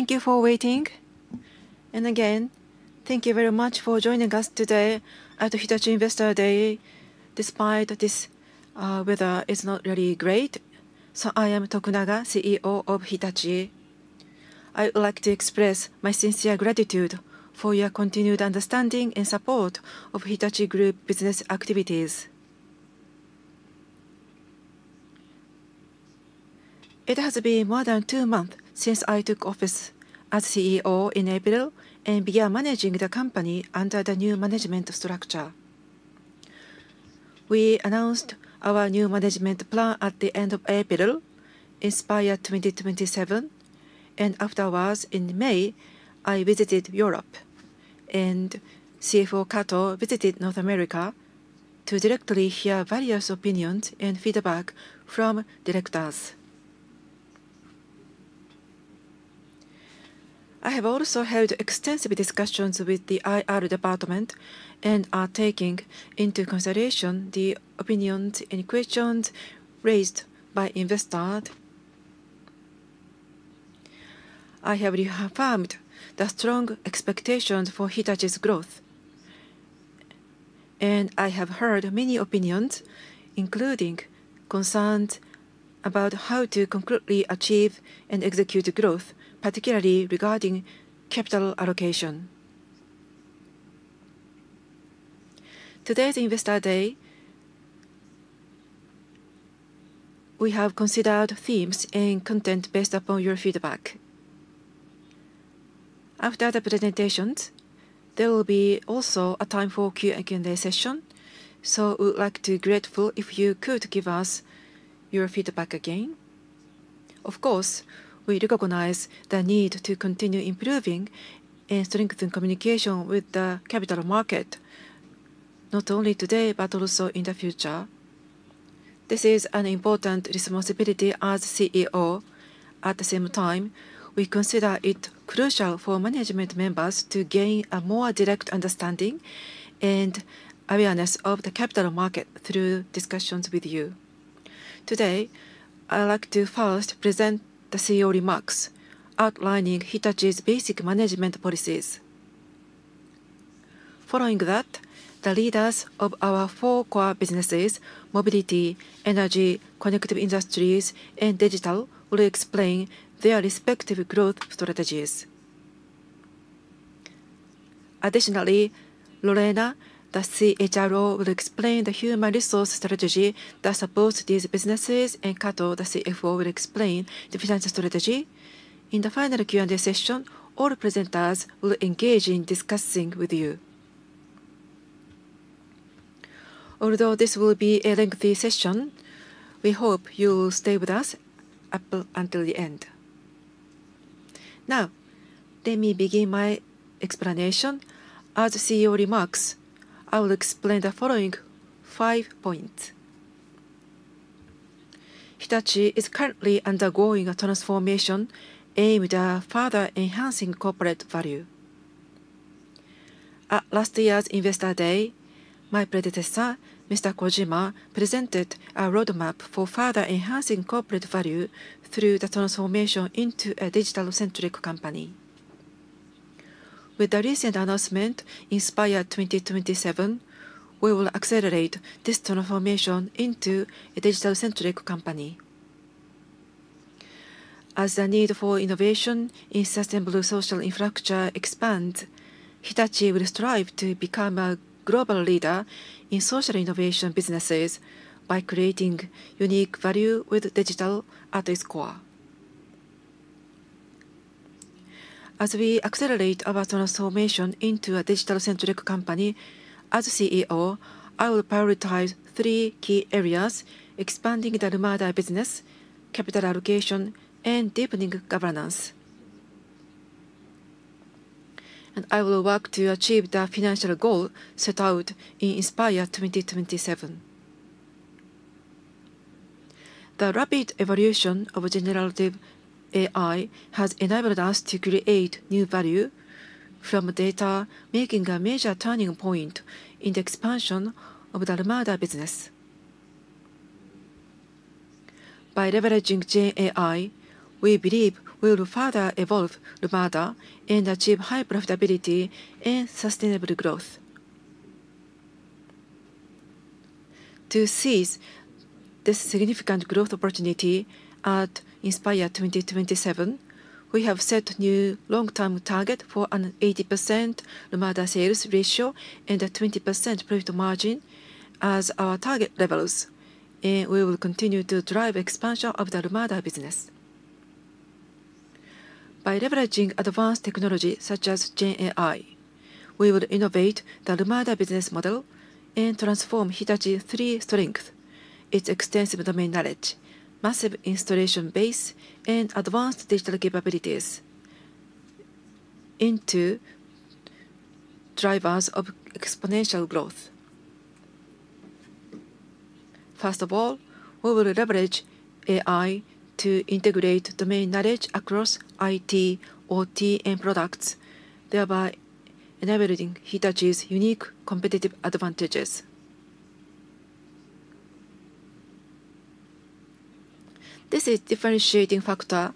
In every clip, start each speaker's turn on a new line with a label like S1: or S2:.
S1: Thank you for waiting. Thank you very much for joining us today at Hitachi Investor Day. Despite this weather, it is not really great. I am Tokunaga, CEO of Hitachi. I would like to express my sincere gratitude for your continued understanding and support of Hitachi Group business activities. It has been more than two months since I took office as CEO in April and began managing the company under the new management structure. We announced our new management plan at the end of April, in spite of 2027. Afterwards, in May, I visited Europe, and CFO Kato visited North America to directly hear various opinions and feedback from directors. I have also held extensive discussions with the IR department and am taking into consideration the opinions and questions raised by investors. I have reaffirmed the strong expectations for Hitachi's growth, and I have heard many opinions, including concerns about how to concretely achieve and execute growth, particularly regarding capital allocation. Today's Investor Day, we have considered themes and content based upon your feedback. After the presentations, there will be also a time for Q&A session, so we would like to be grateful if you could give us your feedback again. Of course, we recognize the need to continue improving and strengthen communication with the capital market, not only today but also in the future. This is an important responsibility as CEO. At the same time, we consider it crucial for management members to gain a more direct understanding and awareness of the capital market through discussions with you. Today, I'd like to first present the CEO remarks outlining Hitachi's basic management policies. Following that, the leaders of our four core businesses—mobility, energy, connected industries, and digital—will explain their respective growth strategies. Additionally, Lorena, the CHRO, will explain the human resource strategy that supports these businesses, and Kato, the CFO, will explain the finance strategy. In the final Q&A session, all presenters will engage in discussing with you. Although this will be a lengthy session, we hope you will stay with us until the end. Now, let me begin my explanation. As CEO remarks, I will explain the following five points. Hitachi is currently undergoing a transformation aimed at further enhancing corporate value. At last year's Investor Day, my predecessor, Mr. Kojima, presented a roadmap for further enhancing corporate value through the transformation into a digital-centric company. With the recent announcement, Inspire 2027, we will accelerate this transformation into a digital-centric company. As the need for innovation in sustainable social infrastructure expands, Hitachi will strive to become a global leader in social innovation businesses by creating unique value with digital at its core. As we accelerate our transformation into a digital-centric company, as CEO, I will prioritize three key areas: expanding the Lumada business, capital allocation, and deepening governance. I will work to achieve the financial goal set out in Inspire 2027. The rapid evolution of generative AI has enabled us to create new value from data, making a major turning point in the expansion of the Lumada business. By leveraging GenAI, we believe we will further evolve Lumada and achieve high profitability and sustainable growth. To seize this significant growth opportunity at Inspire 2027, we have set new long-term targets for an 80% Lumada sales ratio and a 20% profit margin as our target levels, and we will continue to drive the expansion of the Lumada business. By leveraging advanced technology such as GenAI, we will innovate the Lumada business model and transform Hitachi's three strengths: its extensive domain knowledge, massive installation base, and advanced digital capabilities into drivers of exponential growth. First of all, we will leverage AI to integrate domain knowledge across IT, OT, and products, thereby enabling Hitachi's unique competitive advantages. This is a differentiating factor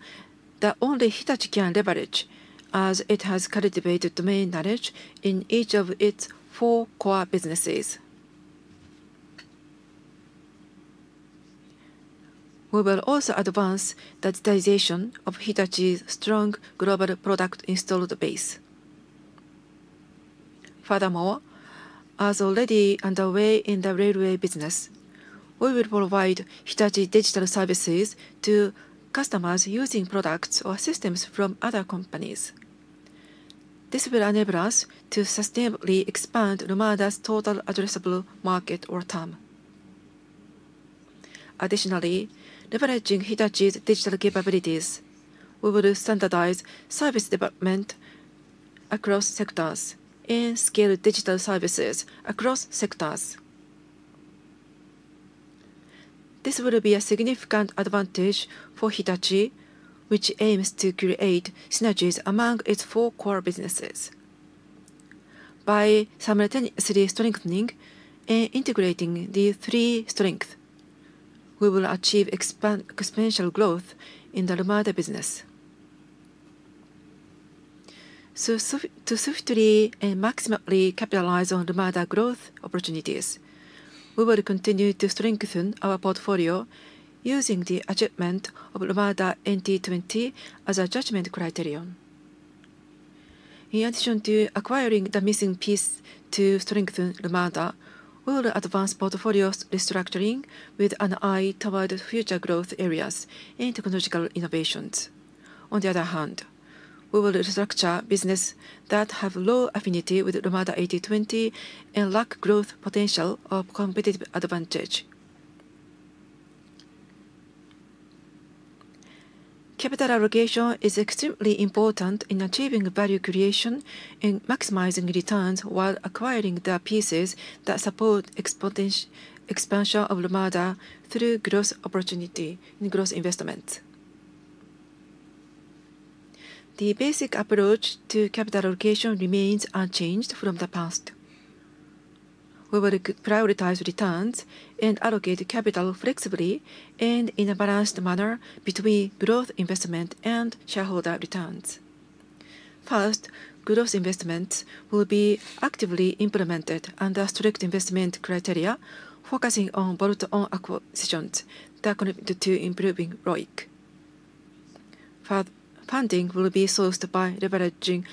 S1: that only Hitachi can leverage, as it has cultivated domain knowledge in each of its four core businesses. We will also advance the digitization of Hitachi's strong global product installed base. Furthermore, as already underway in the railway business, we will provide Hitachi digital services to customers using products or systems from other companies. This will enable us to sustainably expand Lumada's total addressable market over time. Additionally, leveraging Hitachi's digital capabilities, we will standardize service development across sectors and scale digital services across sectors. This will be a significant advantage for Hitachi, which aims to create synergies among its four core businesses. By simultaneously strengthening and integrating these three strengths, we will achieve exponential growth in the Lumada business. To swiftly and maximally capitalize on Lumada growth opportunities, we will continue to strengthen our portfolio using the achievement of Lumada NT20 as a judgment criterion. In addition to acquiring the missing piece to strengthen Lumada, we will advance portfolio restructuring with an eye toward future growth areas and technological innovations. On the other hand, we will restructure businesses that have low affinity with Lumada NT20 and lack growth potential or competitive advantage. Capital allocation is extremely important in achieving value creation and maximizing returns while acquiring the pieces that support expansion of Lumada through growth opportunity and growth investment. The basic approach to capital allocation remains unchanged from the past. We will prioritize returns and allocate capital flexibly and in a balanced manner between growth investment and shareholder returns. First, growth investments will be actively implemented under strict investment criteria, focusing on bolt-on acquisitions that contribute to improving ROIC. Funding will be sourced by leveraging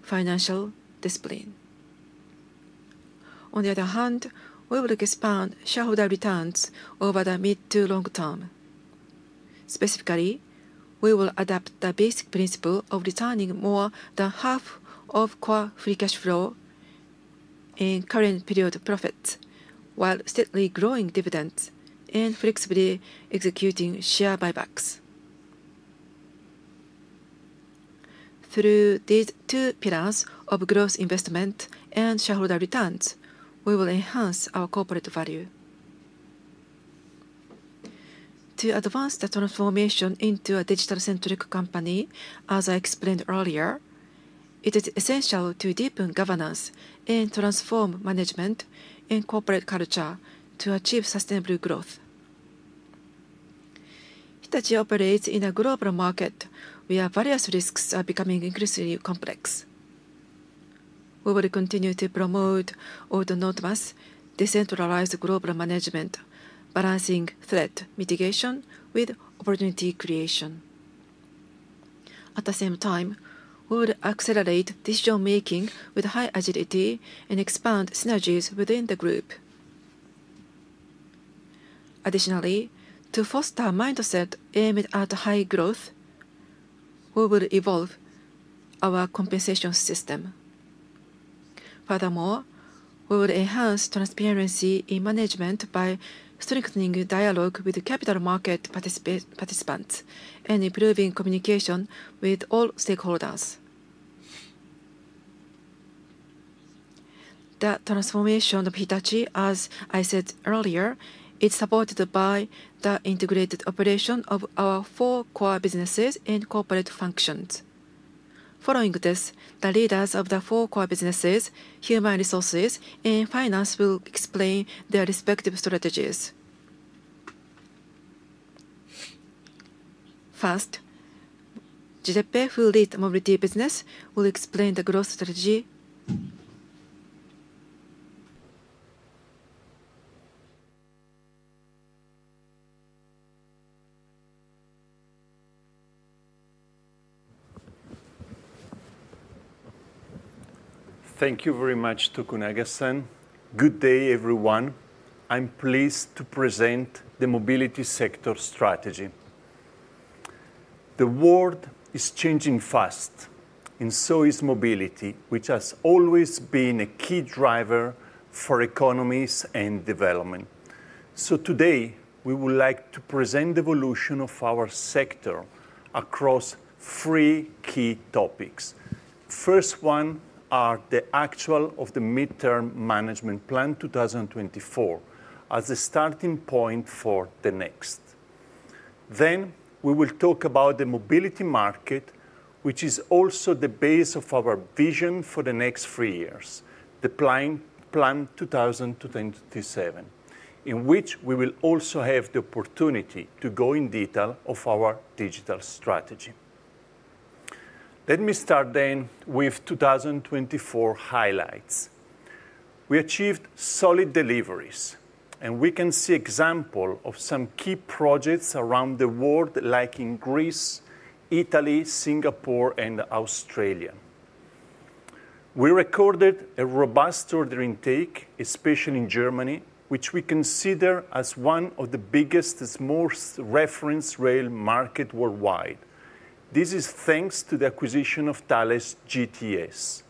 S1: financial discipline. On the other hand, we will expand shareholder returns over the mid to long term. Specifically, we will adopt the basic principle of returning more than half of core free cash flow and current period profits, while steadily growing dividends and flexibly executing share buybacks. Through these two pillars of growth investment and shareholder returns, we will enhance our corporate value. To advance the transformation into a digital-centric company, as I explained earlier, it is essential to deepen governance and transform management and corporate culture to achieve sustainable growth. Hitachi operates in a global market where various risks are becoming increasingly complex. We will continue to promote autonomous, decentralized global management, balancing threat mitigation with opportunity creation. At the same time, we will accelerate decision-making with high agility and expand synergies within the group. Additionally, to foster a mindset aimed at high growth, we will evolve our compensation system. Furthermore, we will enhance transparency in management by strengthening dialogue with capital market participants and improving communication with all stakeholders. The transformation of Hitachi, as I said earlier, is supported by the integrated operation of our four core businesses and corporate functions. Following this, the leaders of the four core businesses, human resources, and finance will explain their respective strategies. First, Giuseppe, who leads the mobility business, will explain the growth strategy.
S2: Thank you very much, Tokunaga-san. Good day, everyone. I'm pleased to present the mobility sector strategy. The world is changing fast, and so is mobility, which has always been a key driver for economies and development. Today, we would like to present the evolution of our sector across three key topics. The first one is the actual midterm management plan 2024 as a starting point for the next. We will talk about the mobility market, which is also the base of our vision for the next three years, the plan 2027, in which we will also have the opportunity to go in detail of our digital strategy. Let me start then with 2024 highlights. We achieved solid deliveries, and we can see examples of some key projects around the world, like in Greece, Italy, Singapore, and Australia. We recorded a robust order intake, especially in Germany, which we consider as one of the biggest, most referenced rail markets worldwide. This is thanks to the acquisition of Thales Ground Transportation Systems.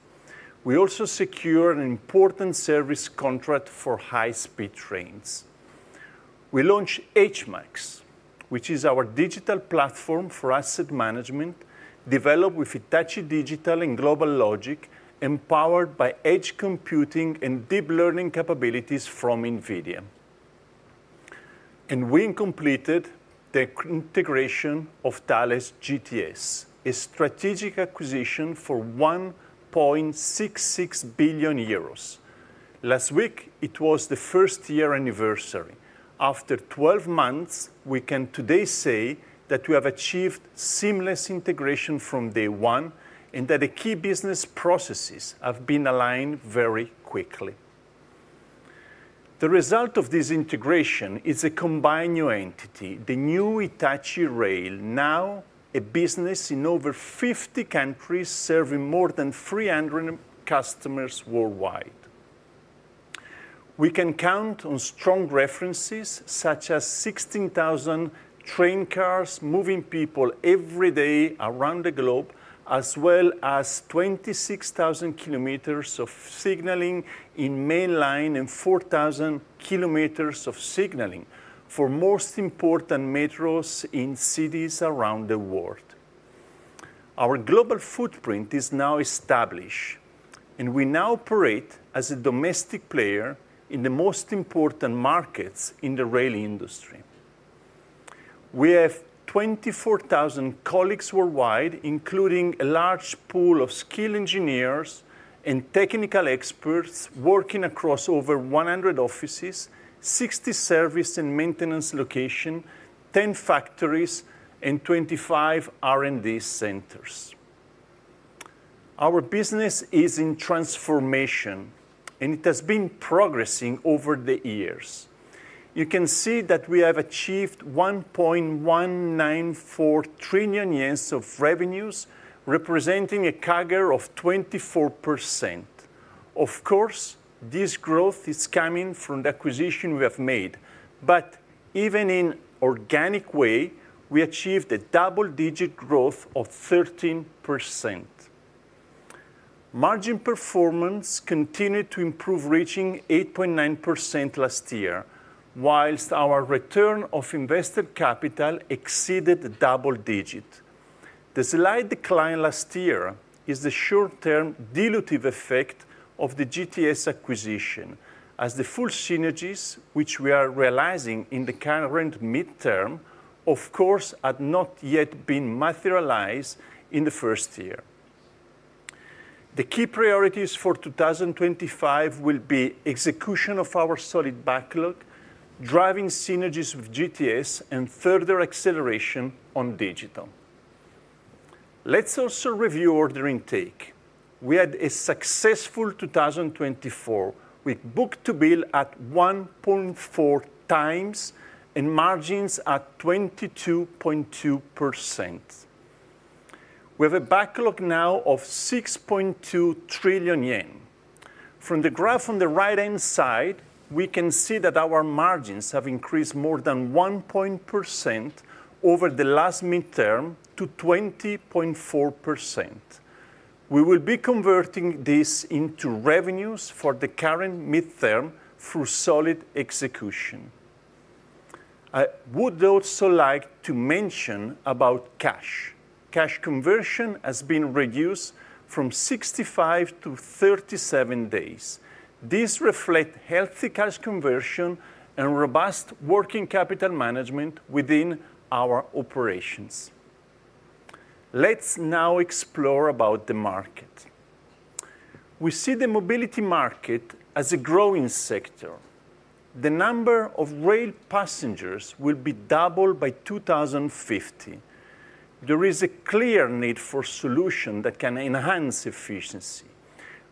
S2: We also secured an important service contract for high-speed trains. We launched HMAX, which is our digital platform for asset management, developed with Hitachi Digital and GlobalLogic, empowered by edge computing and deep learning capabilities from NVIDIA. We completed the integration of Thales Ground Transportation Systems, a strategic acquisition for 1.66 billion euros. Last week, it was the first year anniversary. After 12 months, we can today say that we have achieved seamless integration from day one and that the key business processes have been aligned very quickly. The result of this integration is a combined new entity, the new Hitachi Rail, now a business in over 50 countries serving more than 300 customers worldwide. We can count on strong references such as 16,000 train cars moving people every day around the globe, as well as 26,000 kilometers of signaling in mainline and 4,000 kilometers of signaling for the most important metros in cities around the world. Our global footprint is now established, and we now operate as a domestic player in the most important markets in the rail industry. We have 24,000 colleagues worldwide, including a large pool of skilled engineers and technical experts working across over 100 offices, 60 service and maintenance locations, 10 factories, and 25 R&D centers. Our business is in transformation, and it has been progressing over the years. You can see that we have achieved 1.194 trillion yen of revenues, representing a CAGR of 24%. Of course, this growth is coming from the acquisition we have made, but even in an organic way, we achieved a double-digit growth of 13%. Margin performance continued to improve, reaching 8.9% last year, whilst our return on invested capital exceeded the double digit. The slight decline last year is the short-term dilutive effect of the GTS acquisition, as the full synergies which we are realizing in the current midterm, of course, have not yet been materialized in the first year. The key priorities for 2025 will be execution of our solid backlog, driving synergies with GTS, and further acceleration on digital. Let's also review order intake. We had a successful 2024 with book-to-bill at 1.4 times and margins at 22.2%. We have a backlog now of 6.2 trillion yen. From the graph on the right-hand side, we can see that our margins have increased more than 1% over the last midterm to 20.4%. We will be converting this into revenues for the current midterm through solid execution. I would also like to mention about cash. Cash conversion has been reduced from 65 to 37 days. This reflects healthy cash conversion and robust working capital management within our operations. Let's now explore the market. We see the mobility market as a growing sector. The number of rail passengers will be doubled by 2050. There is a clear need for solutions that can enhance efficiency.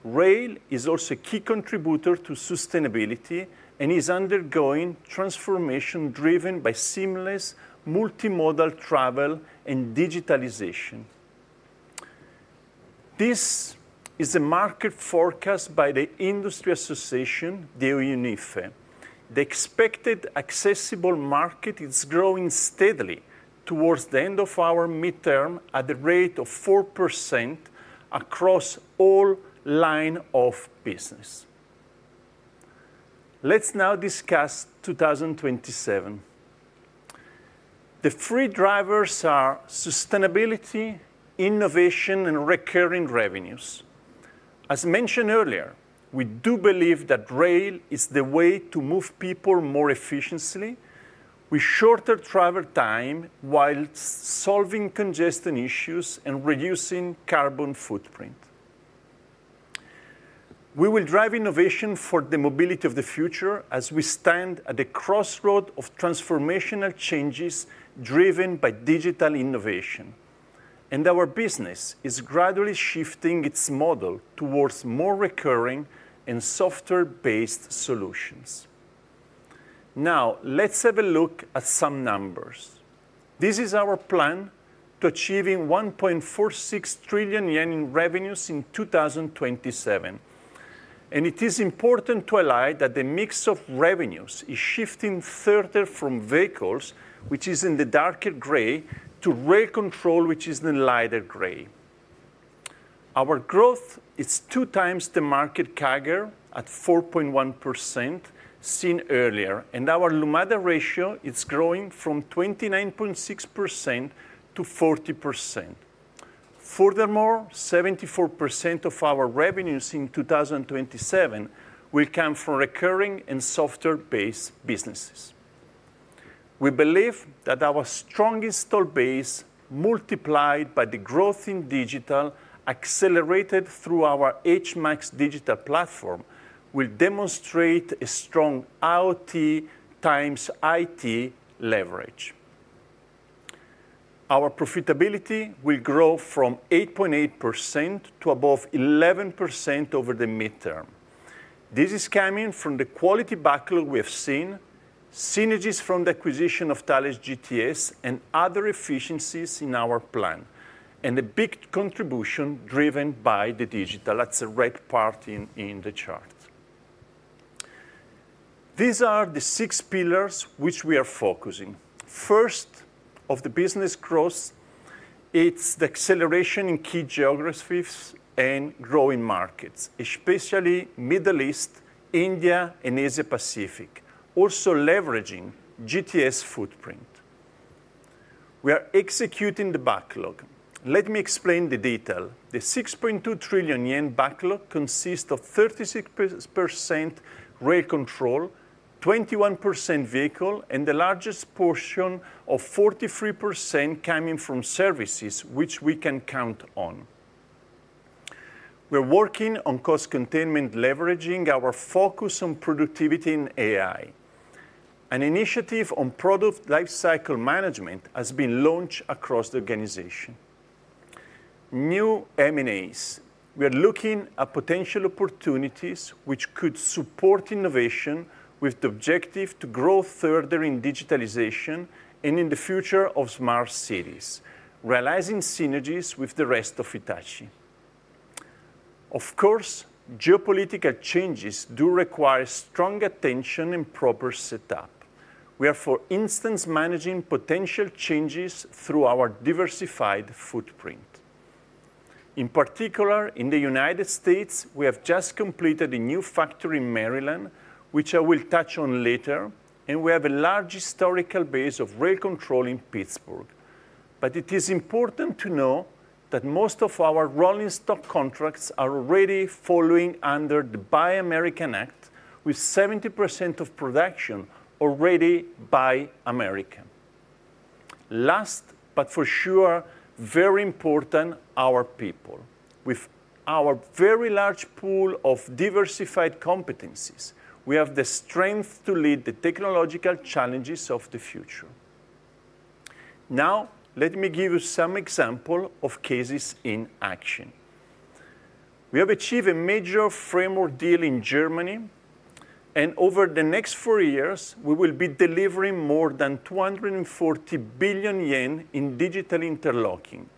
S2: Rail is also a key contributor to sustainability and is undergoing transformation driven by seamless multimodal travel and digitalization. This is a market forecast by the industry association, the UNIFE. The expected accessible market is growing steadily towards the end of our midterm at a rate of 4% across all lines of business. Let's now discuss 2027. The three drivers are sustainability, innovation, and recurring revenues. As mentioned earlier, we do believe that rail is the way to move people more efficiently with shorter travel time while solving congestion issues and reducing carbon footprint. We will drive innovation for the mobility of the future as we stand at the crossroads of transformational changes driven by digital innovation. Our business is gradually shifting its model towards more recurring and software-based solutions. Now, let's have a look at some numbers. This is our plan to achieve 1.46 trillion yen in revenues in 2027. It is important to highlight that the mix of revenues is shifting further from vehicles, which is in the darker gray, to rail control, which is in the lighter gray. Our growth is two times the market CAGR at 4.1% seen earlier, and our Lumada ratio is growing from 29.6% to 40%. Furthermore, 74% of our revenues in 2027 will come from recurring and software-based businesses. We believe that our strong install base, multiplied by the growth in digital accelerated through our HMAX digital platform, will demonstrate a strong IoT times IT leverage. Our profitability will grow from 8.8% to above 11% over the midterm. This is coming from the quality backlog we have seen, synergies from the acquisition of Thales GTS, and other efficiencies in our plan, and a big contribution driven by the digital. That's the red part in the chart. These are the six pillars which we are focusing. First, of the business growth, it's the acceleration in key geographies and growing markets, especially the Middle East, India, and Asia-Pacific, also leveraging GTS footprint. We are executing the backlog. Let me explain the detail. The 6.2 trillion yen backlog consists of 36% rail control, 21% vehicle, and the largest portion of 43% coming from services, which we can count on. We're working on cost containment, leveraging our focus on productivity and AI. An initiative on product lifecycle management has been launched across the organization. New M&As. We are looking at potential opportunities which could support innovation with the objective to grow further in digitalization and in the future of smart cities, realizing synergies with the rest of Hitachi. Of course, geopolitical changes do require strong attention and proper setup. We are, for instance, managing potential changes through our diversified footprint. In particular, in the United States, we have just completed a new factory in Maryland, which I will touch on later, and we have a large historical base of rail control in Pittsburgh. It is important to know that most of our rolling stock contracts are already following under the Buy American Act, with 70% of production already by American. Last but for sure, very important, our people. With our very large pool of diversified competencies, we have the strength to lead the technological challenges of the future. Now, let me give you some examples of cases in action. We have achieved a major framework deal in Germany, and over the next four years, we will be delivering more than 240 billion yen in digital interlocking,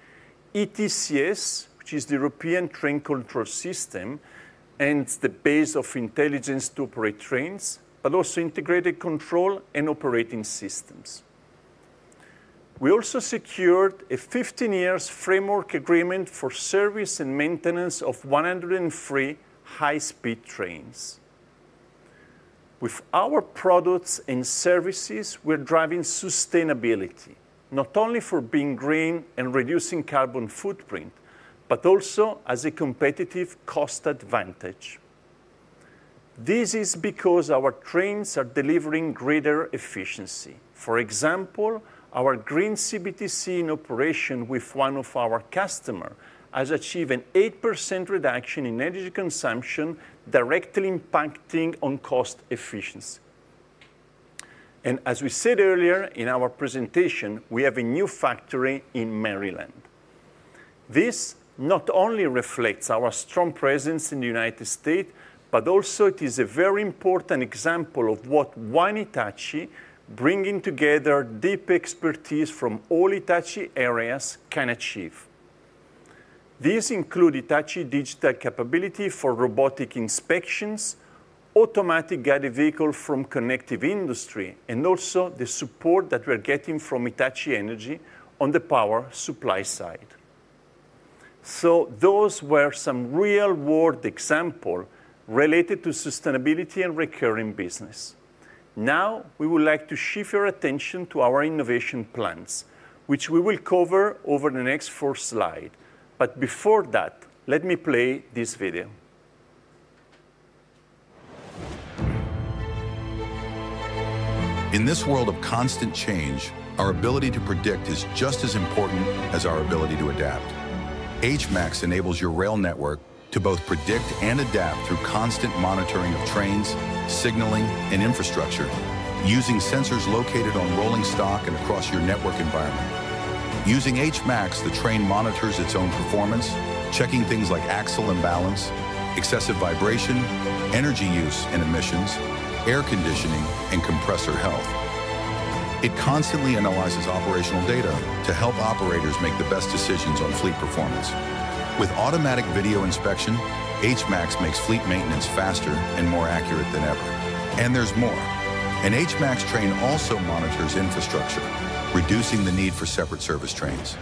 S2: ETCS, which is the European Train Control System, and it's the base of intelligence to operate trains, but also integrated control and operating systems. We also secured a 15-year framework agreement for service and maintenance of 103 high-speed trains. With our products and services, we're driving sustainability, not only for being green and reducing carbon footprint, but also as a competitive cost advantage. This is because our trains are delivering greater efficiency. For example, our green CBTC in operation with one of our customers has achieved an 8% reduction in energy consumption, directly impacting cost efficiency. As we said earlier in our presentation, we have a new factory in Maryland. This not only reflects our strong presence in the United States, but also it is a very important example of what One Hitachi, bringing together deep expertise from all Hitachi areas, can achieve. These include Hitachi digital capability for robotic inspections, automatic guided vehicles from the Connected Industries, and also the support that we're getting from Hitachi Energy on the power supply side. Those were some real-world examples related to sustainability and recurring business. Now, we would like to shift your attention to our innovation plans, which we will cover over the next four slides. Before that, let me play this video. In this world of constant change, our ability to predict is just as important as our ability to adapt. HMAX enables your rail network to both predict and adapt through constant monitoring of trains, signaling, and infrastructure, using sensors located on rolling stock and across your network environment. Using HMAX, the train monitors its own performance, checking things like axle imbalance, excessive vibration, energy use and emissions, air conditioning, and compressor health. It constantly analyzes operational data to help operators make the best decisions on fleet performance. With automatic video inspection, HMAX makes fleet maintenance faster and more accurate than ever. There is more. An HMAX train also monitors infrastructure, reducing the need for separate service trains.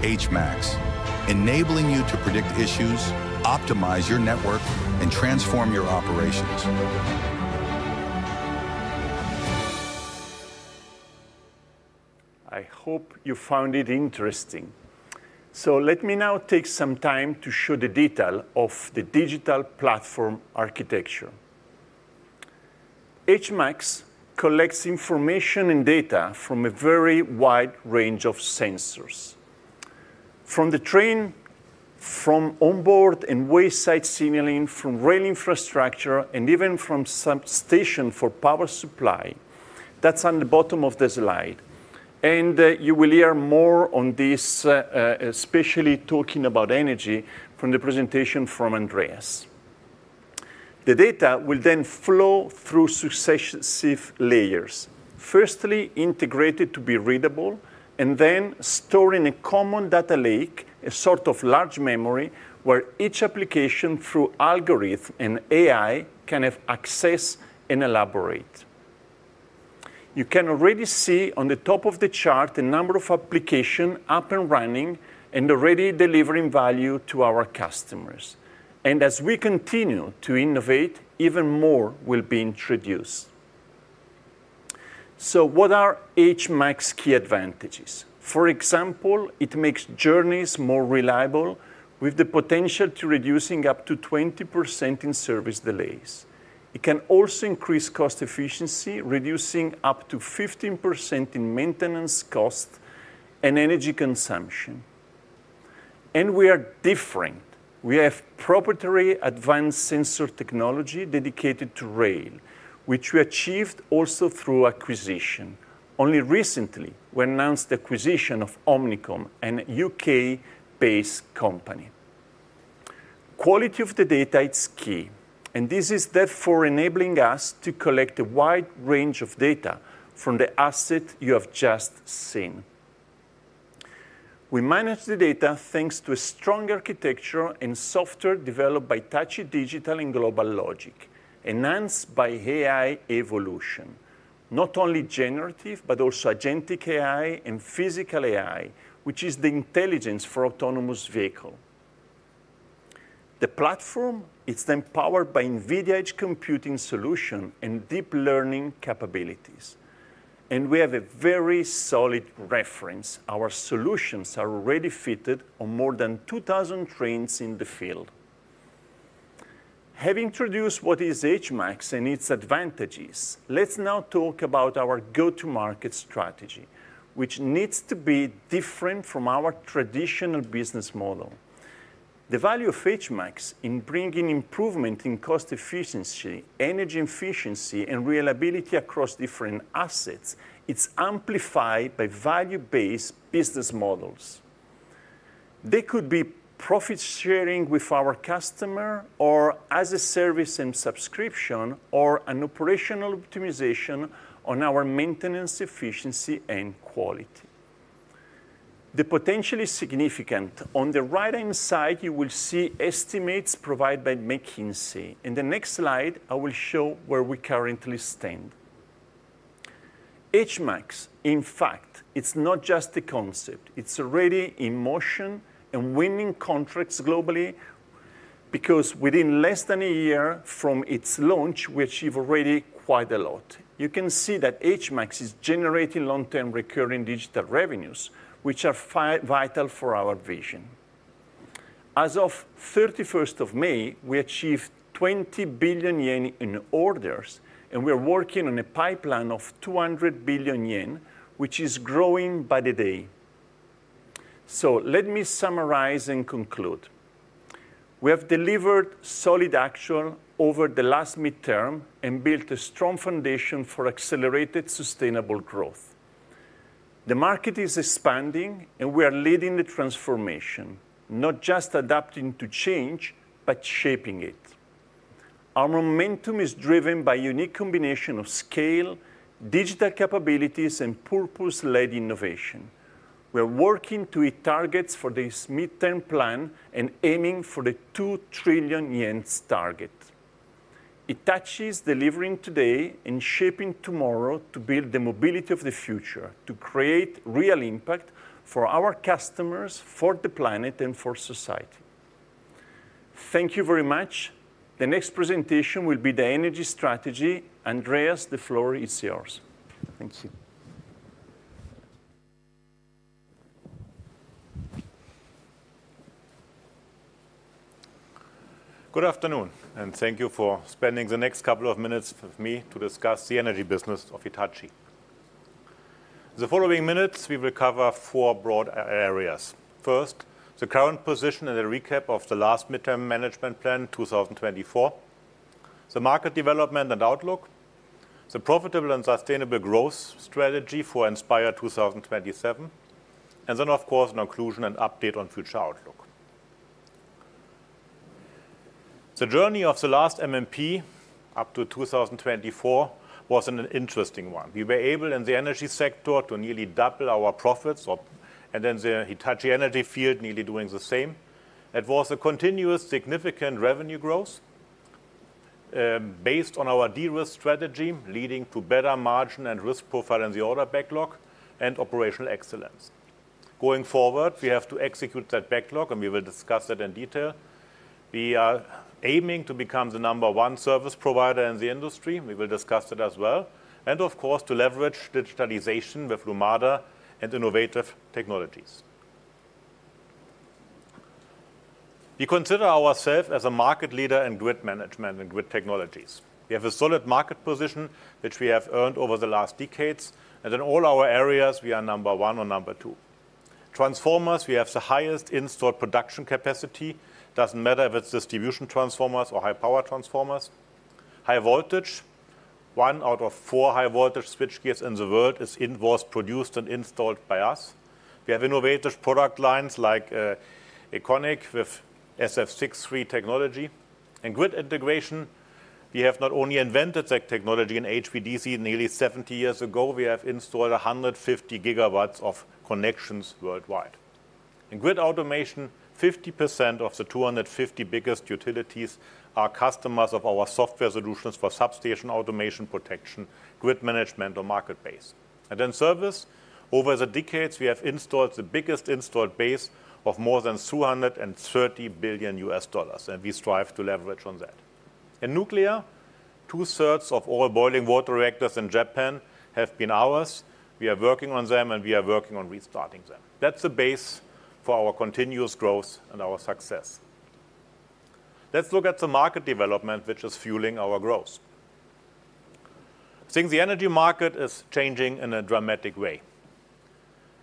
S2: HMAX, enabling you to predict issues, optimize your network, and transform your operations. I hope you found it interesting. Let me now take some time to show the detail of the digital platform architecture. HMAX collects information and data from a very wide range of sensors, from the train, from onboard and wayside signaling, from rail infrastructure, and even from some station for power supply. That is on the bottom of the slide. You will hear more on this, especially talking about energy from the presentation from Andreas. The data will then flow through successive layers, firstly integrated to be readable, and then stored in a common data lake, a sort of large memory where each application, through algorithm and AI, can have access and elaborate. You can already see on the top of the chart the number of applications up and running and already delivering value to our customers. As we continue to innovate, even more will be introduced. What are HMAX's key advantages? For example, it makes journeys more reliable with the potential to reduce up to 20% in service delays. It can also increase cost efficiency, reducing up to 15% in maintenance cost and energy consumption. We are different. We have proprietary advanced sensor technology dedicated to rail, which we achieved also through acquisition. Only recently, we announced the acquisition of Omnicom, a UK-based company. Quality of the data is key. This is therefore enabling us to collect a wide range of data from the asset you have just seen. We manage the data thanks to a strong architecture and software developed by Hitachi Digital and GlobalLogic, enhanced by AI evolution, not only generative, but also agentic AI and physical AI, which is the intelligence for autonomous vehicles. The platform, it's then powered by NVIDIA Edge Computing solution and deep learning capabilities. We have a very solid reference. Our solutions are already fitted on more than 2,000 trains in the field. Having introduced what is HMAX and its advantages, let's now talk about our go-to-market strategy, which needs to be different from our traditional business model. The value of HMAX in bringing improvement in cost efficiency, energy efficiency, and reliability across different assets is amplified by value-based business models. They could be profit-sharing with our customer or as a service and subscription, or an operational optimization on our maintenance efficiency and quality. The potentially significant on the right-hand side, you will see estimates provided by McKinsey. In the next slide, I will show where we currently stand. HMAX, in fact, it's not just a concept. It's already in motion and winning contracts globally because within less than a year from its launch, we achieved already quite a lot. You can see that HMAX is generating long-term recurring digital revenues, which are vital for our vision. As of 31st of May, we achieved 20 billion yen in orders, and we are working on a pipeline of 200 billion yen, which is growing by the day. Let me summarize and conclude. We have delivered solid action over the last midterm and built a strong foundation for accelerated sustainable growth. The market is expanding, and we are leading the transformation, not just adapting to change, but shaping it. Our momentum is driven by a unique combination of scale, digital capabilities, and purpose-led innovation. We are working to hit targets for this midterm plan and aiming for the 2 trillion yen target. Hitachi is delivering today and shaping tomorrow to build the mobility of the future, to create real impact for our customers, for the planet, and for society. Thank you very much. The next presentation will be the energy strategy. Andreas, the floor is yours.
S3: Thank you. Good afternoon, and thank you for spending the next couple of minutes with me to discuss the energy business of Hitachi. In the following minutes, we will cover four broad areas. First, the current position and a recap of the last midterm management plan, 2024, the market development and outlook, the profitable and sustainable growth strategy for Inspire 2027, and then, of course, a conclusion and update on future outlook. The journey of the last M&P up to 2024 was an interesting one. We were able in the energy sector to nearly double our profits, and then the Hitachi Energy field nearly doing the same. It was a continuous significant revenue growth based on our de-risk strategy, leading to better margin and risk profile in the order backlog and operational excellence. Going forward, we have to execute that backlog, and we will discuss that in detail. We are aiming to become the number one service provider in the industry. We will discuss that as well. Of course, to leverage digitalization with Lumada and innovative technologies. We consider ourselves as a market leader in grid management and grid technologies. We have a solid market position, which we have earned over the last decades. In all our areas, we are number one or number two. Transformers, we have the highest installed production capacity. It doesn't matter if it's distribution transformers or high-power transformers. High voltage, one out of four high-voltage switchgears in the world is invoiced, produced, and installed by us. We have innovative product lines like EconiQ with SF6-free technology. In grid integration, we have not only invented that technology in HVDC nearly 70 years ago, we have installed 150 gigawatts of connections worldwide. In grid automation, 50% of the 250 biggest utilities are customers of our software solutions for substation automation protection, grid management, or market base. In service, over the decades, we have installed the biggest installed base of more than $230 billion, and we strive to leverage on that. In nuclear, two-thirds of all boiling water reactors in Japan have been ours. We are working on them, and we are working on restarting them. That's the base for our continuous growth and our success. Let's look at the market development, which is fueling our growth. I think the energy market is changing in a dramatic way.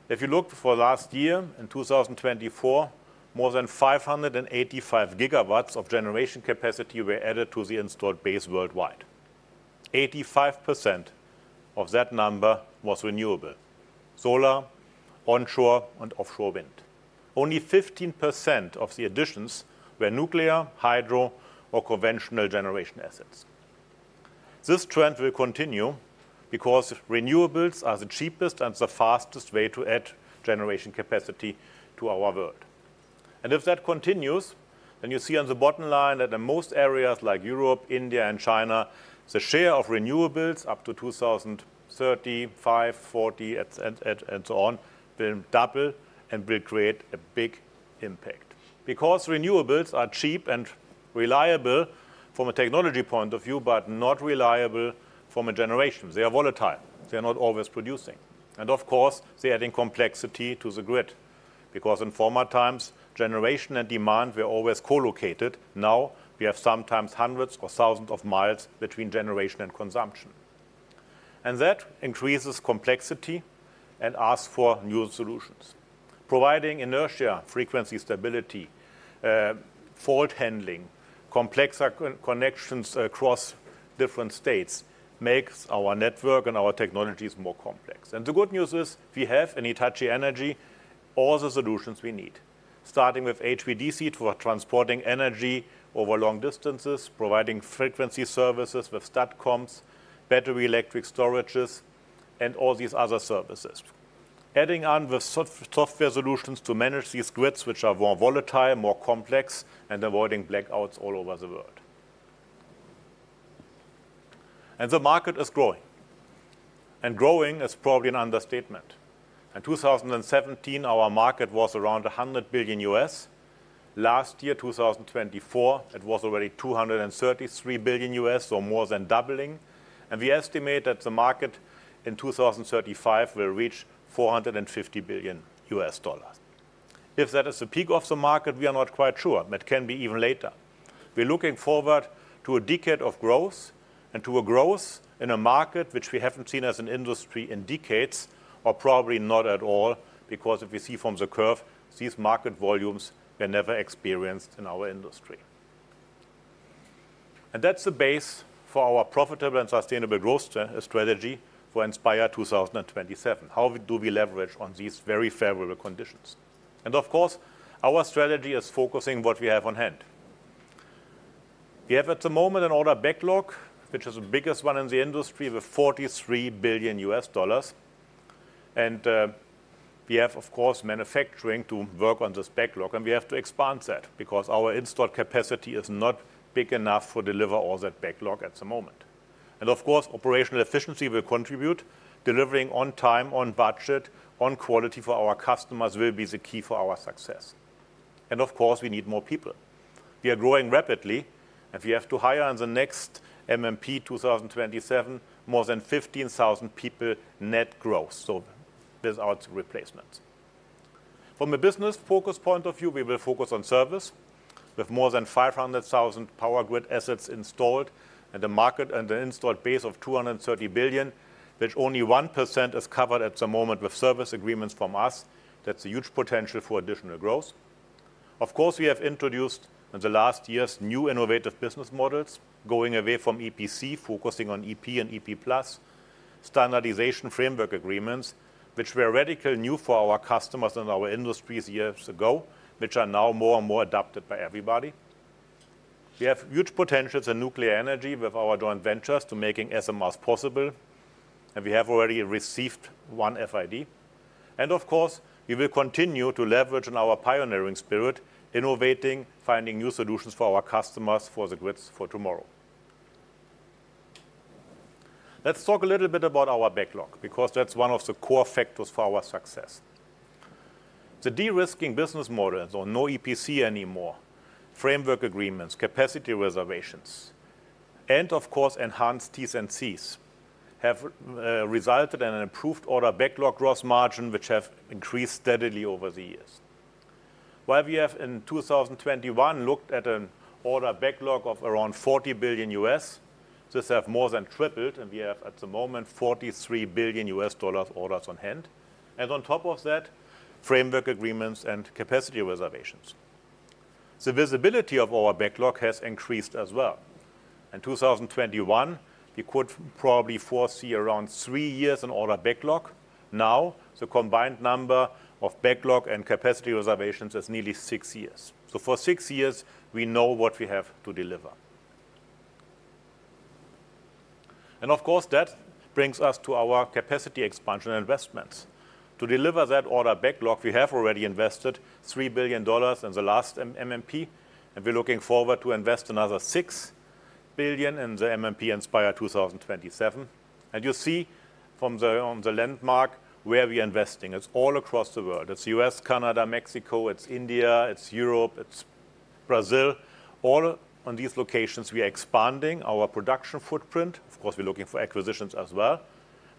S3: If you look for last year, in 2024, more than 585 gigawatts of generation capacity were added to the installed base worldwide. 85% of that number was renewable: solar, onshore, and offshore wind. Only 15% of the additions were nuclear, hydro, or conventional generation assets. This trend will continue because renewables are the cheapest and the fastest way to add generation capacity to our world. If that continues, you see on the bottom line that in most areas like Europe, India, and China, the share of renewables up to 2030, 2040, and so on will double and will create a big impact. Because renewables are cheap and reliable from a technology point of view, but not reliable from a generation. They are volatile. They are not always producing. Of course, they add in complexity to the grid because in former times, generation and demand were always co-located. Now, we have sometimes hundreds or thousands of miles between generation and consumption. That increases complexity and asks for new solutions. Providing inertia, frequency stability, fault handling, complex connections across different states makes our network and our technologies more complex. The good news is we have in Hitachi Energy all the solutions we need, starting with HVDC for transporting energy over long distances, providing frequency services with statcoms, battery electric storages, and all these other services, adding on with software solutions to manage these grids, which are more volatile, more complex, and avoiding blackouts all over the world. The market is growing. Growing is probably an understatement. In 2017, our market was around $100 billion. Last year, 2024, it was already $233 billion, so more than doubling. We estimate that the market in 2035 will reach $450 billion. If that is the peak of the market, we are not quite sure. It can be even later. We are looking forward to a decade of growth and to a growth in a market which we have not seen as an industry in decades, or probably not at all, because if we see from the curve, these market volumes were never experienced in our industry. That is the base for our profitable and sustainable growth strategy for Inspire 2027. How do we leverage on these very favorable conditions? Of course, our strategy is focusing on what we have on hand. We have at the moment an order backlog, which is the biggest one in the industry, with $43 billion. We have, of course, manufacturing to work on this backlog. We have to expand that because our installed capacity is not big enough to deliver all that backlog at the moment. Of course, operational efficiency will contribute. Delivering on time, on budget, on quality for our customers will be the key for our success. Of course, we need more people. We are growing rapidly, and we have to hire in the next M&P 2027 more than 15,000 people net growth, so without replacements. From a business focus point of view, we will focus on service with more than 500,000 power grid assets installed and a market and an installed base of $230 billion, which only 1% is covered at the moment with service agreements from us. That's a huge potential for additional growth. Of course, we have introduced in the last years new innovative business models, going away from EPC, focusing on EP and EP Plus, standardization framework agreements, which were radically new for our customers and our industries years ago, which are now more and more adopted by everybody. We have huge potentials in nuclear energy with our joint ventures to making SMRs possible. We have already received one FID. Of course, we will continue to leverage in our pioneering spirit, innovating, finding new solutions for our customers for the grids for tomorrow. Let's talk a little bit about our backlog because that's one of the core factors for our success. The de-risking business models, or no EPC anymore, framework agreements, capacity reservations, and of course, enhanced TSMCs have resulted in an improved order backlog gross margin, which have increased steadily over the years. While we have in 2021 looked at an order backlog of around $40 billion, this has more than tripled. We have at the moment $43 billion orders on hand. On top of that, framework agreements and capacity reservations. The visibility of our backlog has increased as well. In 2021, we could probably foresee around three years in order backlog. Now, the combined number of backlog and capacity reservations is nearly six years. For six years, we know what we have to deliver. That brings us to our capacity expansion investments. To deliver that order backlog, we have already invested $3 billion in the last M&P. We are looking forward to invest another $6 billion in the M&P Inspire 2027. You see from the landmark where we are investing. It is all across the world. It is the U.S., Canada, Mexico. It is India. It is Europe. It is Brazil. All in these locations, we are expanding our production footprint. Of course, we are looking for acquisitions as well.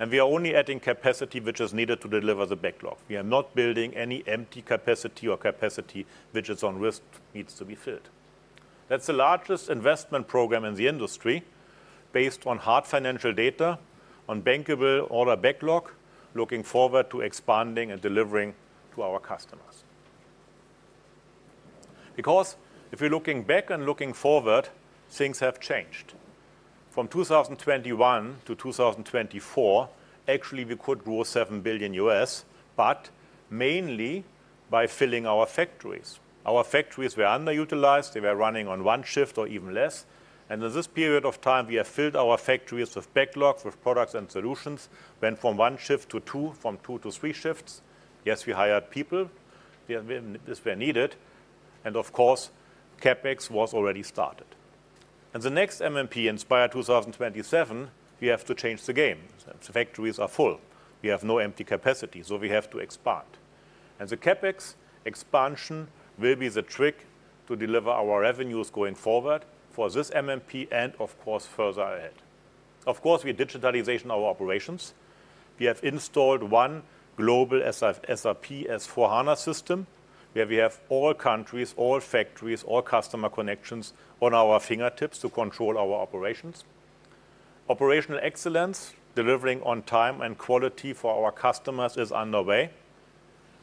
S3: We are only adding capacity which is needed to deliver the backlog. We are not building any empty capacity or capacity which is on risk needs to be filled. That is the largest investment program in the industry based on hard financial data on bankable order backlog, looking forward to expanding and delivering to our customers. If we are looking back and looking forward, things have changed. From 2021 to 2024, actually, we could grow $7 billion, but mainly by filling our factories. Our factories were underutilized. They were running on one shift or even less. In this period of time, we have filled our factories with backlogs with products and solutions, went from one shift to two, from two to three shifts. Yes, we hired people. This was needed. CapEx was already started. The next M&P Inspire 2027, we have to change the game. The factories are full. We have no empty capacity, so we have to expand. The CapEx expansion will be the trick to deliver our revenues going forward for this M&P and, of course, further ahead. We digitalize our operations. We have installed one global SRP as Fujana system, where we have all countries, all factories, all customer connections on our fingertips to control our operations. Operational excellence, delivering on time and quality for our customers is underway.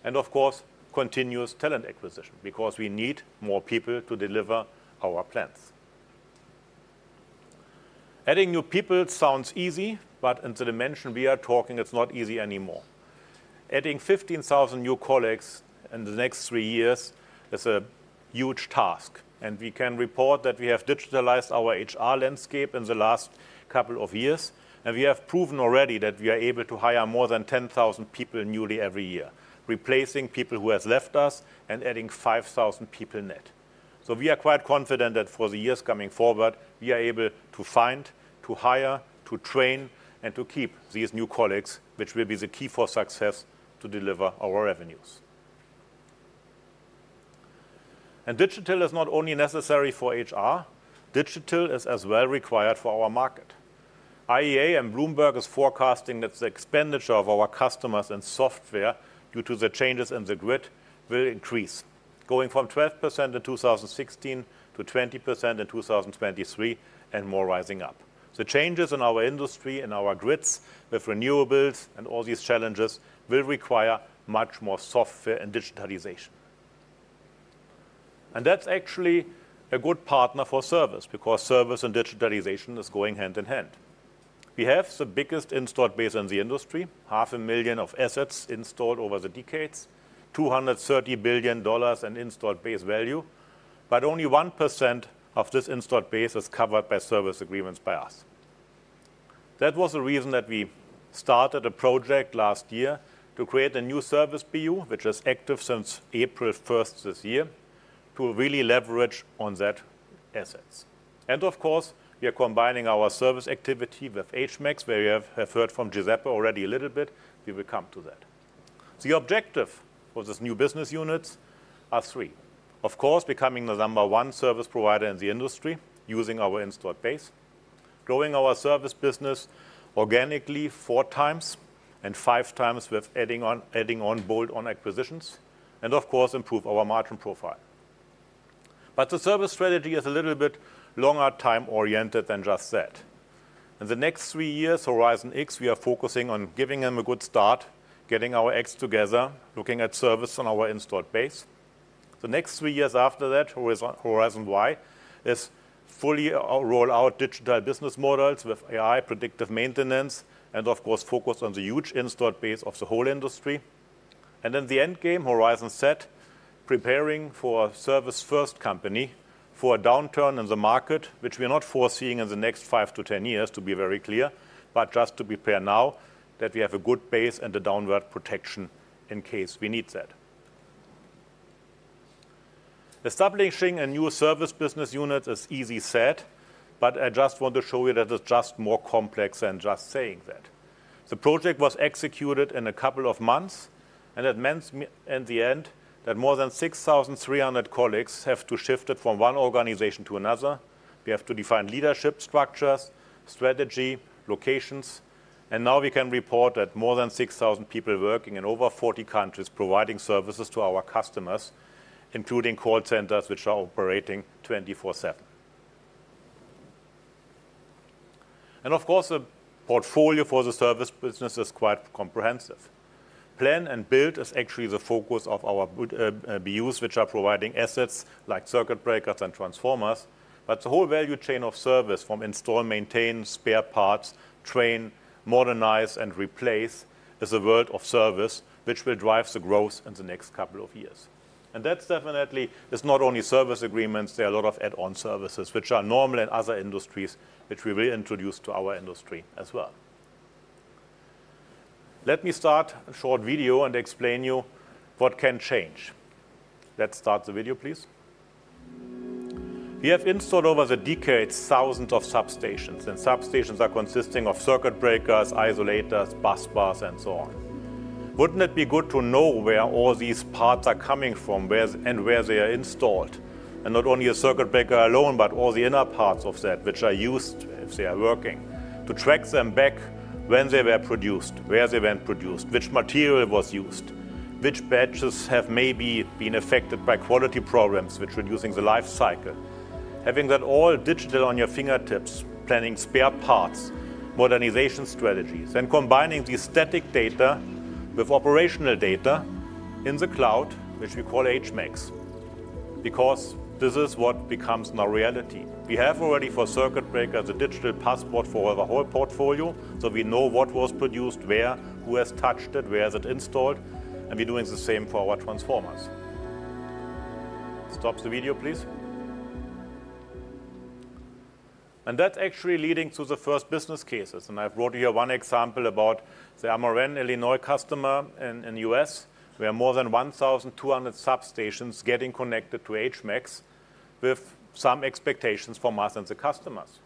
S3: Of course, continuous talent acquisition because we need more people to deliver our plans. Adding new people sounds easy, but in the dimension we are talking, it's not easy anymore. Adding 15,000 new colleagues in the next three years is a huge task. We can report that we have digitalized our HR landscape in the last couple of years. We have proven already that we are able to hire more than 10,000 people newly every year, replacing people who have left us and adding 5,000 people net. We are quite confident that for the years coming forward, we are able to find, to hire, to train, and to keep these new colleagues, which will be the key for success to deliver our revenues. Digital is not only necessary for HR. Digital is as well required for our market. IEA and Bloomberg are forecasting that the expenditure of our customers and software due to the changes in the grid will increase, going from 12% in 2016 to 20% in 2023 and more rising up. The changes in our industry, in our grids with renewables and all these challenges will require much more software and digitalization. That is actually a good partner for service because service and digitalization are going hand in hand. We have the biggest installed base in the industry, 500,000 assets installed over the decades, $230 billion in installed base value. Only 1% of this installed base is covered by service agreements by us. That was the reason that we started a project last year to create a new service BU, which is active since April 1st this year, to really leverage on that assets. Of course, we are combining our service activity with HMEX, where you have heard from Giuseppe already a little bit. We will come to that. The objective of these new business units are three. Of course, becoming the number one service provider in the industry using our installed base, growing our service business organically four times and five times with adding on bold on acquisitions, and of course, improve our margin profile. The service strategy is a little bit longer time oriented than just that. In the next three years, Horizon X, we are focusing on giving them a good start, getting our X together, looking at service on our installed base. The next three years after that, Horizon Y is fully rolled out digital business models with AI, predictive maintenance, and of course, focused on the huge installed base of the whole industry. The end game, Horizon Z, preparing for a service-first company for a downturn in the market, which we are not foreseeing in the next 5 to 10 years, to be very clear, but just to prepare now that we have a good base and a downward protection in case we need that. Establishing a new service business unit is easier said, but I just want to show you that it is just more complex than just saying that. The project was executed in a couple of months. It meant in the end that more than 6,300 colleagues have to shift from one organization to another. We have to define leadership structures, strategy, locations. Now we can report that more than 6,000 people are working in over 40 countries providing services to our customers, including call centers, which are operating 24/7. Of course, the portfolio for the service business is quite comprehensive. Plan and build is actually the focus of our BUs, which are providing assets like circuit breakers and transformers. The whole value chain of service from install, maintain, spare parts, train, modernize, and replace is a world of service which will drive the growth in the next couple of years. That is definitely not only service agreements. There are a lot of add-on services which are normal in other industries, which we will introduce to our industry as well. Let me start a short video and explain to you what can change. Let's start the video, please. We have installed over the decades thousands of substations. Substations are consisting of circuit breakers, isolators, bus bars, and so on. Wouldn't it be good to know where all these parts are coming from and where they are installed? Not only a circuit breaker alone, but all the inner parts of that, which are used if they are working, to track them back when they were produced, where they were produced, which material was used, which batches have maybe been affected by quality problems, which are reducing the lifecycle. Having that all digital on your fingertips, planning spare parts, modernization strategies, and combining the static data with operational data in the cloud, which we call HMEX, because this is what becomes now reality. We have already for circuit breakers a digital passport for the whole portfolio. We know what was produced where, who has touched it, where is it installed. We are doing the same for our transformers. Stop the video, please. That is actually leading to the first business cases. I have brought you here one example about the Ameren, Illinois customer in the U.S., where more than 1,200 substations are getting connected to HMEX with some expectations from us and the customers.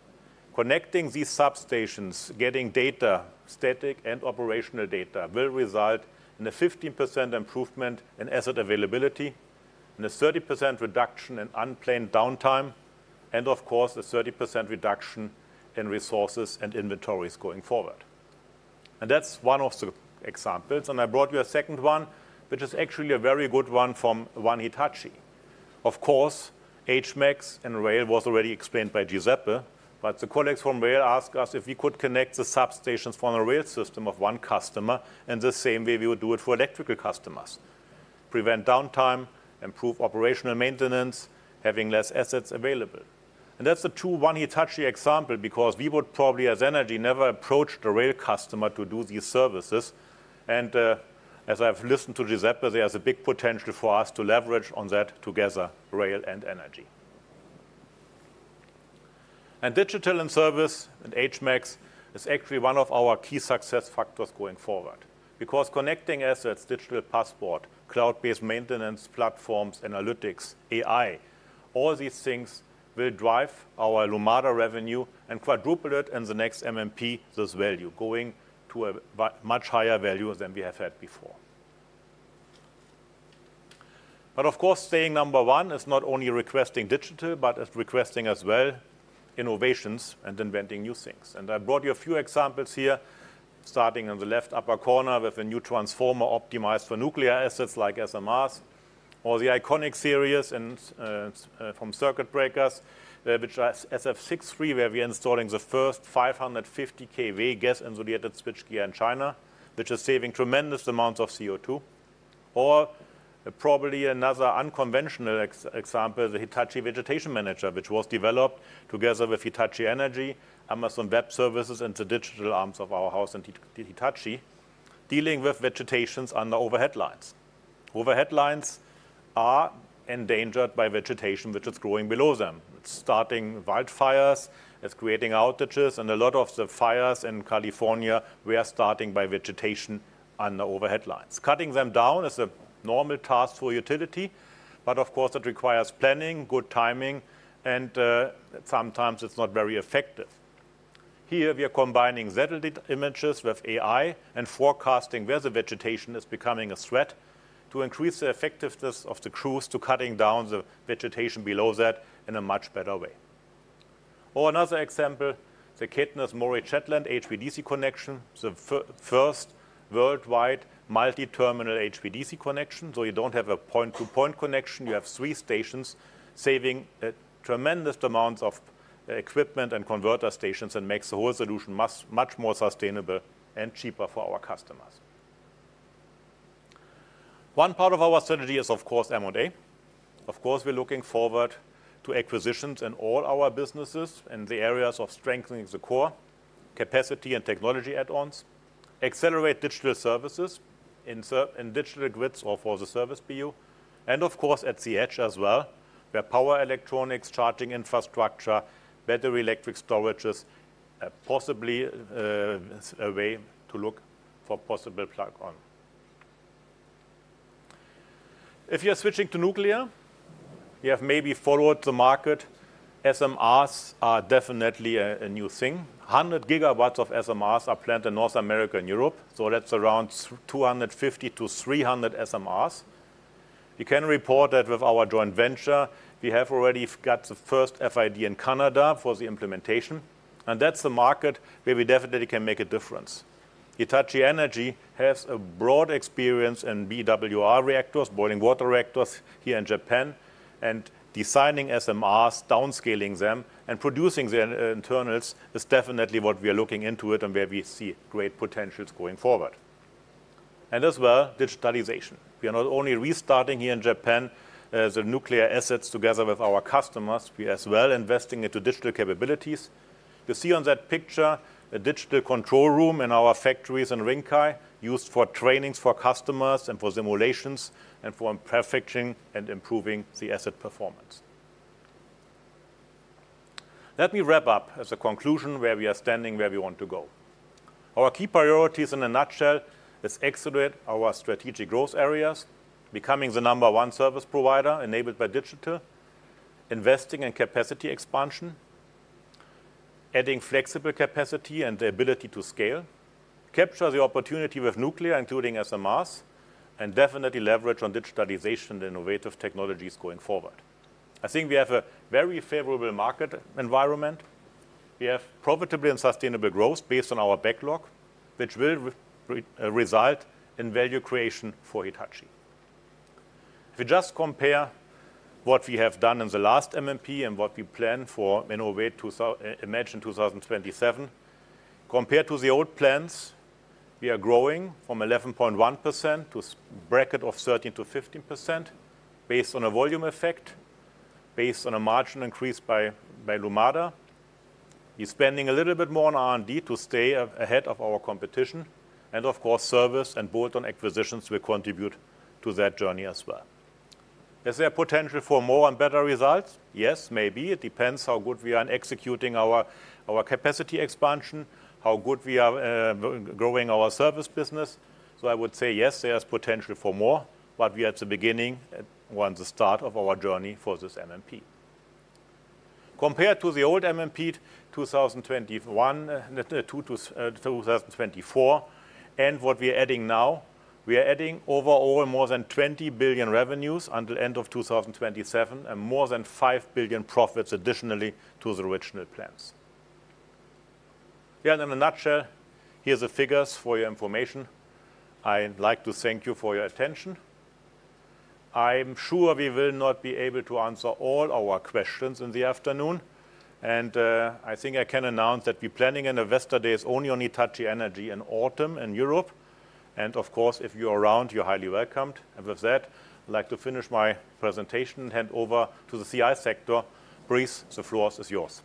S3: Connecting these substations, getting data, static and operational data, will result in a 15% improvement in asset availability, a 30% reduction in unplanned downtime, and of course, a 30% reduction in resources and inventories going forward. That is one of the examples. I brought you a second one, which is actually a very good one from One Hitachi. Of course, HMEX and rail was already explained by Giuseppe. The colleagues from rail asked us if we could connect the substations from the rail system of one customer in the same way we would do it for electrical customers, prevent downtime, improve operational maintenance, having less assets available. That is the true One Hitachi example because we would probably as energy never approach the rail customer to do these services. As I have listened to Giuseppe, there is a big potential for us to leverage on that together, rail and energy. Digital and service in HMEX is actually one of our key success factors going forward because connecting assets, digital passport, cloud-based maintenance platforms, analytics, AI, all these things will drive our Lumada revenue and quadruple it in the next M&P with value, going to a much higher value than we have had before. Of course, staying number one is not only requesting digital, but it is requesting as well innovations and inventing new things. I brought you a few examples here, starting in the left upper corner with a new transformer optimized for nuclear assets like SMRs or the iconic series from circuit breakers, which are SF6-free, where we are installing the first 550 kV gas insulated switchgear in China, which is saving tremendous amounts of CO2. Probably another unconventional example, the Hitachi Vegetation Manager, which was developed together with Hitachi Energy, Amazon Web Services, and the digital arms of our house in Hitachi, dealing with vegetation under overhead lines. Overhead lines are endangered by vegetation which is growing below them. It's starting wildfires. It's creating outages. A lot of the fires in California were starting by vegetation under overhead lines. Cutting them down is a normal task for utility. Of course, it requires planning, good timing. Sometimes it's not very effective. Here we are combining satellite images with AI and forecasting where the vegetation is becoming a threat to increase the effectiveness of the crews to cutting down the vegetation below that in a much better way. Another example, the Katniss-Morey-Châtelain HVDC connection, the first worldwide multi-terminal HVDC connection. You do not have a point-to-point connection. You have three stations saving tremendous amounts of equipment and converter stations and makes the whole solution much more sustainable and cheaper for our customers. One part of our strategy is, of course, M&A. We are looking forward to acquisitions in all our businesses in the areas of strengthening the core capacity and technology add-ons, accelerate digital services in digital grids or for the service BU, and at the edge as well, where power electronics, charging infrastructure, battery electric storage is possibly a way to look for possible plug-on. If you're switching to nuclear, you have maybe followed the market. SMRs are definitely a new thing. 100 gigawatts of SMRs are planned in North America and Europe. That's around 250-300 SMRs. We can report that with our joint venture. We have already got the first FID in Canada for the implementation. That's a market where we definitely can make a difference. Hitachi Energy has a broad experience in BWR reactors, boiling water reactors here in Japan. Designing SMRs, downscaling them, and producing the internals is definitely what we are looking into and where we see great potentials going forward. As well, digitalization. We are not only restarting here in Japan the nuclear assets together with our customers. We are as well investing into digital capabilities. You see on that picture a digital control room in our factories in Rinkai used for trainings for customers and for simulations and for perfecting and improving the asset performance. Let me wrap up as a conclusion where we are standing, where we want to go. Our key priorities in a nutshell is excellent our strategic growth areas, becoming the number one service provider enabled by digital, investing in capacity expansion, adding flexible capacity and the ability to scale, capture the opportunity with nuclear, including SMRs, and definitely leverage on digitalization and innovative technologies going forward. I think we have a very favorable market environment. We have profitable and sustainable growth based on our backlog, which will result in value creation for Hitachi. If we just compare what we have done in the last M&P and what we plan for Innovate to Imagine 2027, compared to the old plans, we are growing from 11.1% to a bracket of 13%-15% based on a volume effect, based on a margin increase by Lumada. We're spending a little bit more on R&D to stay ahead of our competition. Of course, service and bolt-on acquisitions will contribute to that journey as well. Is there potential for more and better results? Yes, maybe. It depends how good we are in executing our capacity expansion, how good we are growing our service business. I would say yes, there is potential for more. We are at the beginning, at the start of our journey for this M&P. Compared to the old M&P 2021 to 2024 and what we are adding now, we are adding overall more than $20 billion revenues until the end of 2027 and more than $5 billion profits additionally to the original plans. Yeah, in a nutshell, here are the figures for your information. I'd like to thank you for your attention. I'm sure we will not be able to answer all our questions in the afternoon. I think I can announce that we're planning an Investor Days only on Hitachi Energy in autumn in Europe. Of course, if you are around, you're highly welcomed. With that, I'd like to finish my presentation and hand over to the CI sector. Breeze, the floor is yours.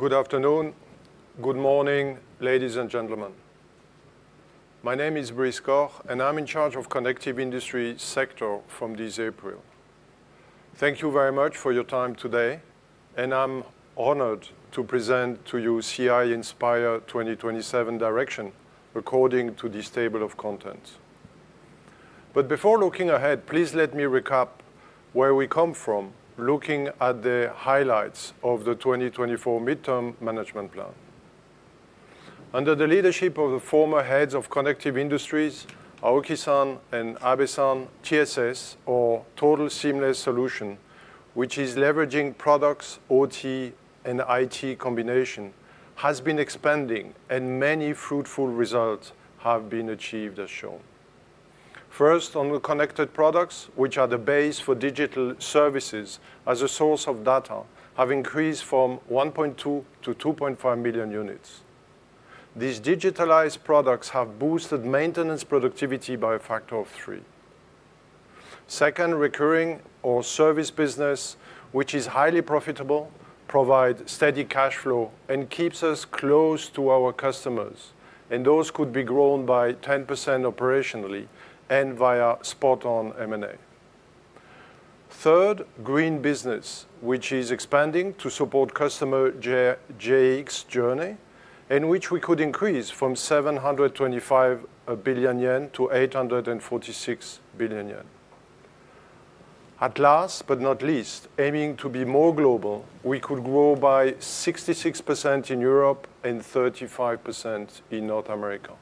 S4: Good afternoon. Good morning, ladies and gentlemen. My name is Brice Koch, and I'm in charge of the Connected Industries sector from this April. Thank you very much for your time today. I'm honored to present to you CI Inspire 2027 direction according to this table of contents. Before looking ahead, please let me recap where we come from looking at the highlights of the 2024 midterm management plan. Under the leadership of the former heads of Connected Industries, Aoki-san and Abe-san, TSS, or Total Seamless Solution, which is leveraging products, OT, and IT combination, has been expanding, and many fruitful results have been achieved as shown. First, on the connected products, which are the base for digital services as a source of data, have increased from 1.2 to 2.5 million units. These digitalized products have boosted maintenance productivity by a factor of three. Second, recurring or service business, which is highly profitable, provides steady cash flow and keeps us close to our customers. Those could be grown by 10% operationally and via spot-on M&A. Third, green business, which is expanding to support customer JX journey, in which we could increase from 725 billion yen to 846 billion yen. At last, but not least, aiming to be more global, we could grow by 66% in Europe and 35% in North America.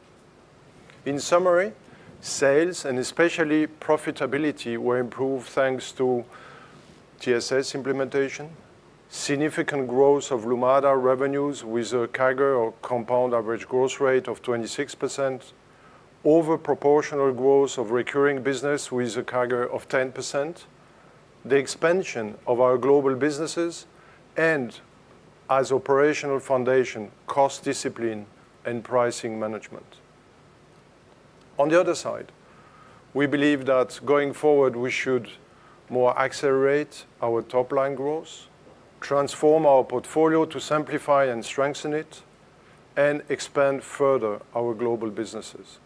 S4: In summary, sales and especially profitability were improved thanks to TSS implementation, significant growth of Lumada revenues with a CAGR or compound average growth rate of 26%, overproportional growth of recurring business with a CAGR of 10%, the expansion of our global businesses, and as operational foundation, cost discipline and pricing management. On the other side, we believe that going forward, we should more accelerate our top-line growth, transform our portfolio to simplify and strengthen it, and expand further our global businesses.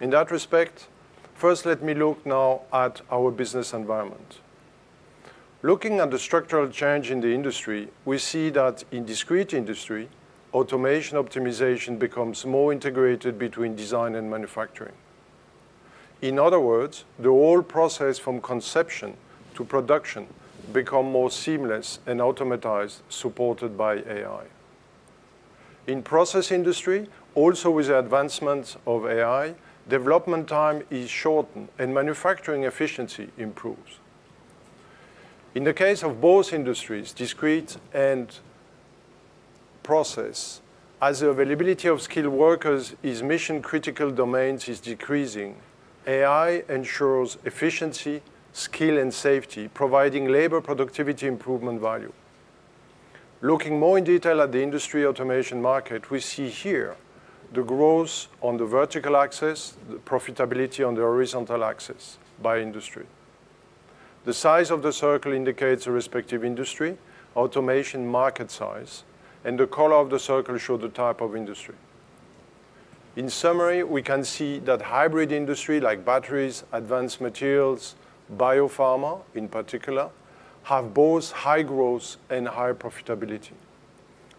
S4: In that respect, first, let me look now at our business environment. Looking at the structural change in the industry, we see that in discrete industry, automation optimization becomes more integrated between design and manufacturing. In other words, the whole process from conception to production becomes more seamless and automatized, supported by AI. In process industry, also with the advancement of AI, development time is shortened and manufacturing efficiency improves. In the case of both industries, discrete and process, as the availability of skilled workers in mission-critical domains is decreasing, AI ensures efficiency, skill, and safety, providing labor productivity improvement value. Looking more in detail at the industry automation market, we see here the growth on the vertical axis, the profitability on the horizontal axis by industry. The size of the circle indicates the respective industry, automation market size, and the color of the circle shows the type of industry. In summary, we can see that hybrid industry like batteries, advanced materials, biopharma in particular, have both high growth and high profitability.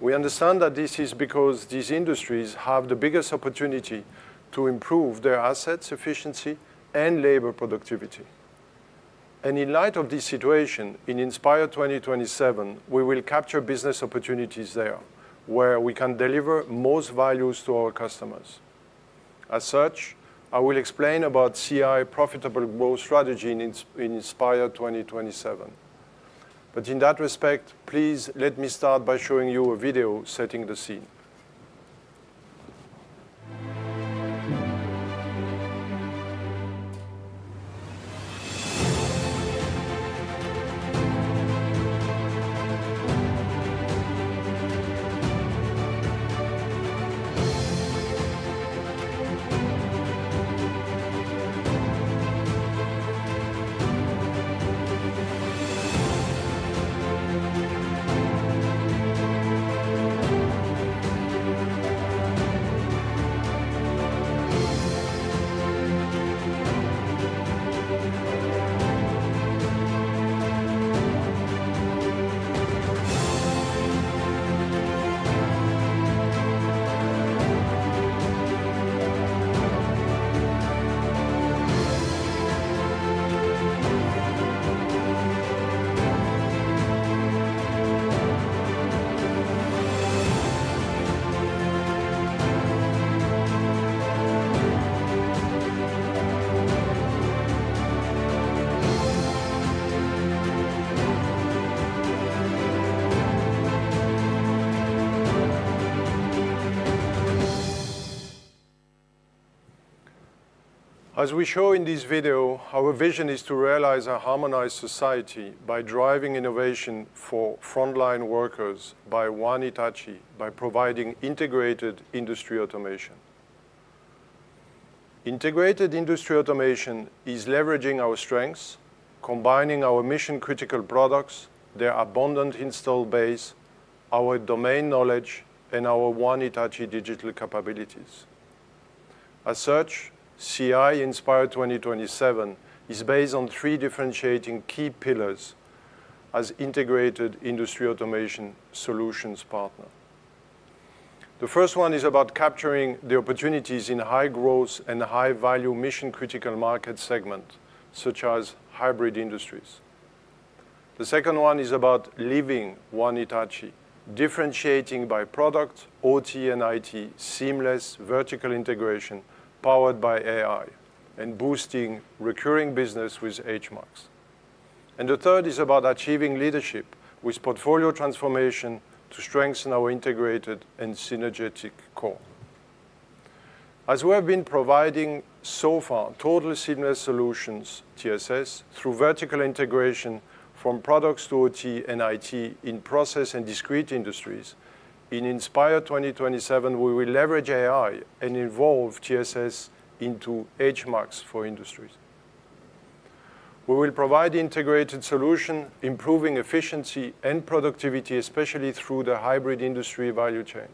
S4: We understand that this is because these industries have the biggest opportunity to improve their assets, efficiency, and labor productivity. In light of this situation, in Inspire 2027, we will capture business opportunities there where we can deliver most values to our customers. As such, I will explain about CI profitable growth strategy in Inspire 2027. In that respect, please let me start by showing you a video setting the scene. As we show in this video, our vision is to realize a harmonized society by driving innovation for frontline workers by one Hitachi, by providing integrated industry automation. Integrated industry automation is leveraging our strengths, combining our mission-critical products, their abundant install base, our domain knowledge, and our one Hitachi digital capabilities. As such, CI Inspire 2027 is based on three differentiating key pillars as integrated industry automation solutions partner. The first one is about capturing the opportunities in high growth and high-value mission-critical market segments, such as hybrid industries. The second one is about living one Hitachi, differentiating by product, OT, and IT, seamless vertical integration powered by AI, and boosting recurring business with HMAX. The third is about achieving leadership with portfolio transformation to strengthen our integrated and synergetic core. As we have been providing so far total seamless solutions, TSS, through vertical integration from products to OT and IT in process and discrete industries, in Inspire 2027, we will leverage AI and evolve TSS into HMAX for industries. We will provide integrated solutions, improving efficiency and productivity, especially through the hybrid industry value chain.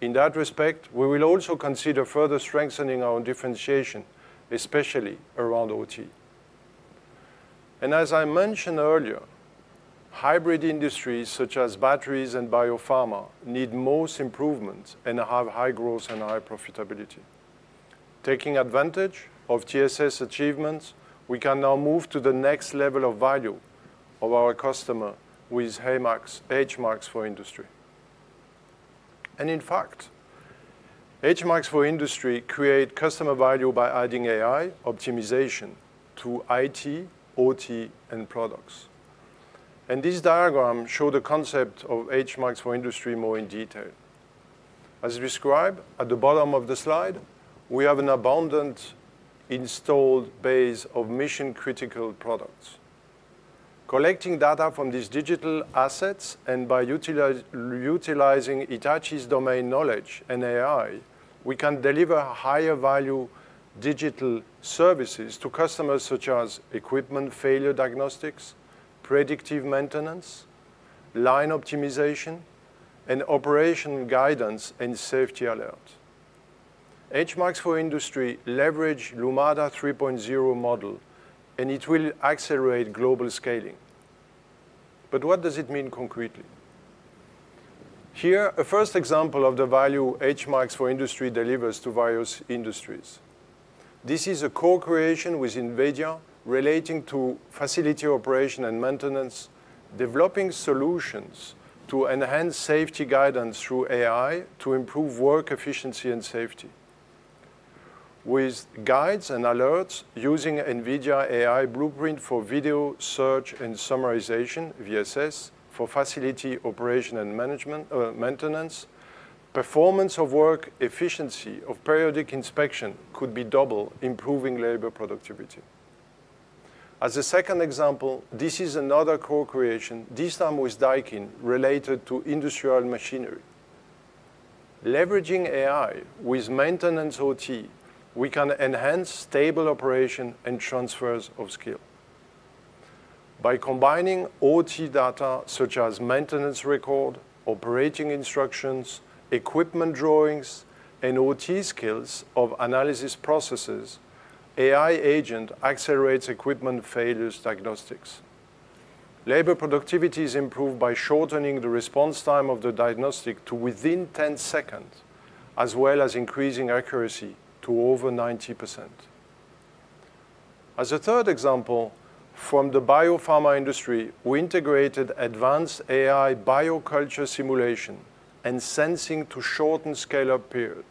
S4: In that respect, we will also consider further strengthening our differentiation, especially around OT. As I mentioned earlier, hybrid industries, such as batteries and biopharma, need most improvements and have high growth and high profitability. Taking advantage of TSS achievements, we can now move to the next level of value of our customer with HMAX for industry. In fact, HMAX for industry creates customer value by adding AI optimization to IT, OT, and products. This diagram shows the concept of HMAX for industry more in detail. As described at the bottom of the slide, we have an abundant installed base of mission-critical products. Collecting data from these digital assets and by utilizing Hitachi's domain knowledge and AI, we can deliver higher-value digital services to customers, such as equipment failure diagnostics, predictive maintenance, line optimization, and operation guidance and safety alerts. HMAX for industry leverages Lumada 3.0 model, and it will accelerate global scaling. What does it mean concretely? Here, a first example of the value HMAX for industry delivers to various industries. This is a co-creation with NVIDIA relating to facility operation and maintenance, developing solutions to enhance safety guidance through AI to improve work efficiency and safety. With guides and alerts using NVIDIA AI blueprint for video search and summarization, VSS, for facility operation and maintenance, performance of work, efficiency of periodic inspection could be doubled, improving labor productivity. As a second example, this is another co-creation, this time with Daikin, related to industrial machinery. Leveraging AI with maintenance OT, we can enhance stable operation and transfers of skill. By combining OT data, such as maintenance record, operating instructions, equipment drawings, and OT skills of analysis processes, AI agent accelerates equipment failures diagnostics. Labor productivity is improved by shortening the response time of the diagnostic to within 10 seconds, as well as increasing accuracy to over 90%. As a third example, from the biopharma industry, we integrated advanced AI bioculture simulation and sensing to shorten scale-up period.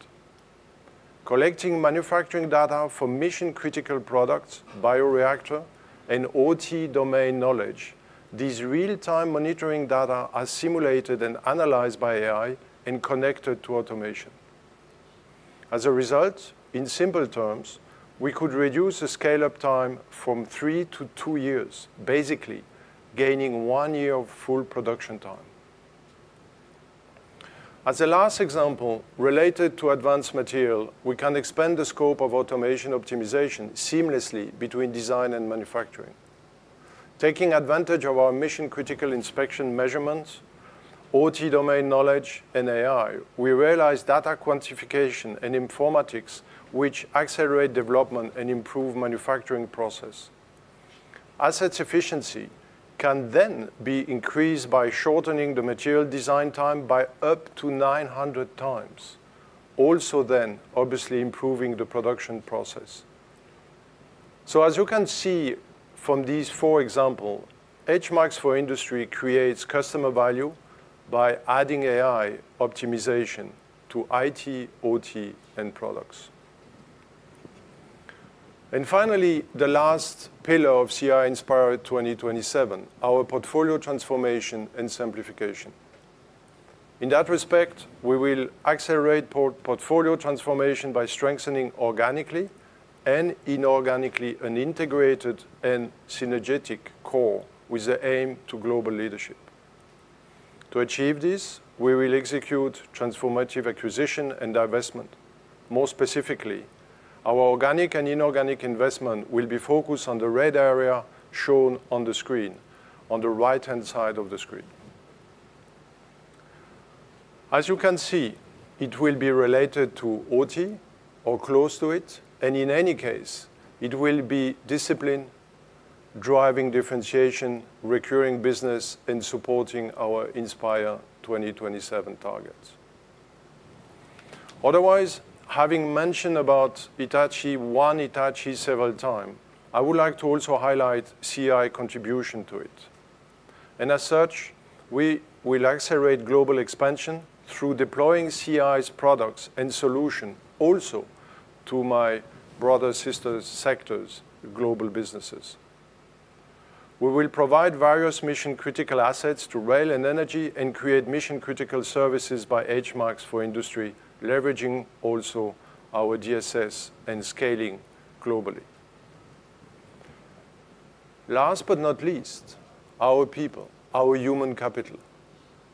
S4: Collecting manufacturing data for mission-critical products, bioreactor, and OT domain knowledge, these real-time monitoring data are simulated and analyzed by AI and connected to automation. As a result, in simple terms, we could reduce the scale-up time from three to two years, basically gaining one year of full production time. As a last example related to advanced material, we can expand the scope of automation optimization seamlessly between design and manufacturing. Taking advantage of our mission-critical inspection measurements, OT domain knowledge, and AI, we realize data quantification and informatics, which accelerate development and improve manufacturing process. Asset efficiency can then be increased by shortening the material design time by up to 900 times, also then obviously improving the production process. As you can see from these four examples, HMAX for industry creates customer value by adding AI optimization to IT, OT, and products. Finally, the last pillar of CI Inspire 2027, our portfolio transformation and simplification. In that respect, we will accelerate portfolio transformation by strengthening organically and inorganically an integrated and synergetic core with the aim to global leadership. To achieve this, we will execute transformative acquisition and divestment. More specifically, our organic and inorganic investment will be focused on the red area shown on the screen, on the right-hand side of the screen. As you can see, it will be related to OT or close to it, and in any case, it will be discipline driving differentiation, recurring business, and supporting our Inspire 2027 targets. Otherwise, having mentioned about Hitachi one Hitachi several times, I would like to also highlight CI contribution to it. As such, we will accelerate global expansion through deploying CI's products and solutions also to my brother-sister sectors, global businesses. We will provide various mission-critical assets to rail and energy and create mission-critical services by HMAX for industry, leveraging also our DSS and scaling globally. Last but not least, our people, our human capital.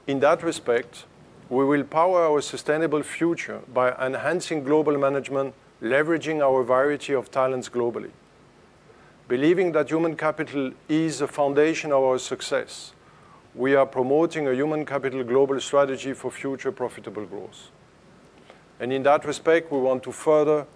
S4: In that respect, we will power our sustainable future by enhancing global management, leveraging our variety of talents globally. Believing that human capital is the foundation of our success, we are promoting a human capital global strategy for future profitable growth. In that respect, we want to further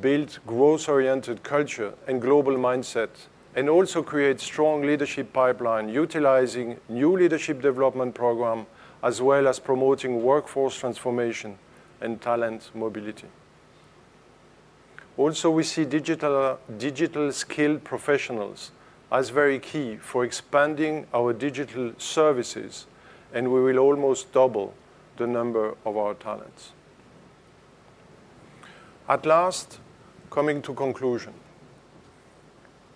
S4: build growth-oriented culture and global mindset, and also create strong leadership pipeline, utilizing new leadership development programs, as well as promoting workforce transformation and talent mobility. Also, we see digital skilled professionals as very key for expanding our digital services, and we will almost double the number of our talents. At last, coming to conclusion.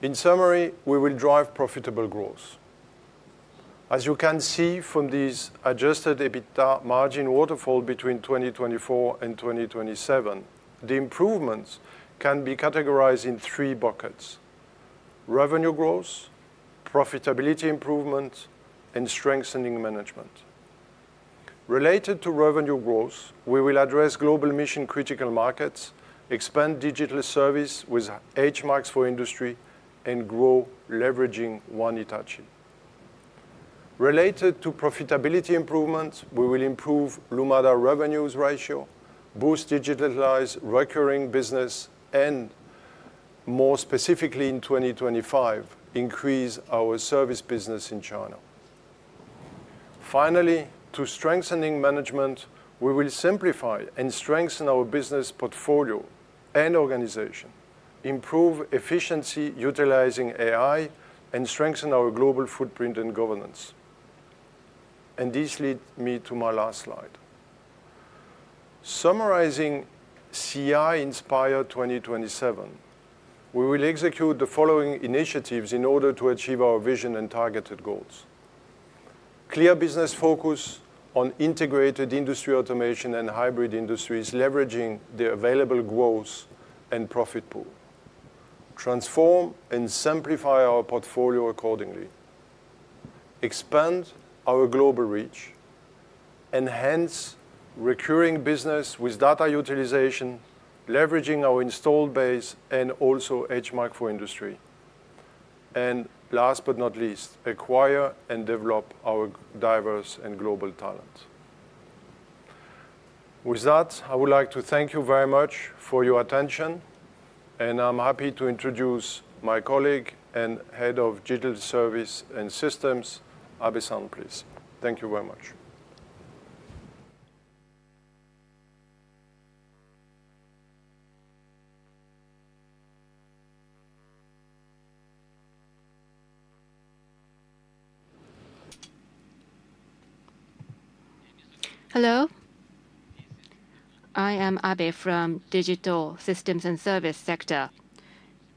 S4: In summary, we will drive profitable growth. As you can see from this adjusted EBITDA margin waterfall between 2024 and 2027, the improvements can be categorized in three buckets: revenue growth, profitability improvement, and strengthening management. Related to revenue growth, we will address global mission-critical markets, expand digital service with HMAX for industry, and grow leveraging one Hitachi. Related to profitability improvements, we will improve Lumada revenues ratio, boost digitalized recurring business, and more specifically in 2025, increase our service business in China. Finally, to strengthening management, we will simplify and strengthen our business portfolio and organization, improve efficiency utilizing AI, and strengthen our global footprint and governance. This leads me to my last slide. Summarizing CI Inspire 2027, we will execute the following initiatives in order to achieve our vision and targeted goals: clear business focus on integrated industry automation and hybrid industries, leveraging the available growth and profit pool, transform and simplify our portfolio accordingly, expand our global reach, enhance recurring business with data utilization, leveraging our installed base and also HMAX for industry, and last but not least, acquire and develop our diverse and global talent. With that, I would like to thank you very much for your attention, and I'm happy to introduce my colleague and Head of Digital Systems and Services, Jun Abe, please. Thank you very much.
S5: Hello. I am Abe from Digital Systems and Services sector,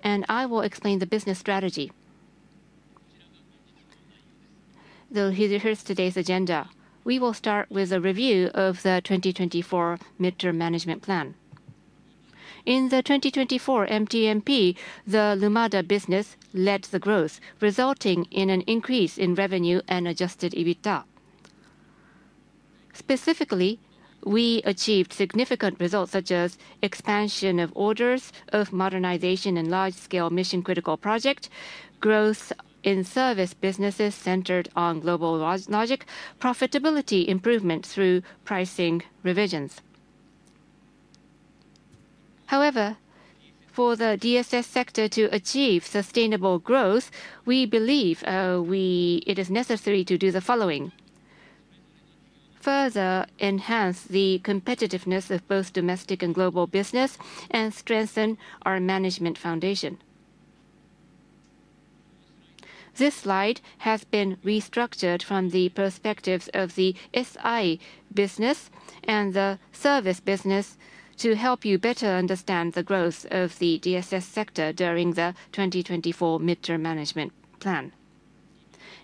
S5: and I will explain the business strategy. Here's today's agenda. We will start with a review of the 2024 midterm management plan. In the 2024 MTMP, the Lumada business led the growth, resulting in an increase in revenue and adjusted EBITDA. Specifically, we achieved significant results such as expansion of orders, modernization and large-scale mission-critical projects, growth in service businesses centered on GlobalLogic, profitability improvement through pricing revisions. However, for the DSS sector to achieve sustainable growth, we believe it is necessary to do the following: further enhance the competitiveness of both domestic and global business, and strengthen our management foundation. This slide has been restructured from the perspectives of the SI business and the service business to help you better understand the growth of the DSS sector during the 2024 midterm management plan.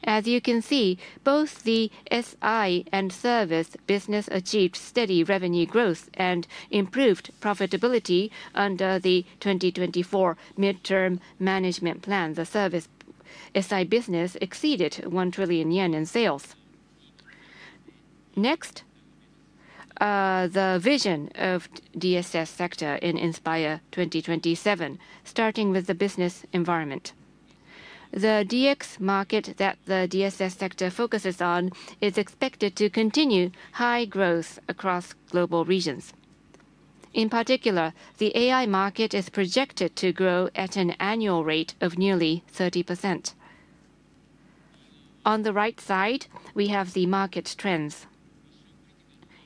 S5: As you can see, both the SI and service business achieved steady revenue growth and improved profitability under the 2024 midterm management plan. The service SI business exceeded 1 trillion yen in sales. Next, the vision of DSS sector in Inspire 2027, starting with the business environment. The DX market that the DSS sector focuses on is expected to continue high growth across global regions. In particular, the AI market is projected to grow at an annual rate of nearly 30%. On the right side, we have the market trends.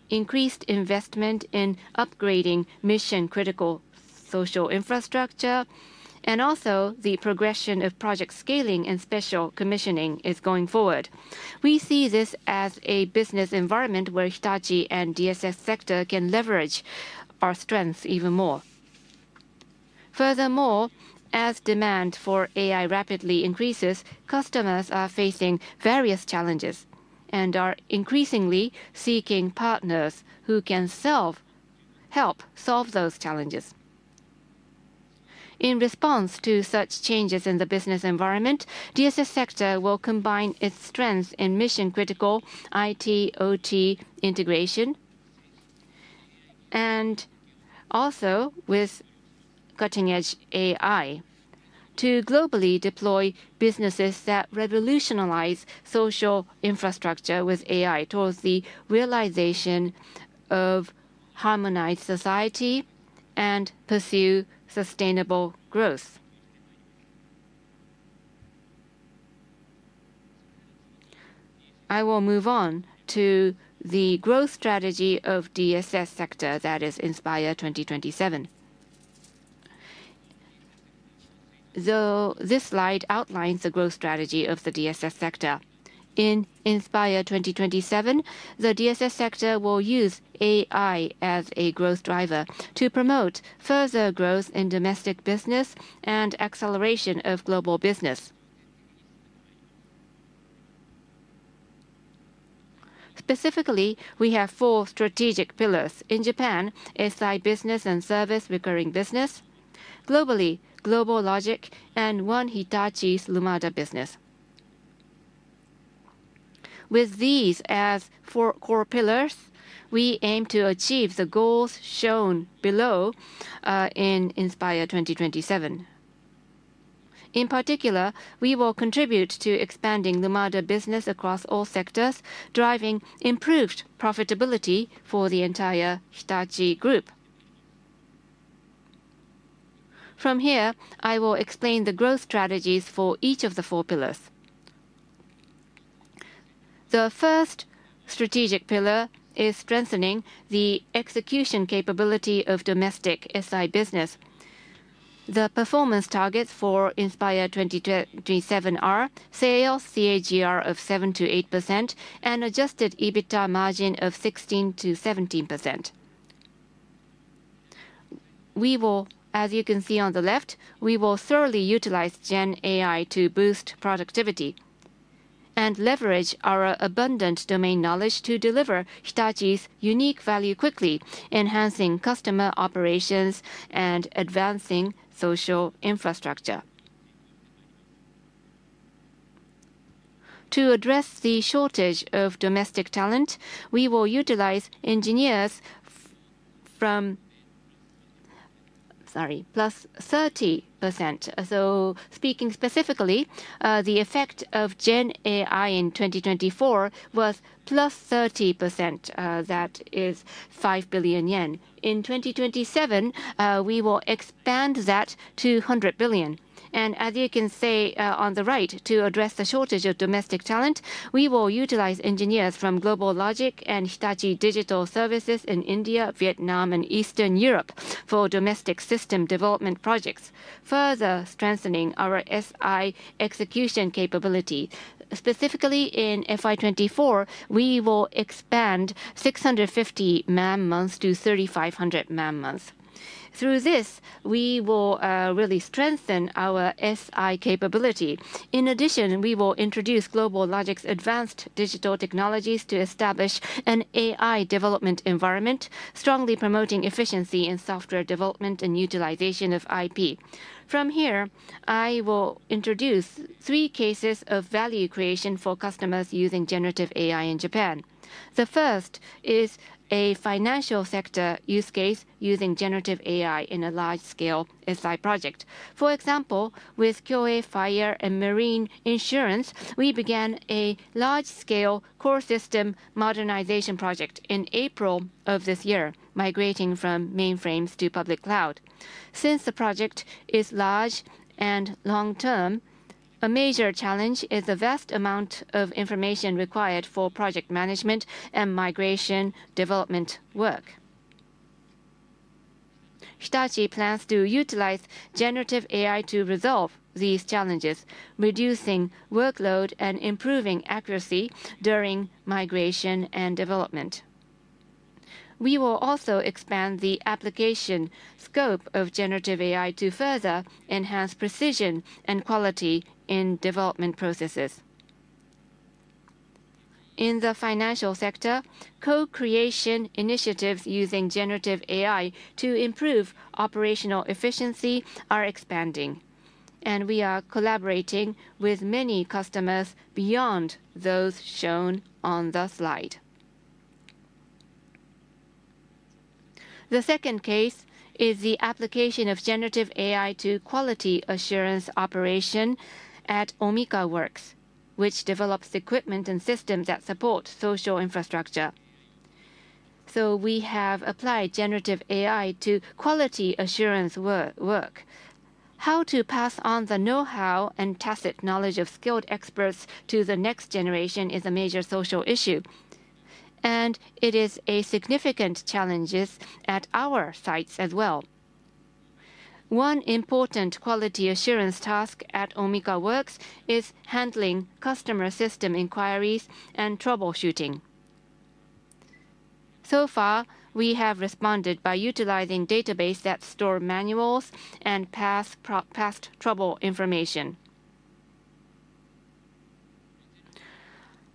S5: Increased investment in upgrading mission-critical social infrastructure and also the progression of project scaling and special commissioning is going forward. We see this as a business environment where Hitachi and DSS sector can leverage our strengths even more. Furthermore, as demand for AI rapidly increases, customers are facing various challenges and are increasingly seeking partners who can help solve those challenges. In response to such changes in the business environment, DSS sector will combine its strengths in mission-critical IT, OT integration, and also with cutting-edge AI to globally deploy businesses that revolutionize social infrastructure with AI towards the realization of harmonized society and pursue sustainable growth. I will move on to the growth strategy of DSS sector that is Inspire 2027. This slide outlines the growth strategy of the DSS sector. In Inspire 2027, the DSS sector will use AI as a growth driver to promote further growth in domestic business and acceleration of global business. Specifically, we have four strategic pillars in Japan: SI business and service recurring business, globally, GlobalLogic, and one Hitachi's Lumada business. With these as four core pillars, we aim to achieve the goals shown below in Inspire 2027. In particular, we will contribute to expanding Lumada business across all sectors, driving improved profitability for the entire Hitachi group. From here, I will explain the growth strategies for each of the four pillars. The first strategic pillar is strengthening the execution capability of domestic SI business. The performance targets for Inspire 2027 are sales CAGR of 7-8% and adjusted EBITDA margin of 16-17%. We will, as you can see on the left, we will thoroughly utilize GenAI to boost productivity and leverage our abundant domain knowledge to deliver Hitachi's unique value quickly, enhancing customer operations and advancing social infrastructure. To address the shortage of domestic talent, we will utilize engineers from, sorry, plus 30%. So speaking specifically, the effect of GenAI in 2024 was plus 30%. That is 5 billion yen. In 2027, we will expand that to 200 billion. As you can see on the right, to address the shortage of domestic talent, we will utilize engineers from GlobalLogic and Hitachi Digital Services in India, Vietnam, and Eastern Europe for domestic system development projects, further strengthening our SI execution capability. Specifically, in FI24, we will expand 650 man-months to 3,500 man-months. Through this, we will really strengthen our SI capability. In addition, we will introduce GlobalLogic's advanced digital technologies to establish an AI development environment, strongly promoting efficiency in software development and utilization of IP. From here, I will introduce three cases of value creation for customers using generative AI in Japan. The first is a financial sector use case using generative AI in a large-scale SI project. For example, with Kyoei Fire & Marine Insurance, we began a large-scale core system modernization project in April of this year, migrating from mainframes to public cloud. Since the project is large and long-term, a major challenge is the vast amount of information required for project management and migration development work. Hitachi plans to utilize generative AI to resolve these challenges, reducing workload and improving accuracy during migration and development. We will also expand the application scope of generative AI to further enhance precision and quality in development processes. In the financial sector, co-creation initiatives using generative AI to improve operational efficiency are expanding, and we are collaborating with many customers beyond those shown on the slide. The second case is the application of generative AI to quality assurance operation at Omika Works, which develops equipment and systems that support social infrastructure. We have applied generative AI to quality assurance work. How to pass on the know-how and tacit knowledge of skilled experts to the next generation is a major social issue, and it is a significant challenge at our sites as well. One important quality assurance task at Omika Works is handling customer system inquiries and troubleshooting. So far, we have responded by utilizing databases that store manuals and past trouble information.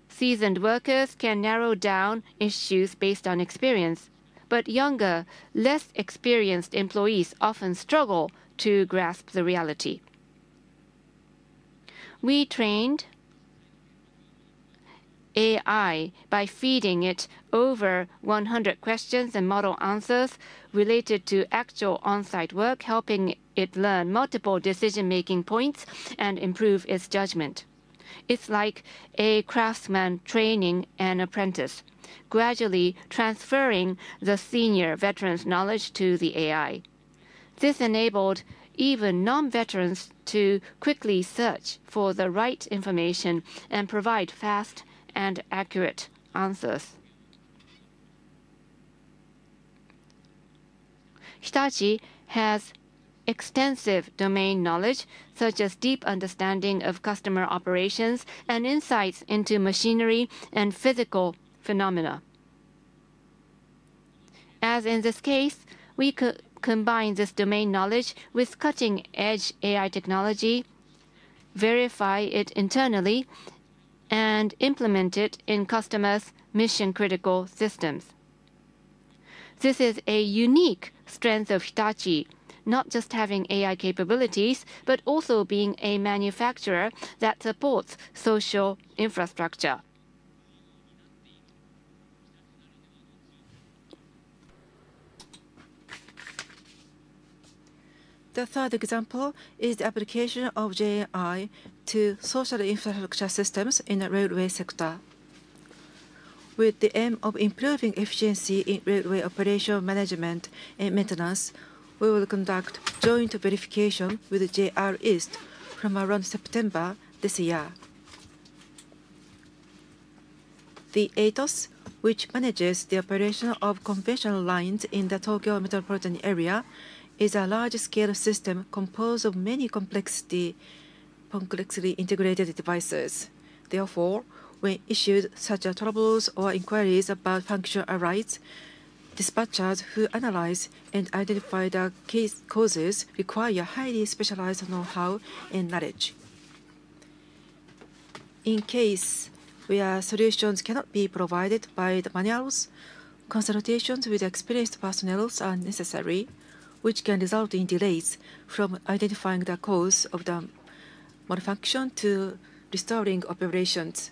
S5: Seasoned workers can narrow down issues based on experience, but younger, less experienced employees often struggle to grasp the reality. We trained AI by feeding it over 100 questions and model answers related to actual on-site work, helping it learn multiple decision-making points and improve its judgment. It's like a craftsman training an apprentice, gradually transferring the senior veteran's knowledge to the AI. This enabled even non-veterans to quickly search for the right information and provide fast and accurate answers. Hitachi has extensive domain knowledge, such as deep understanding of customer operations and insights into machinery and physical phenomena. As in this case, we combine this domain knowledge with cutting-edge AI technology, verify it internally, and implement it in customers' mission-critical systems. This is a unique strength of Hitachi, not just having AI capabilities, but also being a manufacturer that supports social infrastructure. The third example is the application of JAI to social infrastructure systems in the railway sector. With the aim of improving efficiency in railway operation management and maintenance, we will conduct joint verification with JR East from around September this year. The ATOS, which manages the operation of conventional lines in the Tokyo Metropolitan Area, is a large-scale system composed of many complexly integrated devices. Therefore, when issues such as troubles or inquiries about function arise, dispatchers who analyze and identify the case causes require highly specialized know-how and knowledge. In cases where solutions cannot be provided by the manuals, consultations with experienced personnel are necessary, which can result in delays from identifying the cause of the malfunction to restoring operations.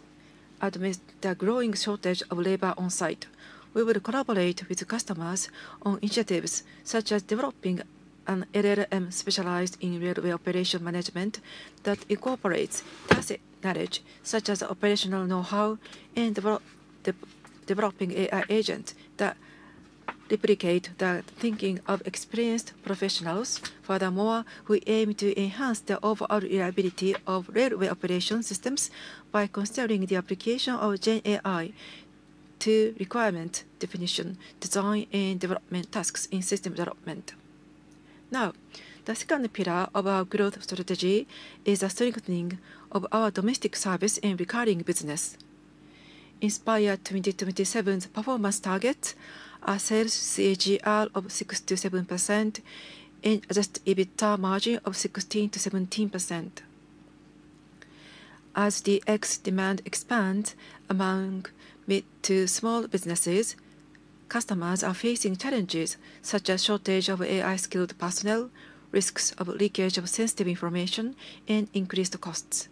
S5: Amid the growing shortage of labor on-site, we will collaborate with customers on initiatives such as developing an LLM specialized in railway operation management that incorporates tacit knowledge such as operational know-how and developing AI agents that replicate the thinking of experienced professionals. Furthermore, we aim to enhance the overall reliability of railway operation systems by considering the application of GenAI to requirement definition, design, and development tasks in system development. Now, the second pillar of our growth strategy is the strengthening of our domestic service and recurring business. Inspire 2027's performance targets are sales CAGR of 6-7% and adjusted EBITDA margin of 16-17%. As the X demand expands among mid to small businesses, customers are facing challenges such as shortage of AI-skilled personnel, risks of leakage of sensitive information, and increased costs.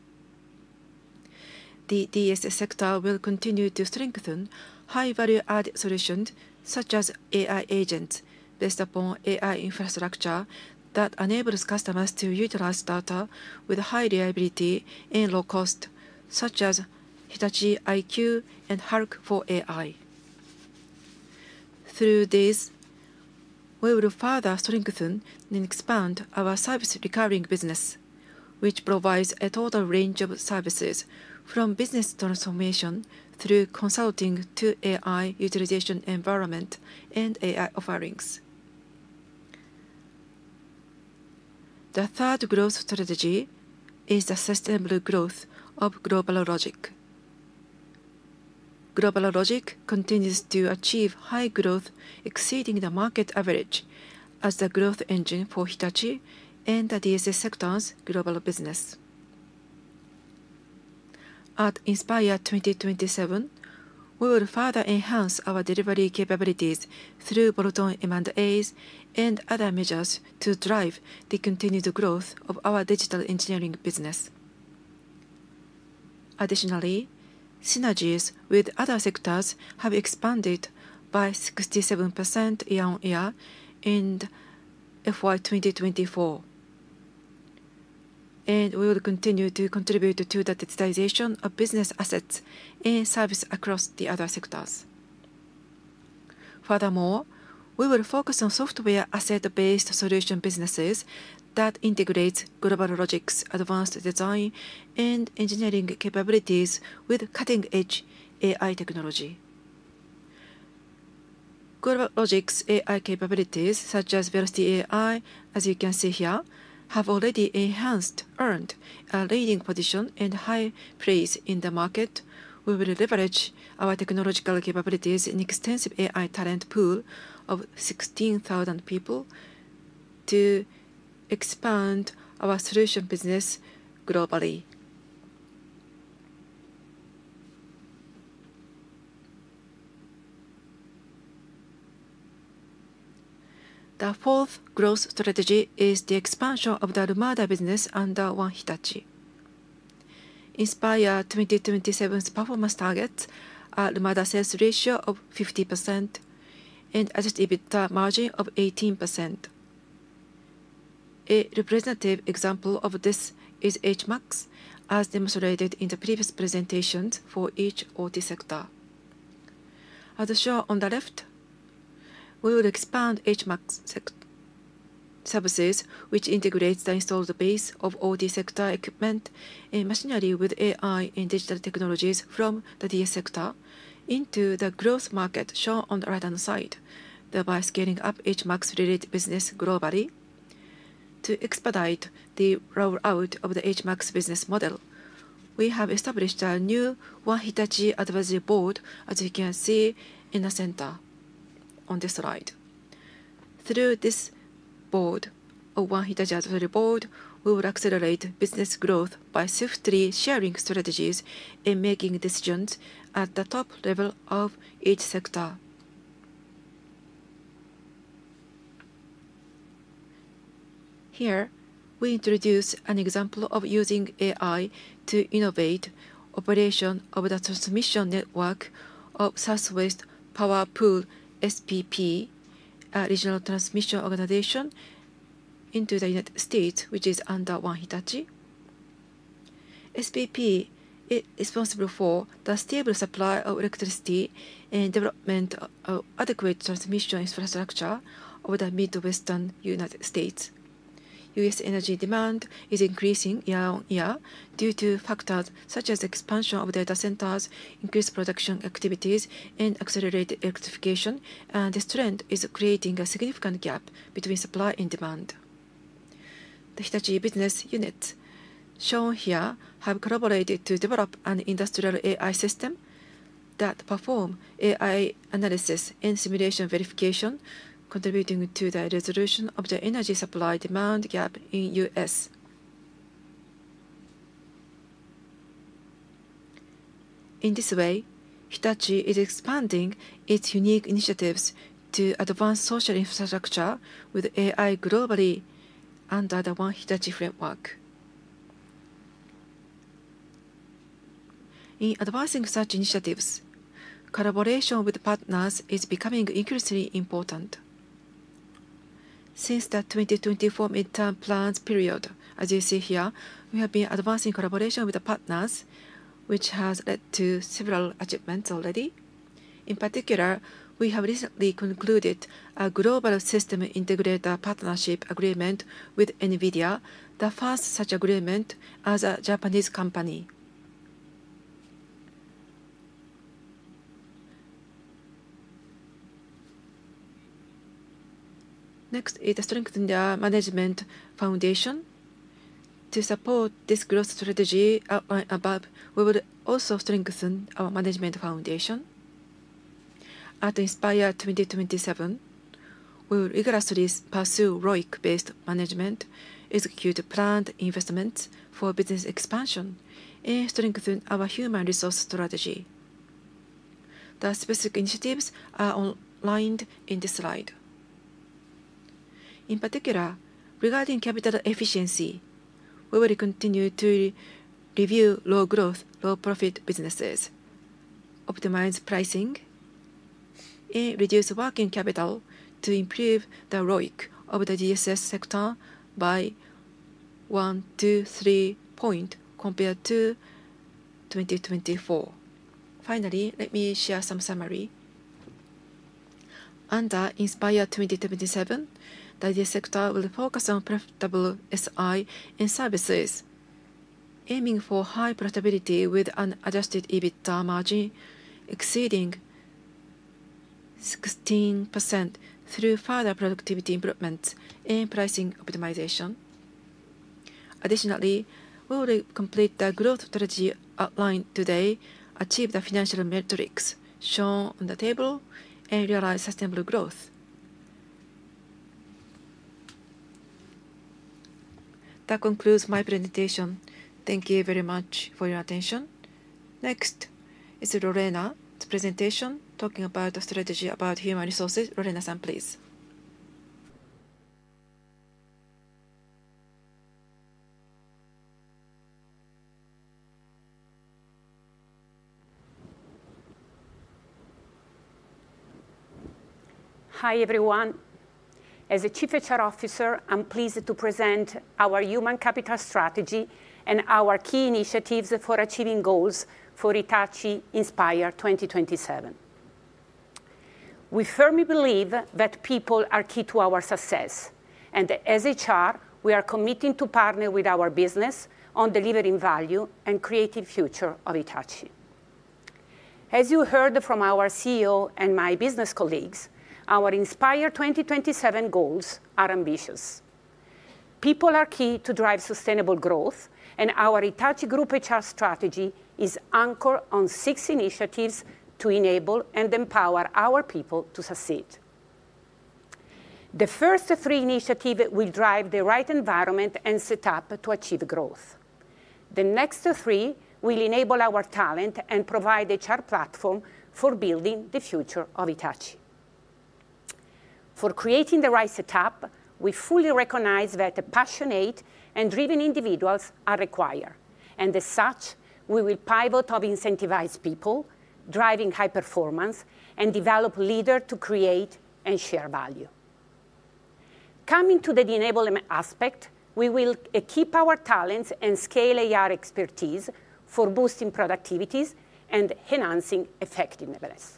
S5: The DSS sector will continue to strengthen high-value-add solutions such as AI agents based upon AI infrastructure that enables customers to utilize data with high reliability and low cost, such as Hitachi IQ and Hulk for AI. Through this, we will further strengthen and expand our service recurring business, which provides a total range of services from business transformation through consulting to AI utilization environment and AI offerings. The third growth strategy is the sustainable growth of GlobalLogic. GlobalLogic continues to achieve high growth, exceeding the market average as the growth engine for Hitachi and the DSS sector's global business. At Inspire 2027, we will further enhance our delivery capabilities through bolt-on M&As and other measures to drive the continued growth of our digital engineering business. Additionally, synergies with other sectors have expanded by 67% year-on-year in FY2024, and we will continue to contribute to the digitization of business assets and service across the other sectors. Furthermore, we will focus on software asset-based solution businesses that integrate GlobalLogic's advanced design and engineering capabilities with cutting-edge AI technology. GlobalLogic's AI capabilities, such as Velocity AI, as you can see here, have already earned a leading position and high praise in the market. We will leverage our technological capabilities and extensive AI talent pool of 16,000 people to expand our solution business globally. The fourth growth strategy is the expansion of the Lumada business under One Hitachi. Inspire 2027's performance targets are Lumada sales ratio of 50% and adjusted EBITDA margin of 18%. A representative example of this is HMAX, as demonstrated in the previous presentations for each OT sector. As shown on the left, we will expand HMAX services, which integrates the installed base of OT sector equipment and machinery with AI and digital technologies from the DS sector into the growth market shown on the right-hand side, thereby scaling up HMAX-related business globally. To expedite the rollout of the HMAX business model, we have established a new One Hitachi Advisory Board, as you can see in the center on this slide. Through this board, a One Hitachi Advisory Board, we will accelerate business growth by swiftly sharing strategies and making decisions at the top level of each sector. Here, we introduce an example of using AI to innovate operation of the transmission network of Southwest Power Pool SPP, a regional transmission organization, in the United States, which is under One Hitachi. SPP is responsible for the stable supply of electricity and development of adequate transmission infrastructure over the Midwestern United States. U.S. energy demand is increasing Year-on-Year due to factors such as expansion of data centers, increased production activities, and accelerated electrification, and this trend is creating a significant gap between supply and demand. The Hitachi business units shown here have collaborated to develop an industrial AI system that performs AI analysis and simulation verification, contributing to the resolution of the energy supply demand gap in the U.S. In this way, Hitachi is expanding its unique initiatives to advance social infrastructure with AI globally under the One Hitachi framework. In advancing such initiatives, collaboration with partners is becoming increasingly important. Since the 2024 midterm plans period, as you see here, we have been advancing collaboration with partners, which has led to several achievements already. In particular, we have recently concluded a global system integrator partnership agreement with NVIDIA, the first such agreement as a Japanese company. Next is the strengthened management foundation. To support this growth strategy outlined above, we will also strengthen our management foundation. At Inspire 2027, we will rigorously pursue ROIC-based management, execute planned investments for business expansion, and strengthen our human resource strategy. The specific initiatives are outlined in this slide. In particular, regarding capital efficiency, we will continue to review low-growth, low-profit businesses, optimize pricing, and reduce working capital to improve the ROIC of the DSS sector by 1-3 points compared to 2024. Finally, let me share some summary. Under Inspire 2027, the DSS sector will focus on profitable SI and services, aiming for high profitability with an adjusted EBITDA margin exceeding 16% through further productivity improvements and pricing optimization. Additionally, we will complete the growth strategy outlined today, achieve the financial metrics shown on the table, and realize sustainable growth. That concludes my presentation. Thank you very much for your attention. Next is Lorena's presentation talking about the strategy about human resources. Lorena, please.
S6: Hi everyone. As a Chief HR Officer, I'm pleased to present our human capital strategy and our key initiatives for achieving goals for Hitachi Inspire 2027. We firmly believe that people are key to our success, and as HR, we are committing to partner with our business on delivering value and the creative future of Hitachi. As you heard from our CEO and my business colleagues, our Inspire 2027 goals are ambitious. People are key to drive sustainable growth, and our Hitachi Group HR strategy is anchored on six initiatives to enable and empower our people to succeed. The first three initiatives will drive the right environment and setup to achieve growth. The next three will enable our talent and provide the HR platform for building the future of Hitachi. For creating the right setup, we fully recognize that passionate and driven individuals are required, and as such, we will pivot to incentivize people, driving high performance, and develop leaders to create and share value. Coming to the enablement aspect, we will equip our talents and scale AI expertise for boosting productivities and enhancing effectiveness.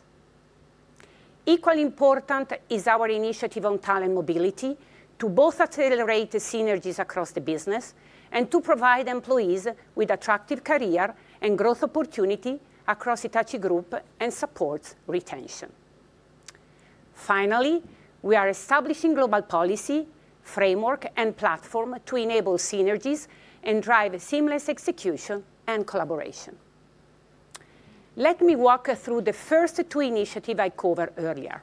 S6: Equally important is our initiative on talent mobility to both accelerate synergies across the business and to provide employees with attractive careers and growth opportunities across Hitachi Group and support retention. Finally, we are establishing global policy, framework, and platform to enable synergies and drive seamless execution and collaboration. Let me walk through the first two initiatives I covered earlier.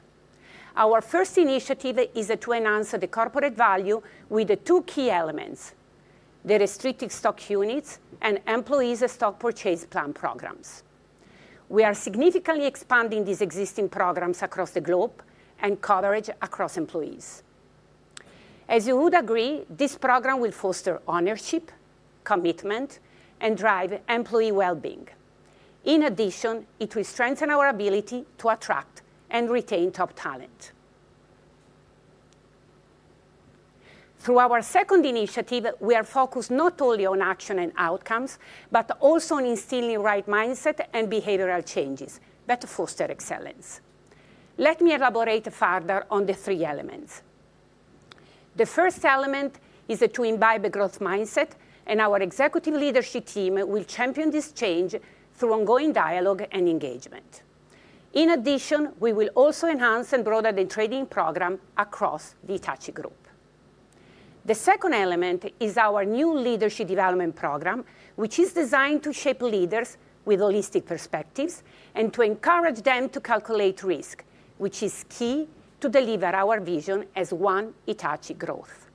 S6: Our first initiative is to enhance the corporate value with the two key elements: the restricted stock units and employees' stock purchase plan programs. We are significantly expanding these existing programs across the globe and coverage across employees. As you would agree, this program will foster ownership, commitment, and drive employee well-being. In addition, it will strengthen our ability to attract and retain top talent. Through our second initiative, we are focused not only on action and outcomes, but also on instilling the right mindset and behavioral changes that foster excellence. Let me elaborate further on the three elements. The first element is to imbibe a growth mindset, and our executive leadership team will champion this change through ongoing dialogue and engagement. In addition, we will also enhance and broaden the training program across the Hitachi Group. The second element is our new leadership development program, which is designed to shape leaders with holistic perspectives and to encourage them to calculate risk, which is key to deliver our vision as One Hitachi Growth.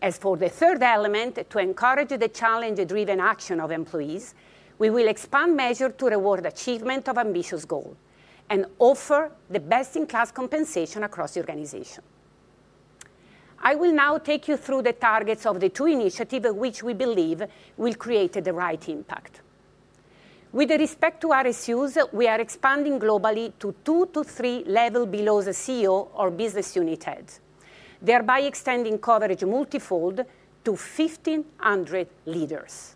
S6: As for the third element, to encourage the challenge-driven action of employees, we will expand measures to reward achievement of ambitious goals and offer the best-in-class compensation across the organization. I will now take you through the targets of the two initiatives which we believe will create the right impact. With respect to RSUs, we are expanding globally to two to three levels below the CEO or business unit heads, thereby extending coverage multifold to 1,500 leaders.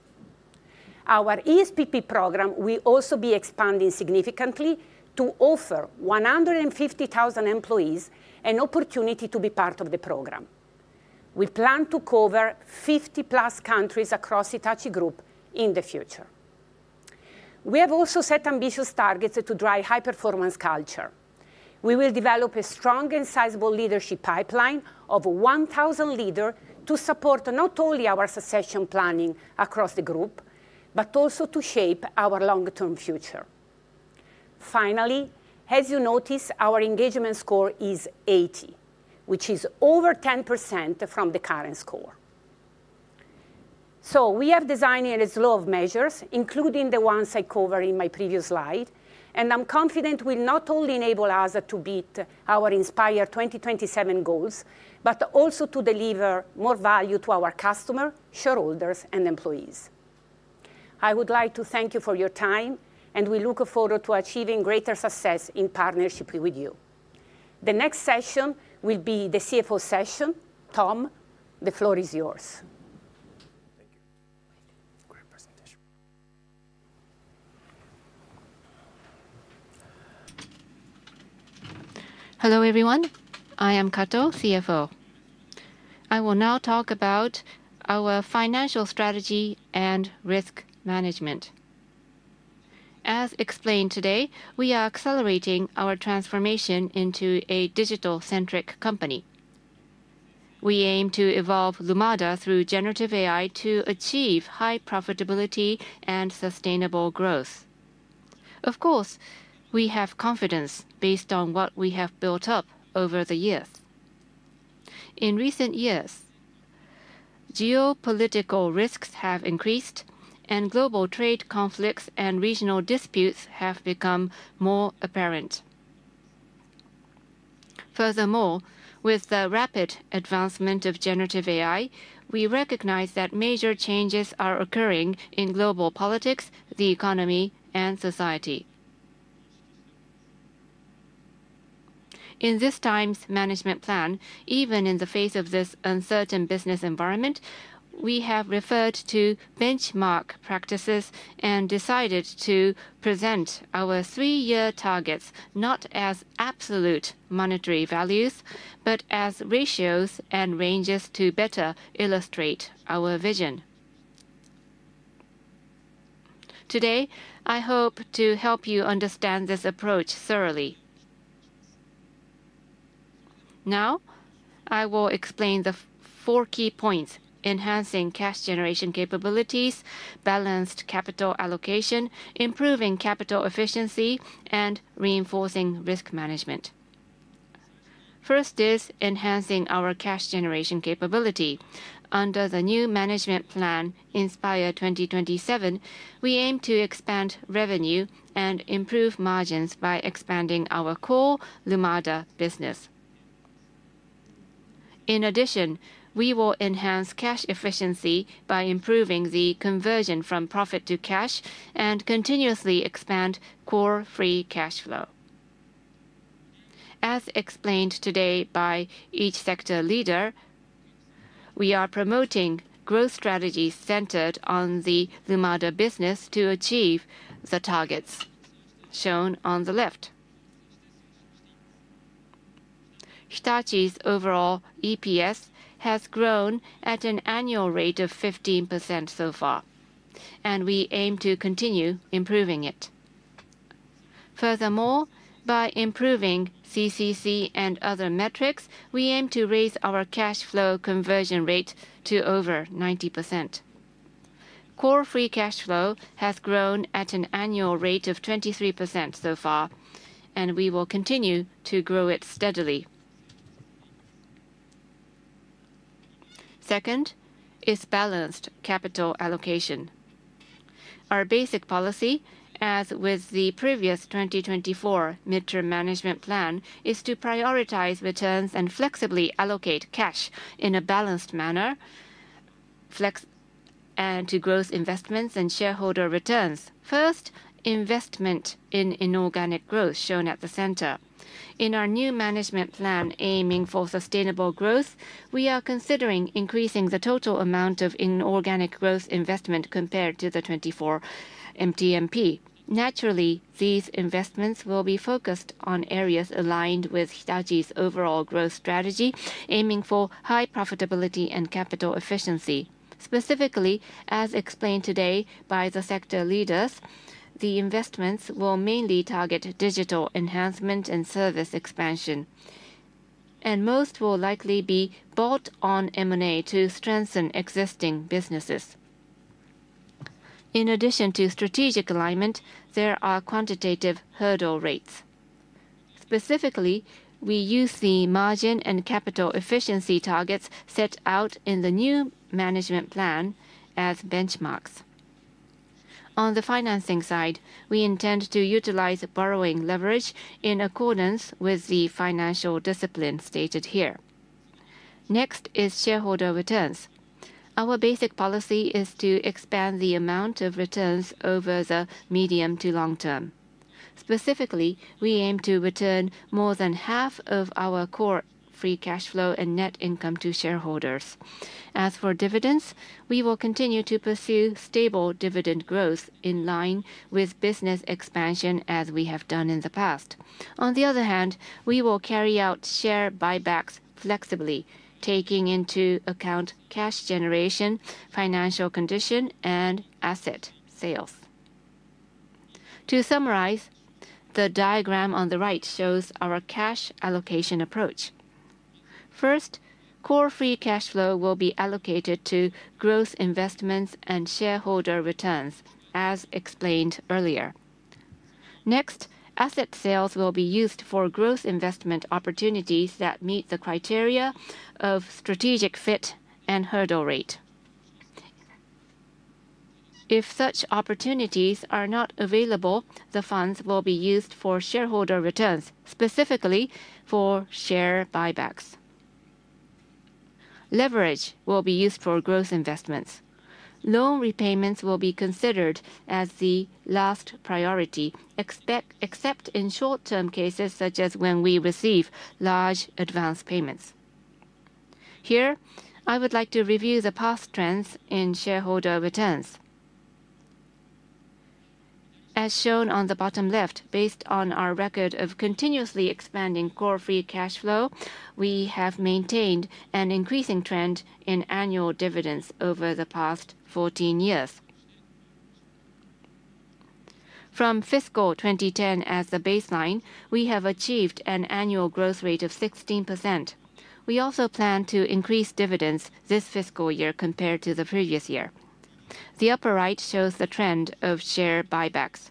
S6: Our ESPP program will also be expanding significantly to offer 150,000 employees an opportunity to be part of the program. We plan to cover 50-plus countries across the Hitachi Group in the future. We have also set ambitious targets to drive high-performance culture. We will develop a strong and sizable leadership pipeline of 1,000 leaders to support not only our succession planning across the group, but also to shape our long-term future. Finally, as you notice, our engagement score is 80, which is over 10% from the current score. We have designed a slew of measures, including the ones I covered in my previous slide, and I'm confident we'll not only enable us to beat our Inspire 2027 goals, but also to deliver more value to our customers, shareholders, and employees. I would like to thank you for your time, and we look forward to achieving greater success in partnership with you. The next session will be the CFO session. Tom, the floor is yours.
S5: Thank you. Great presentation.
S7: Hello everyone. I am Kato, CFO. I will now talk about our financial strategy and risk management. As explained today, we are accelerating our transformation into a digital-centric company. We aim to evolve Lumada through generative AI to achieve high profitability and sustainable growth. Of course, we have confidence based on what we have built up over the years. In recent years, geopolitical risks have increased, and global trade conflicts and regional disputes have become more apparent. Furthermore, with the rapid advancement of generative AI, we recognize that major changes are occurring in global politics, the economy, and society. In this time's management plan, even in the face of this uncertain business environment, we have referred to benchmark practices and decided to present our three-year targets not as absolute monetary values, but as ratios and ranges to better illustrate our vision. Today, I hope to help you understand this approach thoroughly. Now, I will explain the four key points: enhancing cash generation capabilities, balanced capital allocation, improving capital efficiency, and reinforcing risk management. First is enhancing our cash generation capability. Under the new management plan, Inspire 2027, we aim to expand revenue and improve margins by expanding our core Lumada business. In addition, we will enhance cash efficiency by improving the conversion from profit to cash and continuously expand core free cash flow. As explained today by each sector leader, we are promoting growth strategies centered on the Lumada business to achieve the targets shown on the left. Hitachi's overall EPS has grown at an annual rate of 15% so far, and we aim to continue improving it. Furthermore, by improving CCC and other metrics, we aim to raise our cash flow conversion rate to over 90%. Core free cash flow has grown at an annual rate of 23% so far, and we will continue to grow it steadily. Second is balanced capital allocation. Our basic policy, as with the previous 2024 midterm management plan, is to prioritize returns and flexibly allocate cash in a balanced manner and to growth investments and shareholder returns. First, investment in inorganic growth shown at the center. In our new management plan aiming for sustainable growth, we are considering increasing the total amount of inorganic growth investment compared to the 2024 MTMP. Naturally, these investments will be focused on areas aligned with Hitachi's overall growth strategy, aiming for high profitability and capital efficiency. Specifically, as explained today by the sector leaders, the investments will mainly target digital enhancement and service expansion, and most will likely be bought on M&A to strengthen existing businesses. In addition to strategic alignment, there are quantitative hurdle rates. Specifically, we use the margin and capital efficiency targets set out in the new management plan as benchmarks. On the financing side, we intend to utilize borrowing leverage in accordance with the financial discipline stated here. Next is shareholder returns. Our basic policy is to expand the amount of returns over the medium to long term. Specifically, we aim to return more than half of our core free cash flow and net income to shareholders. As for dividends, we will continue to pursue stable dividend growth in line with business expansion as we have done in the past. On the other hand, we will carry out share buybacks flexibly, taking into account cash generation, financial condition, and asset sales. To summarize, the diagram on the right shows our cash allocation approach. First, core free cash flow will be allocated to growth investments and shareholder returns, as explained earlier. Next, asset sales will be used for growth investment opportunities that meet the criteria of strategic fit and hurdle rate. If such opportunities are not available, the funds will be used for shareholder returns, specifically for share buybacks. Leverage will be used for growth investments. Loan repayments will be considered as the last priority, except in short-term cases such as when we receive large advance payments. Here, I would like to review the past trends in shareholder returns. As shown on the bottom left, based on our record of continuously expanding core free cash flow, we have maintained an increasing trend in annual dividends over the past 14 years. From fiscal 2010 as the baseline, we have achieved an annual growth rate of 16%. We also plan to increase dividends this fiscal year compared to the previous year. The upper right shows the trend of share buybacks.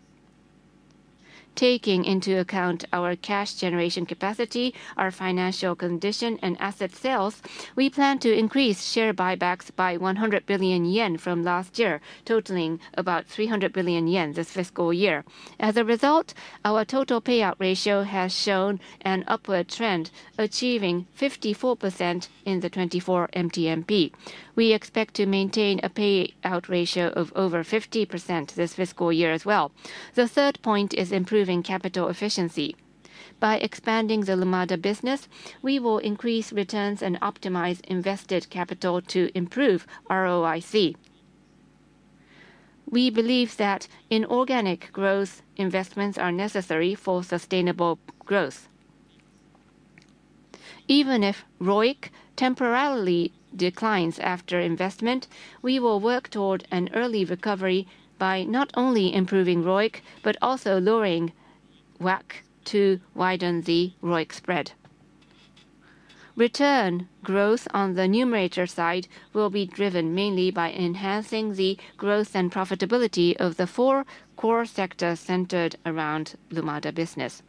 S7: Taking into account our cash generation capacity, our financial condition, and asset sales, we plan to increase share buybacks by 100 billion yen from last year, totaling about 300 billion yen this fiscal year. As a result, our total payout ratio has shown an upward trend, achieving 54% in the 2024 MTMP. We expect to maintain a payout ratio of over 50% this fiscal year as well. The third point is improving capital efficiency. By expanding the Lumada business, we will increase returns and optimize invested capital to improve ROIC. We believe that inorganic growth investments are necessary for sustainable growth. Even if ROIC temporarily declines after investment, we will work toward an early recovery by not only improving ROIC but also lowering WACC to widen the ROIC spread. Return growth on the numerator side will be driven mainly by enhancing the growth and profitability of the four core sectors centered around Lumada business.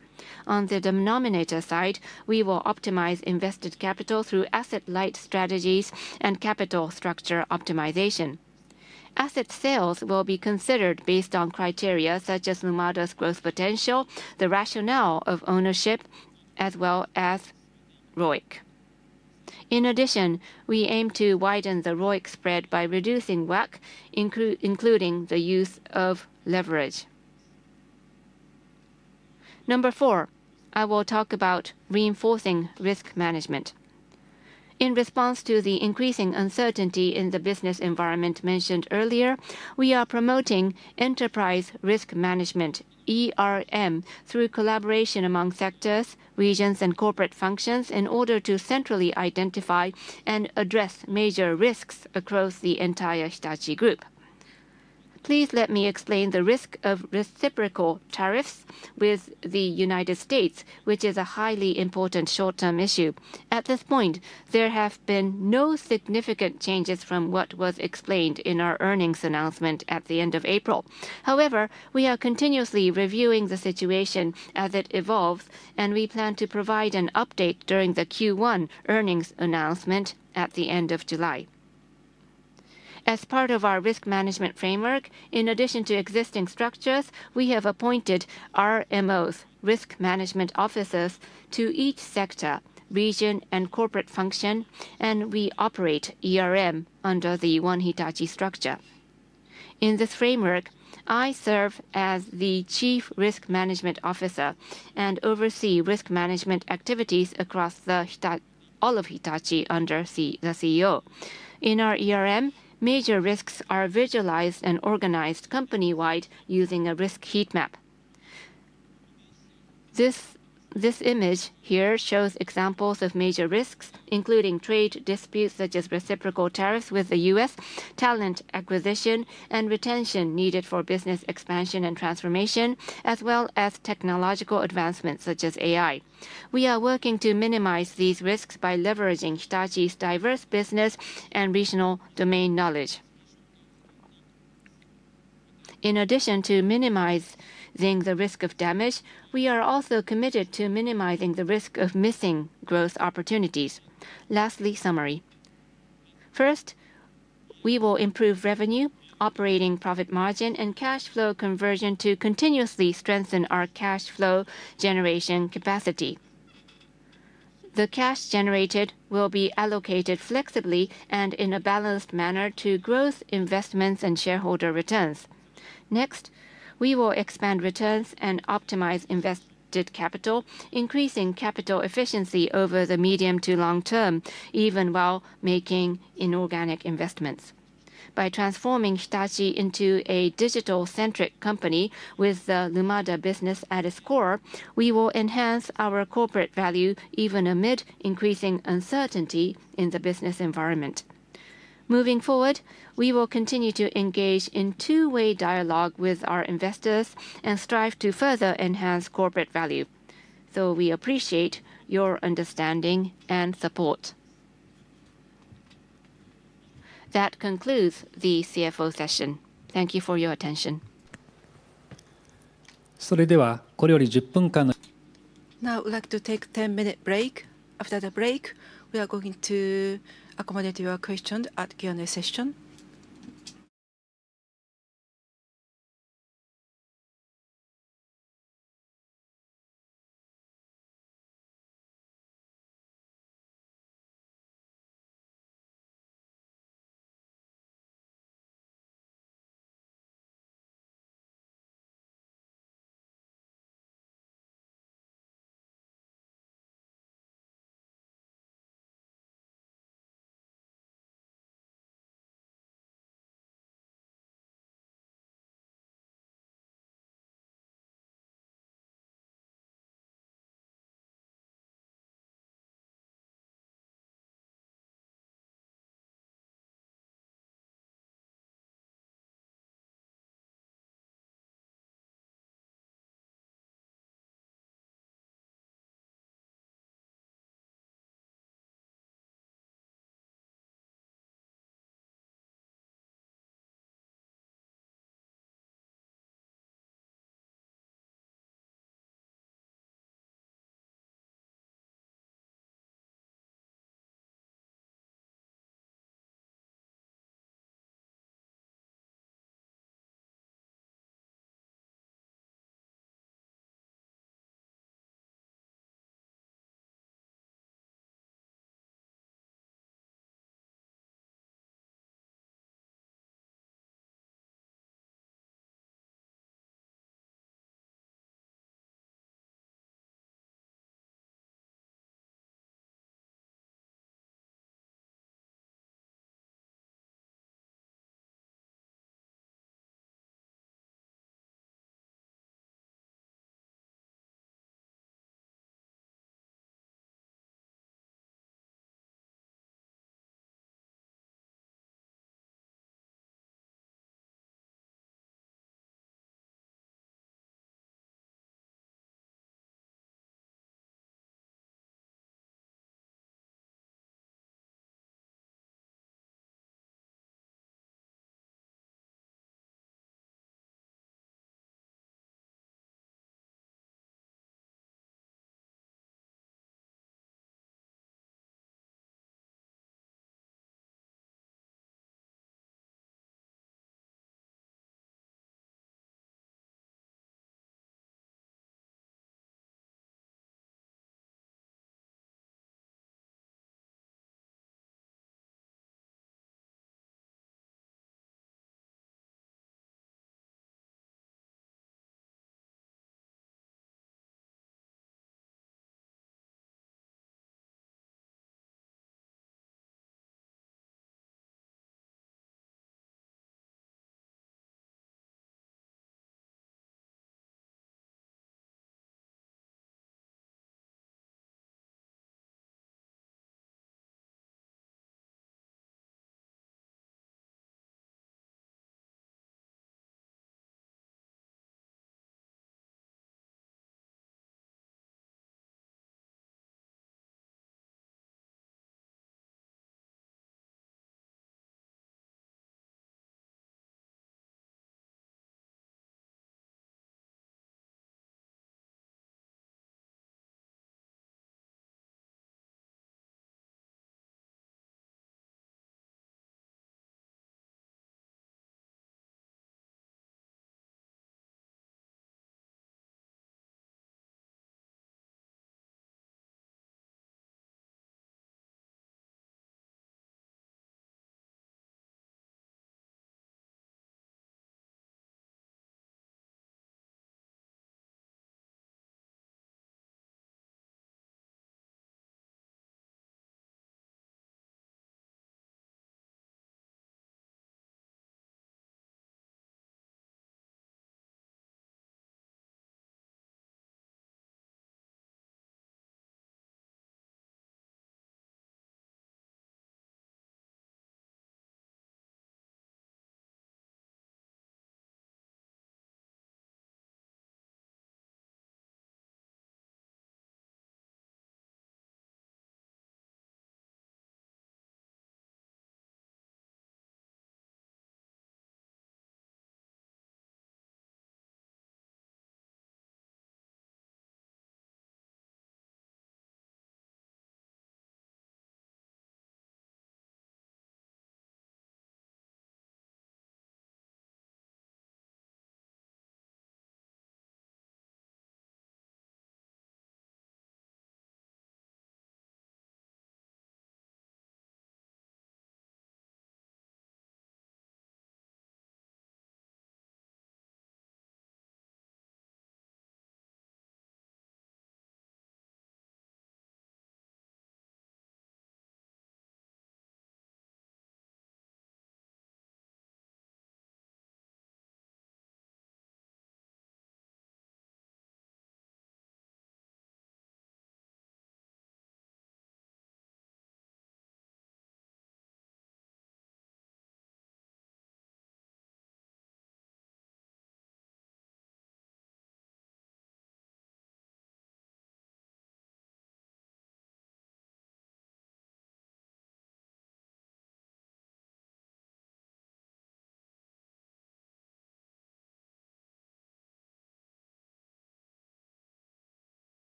S7: On the denominator side, we will optimize invested capital through asset-light strategies and capital structure optimization. Asset sales will be considered based on criteria such as Lumada's growth potential, the rationale of ownership, as well as ROIC. In addition, we aim to widen the ROIC spread by reducing WACC, including the use of leverage. Number four, I will talk about reinforcing risk management. In response to the increasing uncertainty in the business environment mentioned earlier, we are promoting enterprise risk management, through collaboration among sectors, regions, and corporate functions in order to centrally identify and address major risks across the entire Hitachi Group. Please let me explain the risk of reciprocal tariffs with the United States, which is a highly important short-term issue. At this point, there have been no significant changes from what was explained in our earnings announcement at the end of April. However, we are continuously reviewing the situation as it evolves, and we plan to provide an update during the Q1 earnings announcement at the end of July. As part of our risk management framework, in addition to existing structures, we have appointed RMOs, risk management officers, to each sector, region, and corporate function, and we operate under the One Hitachi structure. In this framework, I serve as the Chief Risk Management Officer and oversee risk management activities across all of Hitachi under the CEO. Our major risks are visualized and organized company-wide using a risk heat map. This image here shows examples of major risks, including trade disputes such as reciprocal tariffs with the U.S., talent acquisition and retention needed for business expansion and transformation, as well as technological advancements such as AI. We are working to minimize these risks by leveraging Hitachi's diverse business and regional domain knowledge. In addition to minimizing the risk of damage, we are also committed to minimizing the risk of missing growth opportunities. Lastly, summary. First, we will improve revenue, operating profit margin, and cash flow conversion to continuously strengthen our cash flow generation capacity. The cash generated will be allocated flexibly and in a balanced manner to growth investments and shareholder returns. Next, we will expand returns and optimize invested capital, increasing capital efficiency over the medium to long term, even while making inorganic investments. By transforming Hitachi into a digital-centric company with the Lumada business at its core, we will enhance our corporate value even amid increasing uncertainty in the business environment. Moving forward, we will continue to engage in two-way dialogue with our investors and strive to further enhance corporate value. We appreciate your understanding and support. That concludes the CFO session. Thank you for your attention.
S1: Now, I would like to take a 10-minute break. After the break, we are going to accommodate your questions at the Q&A session.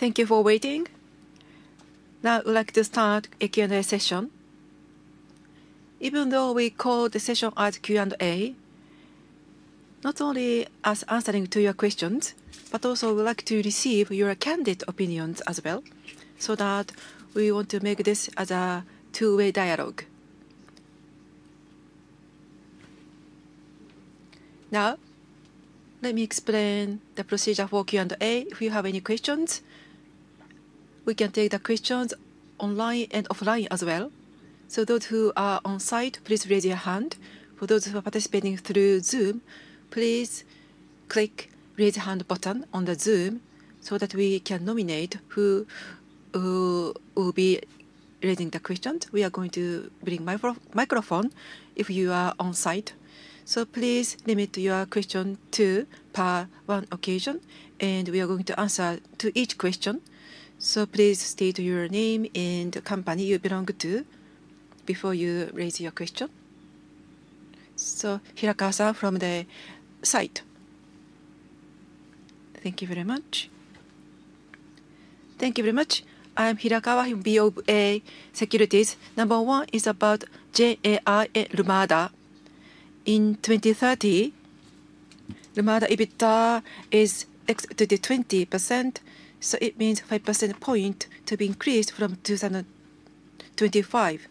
S1: Thank you for waiting. Now, I would like to start a Q&A session. Even though we call the session as Q&A, not only as answering to your questions, but also we would like to receive your candid opinions as well, so that we want to make this as a two-way dialogue. Now, let me explain the procedure for Q&A. If you have any questions, we can take the questions online and offline as well. Those who are on site, please raise your hand. For those who are participating through Zoom, please click the raise hand button on Zoom so that we can nominate who will be raising the questions. We are going to bring a microphone if you are on site. Please limit your question to one occasion, and we are going to answer each question. Please state your name and the company you belong to before you raise your question. Hirakawa from the site. Thank you very much. Thank you very much. I'm Hirakawa from BofA Securities. Number one is about GenAI and Lumada. In 2030, Lumada EBITDA is 20%, so it means a 5 percentage point increase from 2025.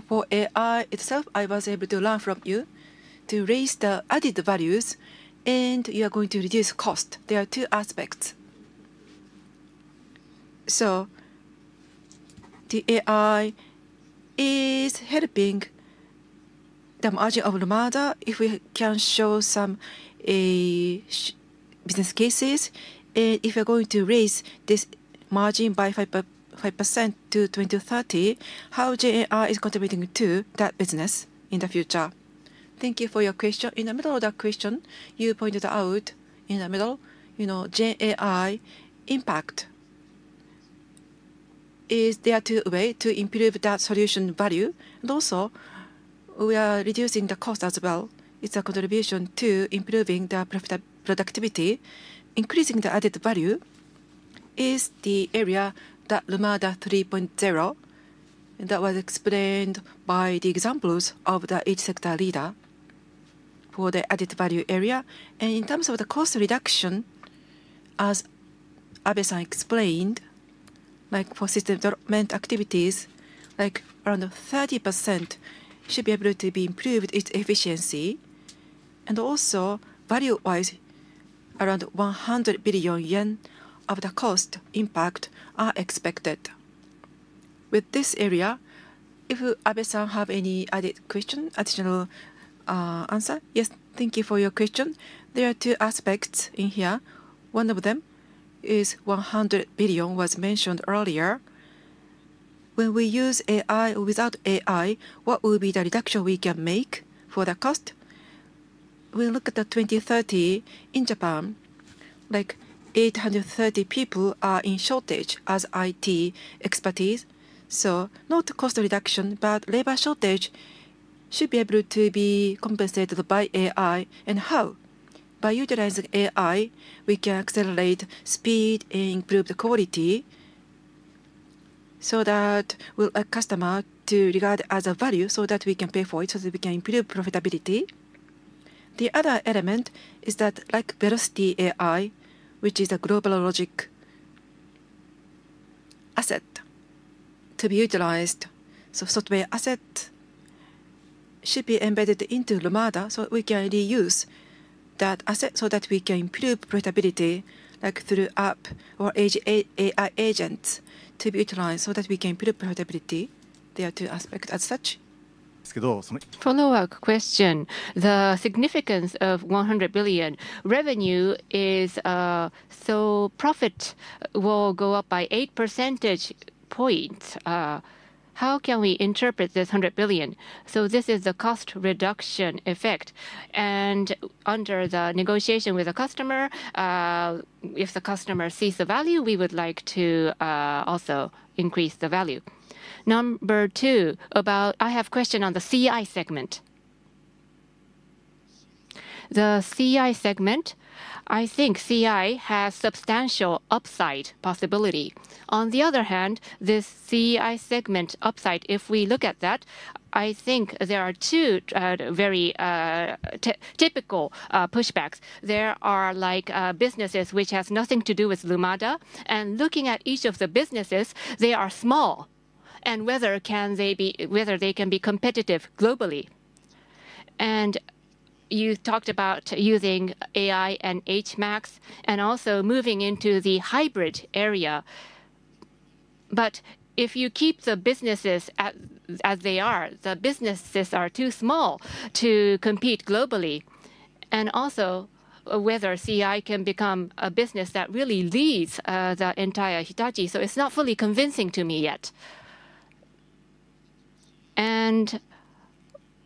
S1: For AI itself, I was able to learn from you to raise the added values, and you are going to reduce cost. There are two aspects. The AI is helping the margin of Lumada if we can show some business cases, and if we're going to raise this margin by 5 percentage points to 2030, how GenAI is contributing to that business in the future. Thank you for your question. In the middle of that question, you pointed out in the middle, GenAI impact. Is there a way to improve that solution value? We are reducing the cost as well. It is a contribution to improving the productivity. Increasing the added value is the area that Lumada 3.0 that was explained by the examples of the H-sector leader for the added value area. In terms of the cost reduction, as Abe-san explained, for system development activities, around 30% should be able to be improved in its efficiency. Also, value-wise, around 100 billion yen of the cost impact are expected. With this area, if Abe-san has any added question, additional answer, yes, thank you for your question. There are two aspects in here. One of them is 100 billion was mentioned earlier. When we use AI, without AI, what will be the reduction we can make for the cost? We look at the 2030 in Japan, like 830 people are in shortage as IT expertise. Not cost reduction, but labor shortage should be able to be compensated by AI. How? By utilizing AI, we can accelerate speed and improve the quality so that we'll add customer to regard as a value so that we can pay for it so that we can improve profitability. The other element is that, like Velocity AI, which is a GlobalLogic asset to be utilized. Software asset should be embedded into Lumada so we can reuse that asset so that we can improve profitability, like through app or AI agents to be utilized so that we can improve profitability. There are two aspects as such. ですけど。Follow-up question. The significance of 100 billion revenue is, profit will go up by 8 percentage points. How can we interpret this $100 billion? This is the cost reduction effect. Under the negotiation with the customer, if the customer sees the value, we would like to also increase the value. Number two, I have a question on the CI segment. The CI segment, I think CI has substantial upside possibility. On the other hand, this CI segment upside, if we look at that, I think there are two very typical pushbacks. There are businesses which have nothing to do with Lumada. Looking at each of the businesses, they are small, and whether they can be competitive globally. You talked about using AI and HMAX and also moving into the hybrid area. If you keep the businesses as they are, the businesses are too small to compete globally. Also, whether CI can become a business that really leads the entire Hitachi. It is not fully convincing to me yet.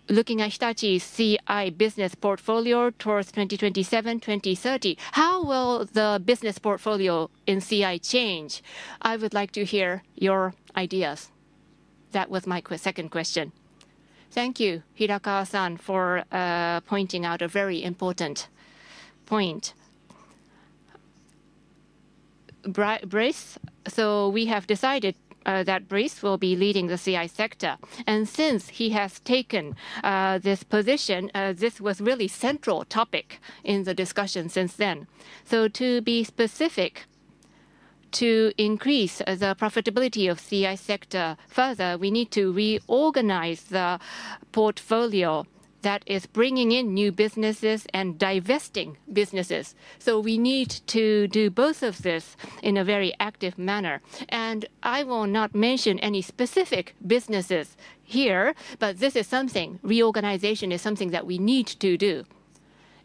S1: Looking at Hitachi's CI business portfolio towards 2027, 2030, how will the business portfolio in CI change? I would like to hear your ideas. That was my second question. Thank you, Hirakawa-san, for pointing out a very important point. Brice, we have decided that Brice will be leading the CI sector. Since he has taken this position, this was really a central topic in the discussion since then. To be specific, to increase the profitability of the CI sector further, we need to reorganize the portfolio that is bringing in new businesses and divesting businesses. We need to do both of this in a very active manner. I will not mention any specific businesses here, but this is something reorganization is something that we need to do.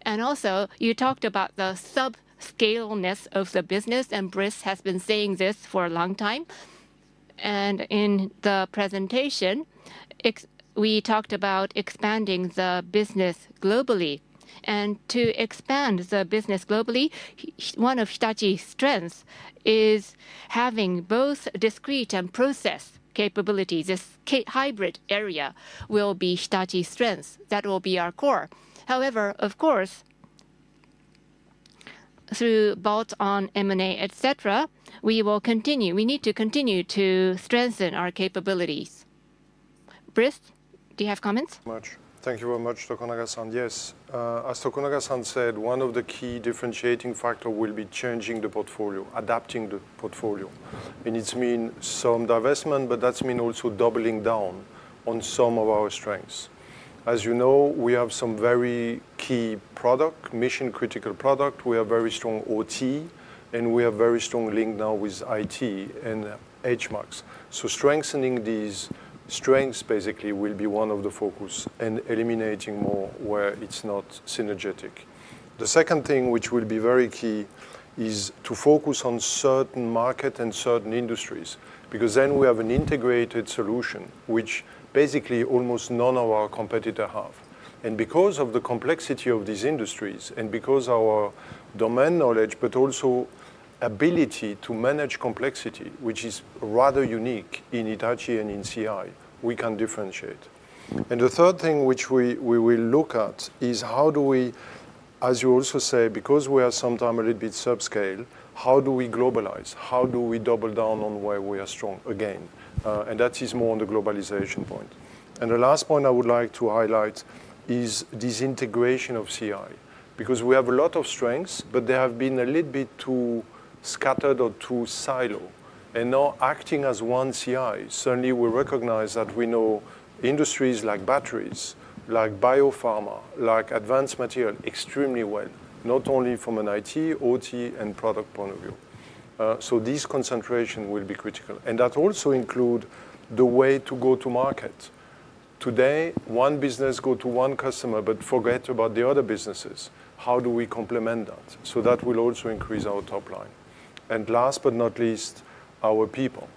S1: Also, you talked about the subscaleness of the business, and Brice has been saying this for a long time. In the presentation, we talked about expanding the business globally. To expand the business globally, one of Hitachi's strengths is having both discrete and process capabilities. This hybrid area will be Hitachi's strength. That will be our core. However, of course, through bolt-on M&A, etc., we will continue. We need to continue to strengthen our capabilities. Brice, do you have comments?
S4: Much. Thank you very much, Tokunaga-san. Yes, as Tokunaga-san said, one of the key differentiating factors will be changing the portfolio, adapting the portfolio. It needs to mean some divestment, but that means also doubling down on some of our strengths. As you know, we have some very key product, mission-critical product. We have very strong OT, and we have very strong link now with IT and HMAX. Strengthening these strengths basically will be one of the focus and eliminating more where it's not synergetic. The second thing which will be very key is to focus on certain markets and certain industries because then we have an integrated solution which basically almost none of our competitors have. Because of the complexity of these industries and because of our domain knowledge, but also ability to manage complexity, which is rather unique in Hitachi and in CI, we can differentiate. The third thing which we will look at is how do we, as you also say, because we are sometimes a little bit subscale, how do we globalize? How do we double down on where we are strong again? That is more on the globalization point. The last point I would like to highlight is this integration of CI because we have a lot of strengths, but they have been a little bit too scattered or too siloed and now acting as one CI. Certainly, we recognize that we know industries like batteries, like biopharma, like advanced material extremely well, not only from an IT, OT, and product point of view. This concentration will be critical. That also includes the way to go to market. Today, one business goes to one customer, but forget about the other businesses. How do we complement that? That will also increase our top line. Last but not least, our people.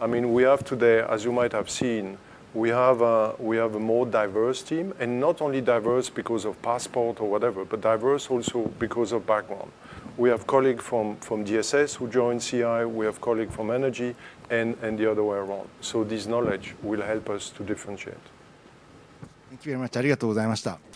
S4: I mean, we have today, as you might have seen, we have a more diverse team, and not only diverse because of passport or whatever, but diverse also because of background. We have colleagues from DSS who joined CI. We have colleagues from energy and the other way around. This knowledge will help us to differentiate. Thank you very much. ありがとうございました。
S1: Thank you very much. ください。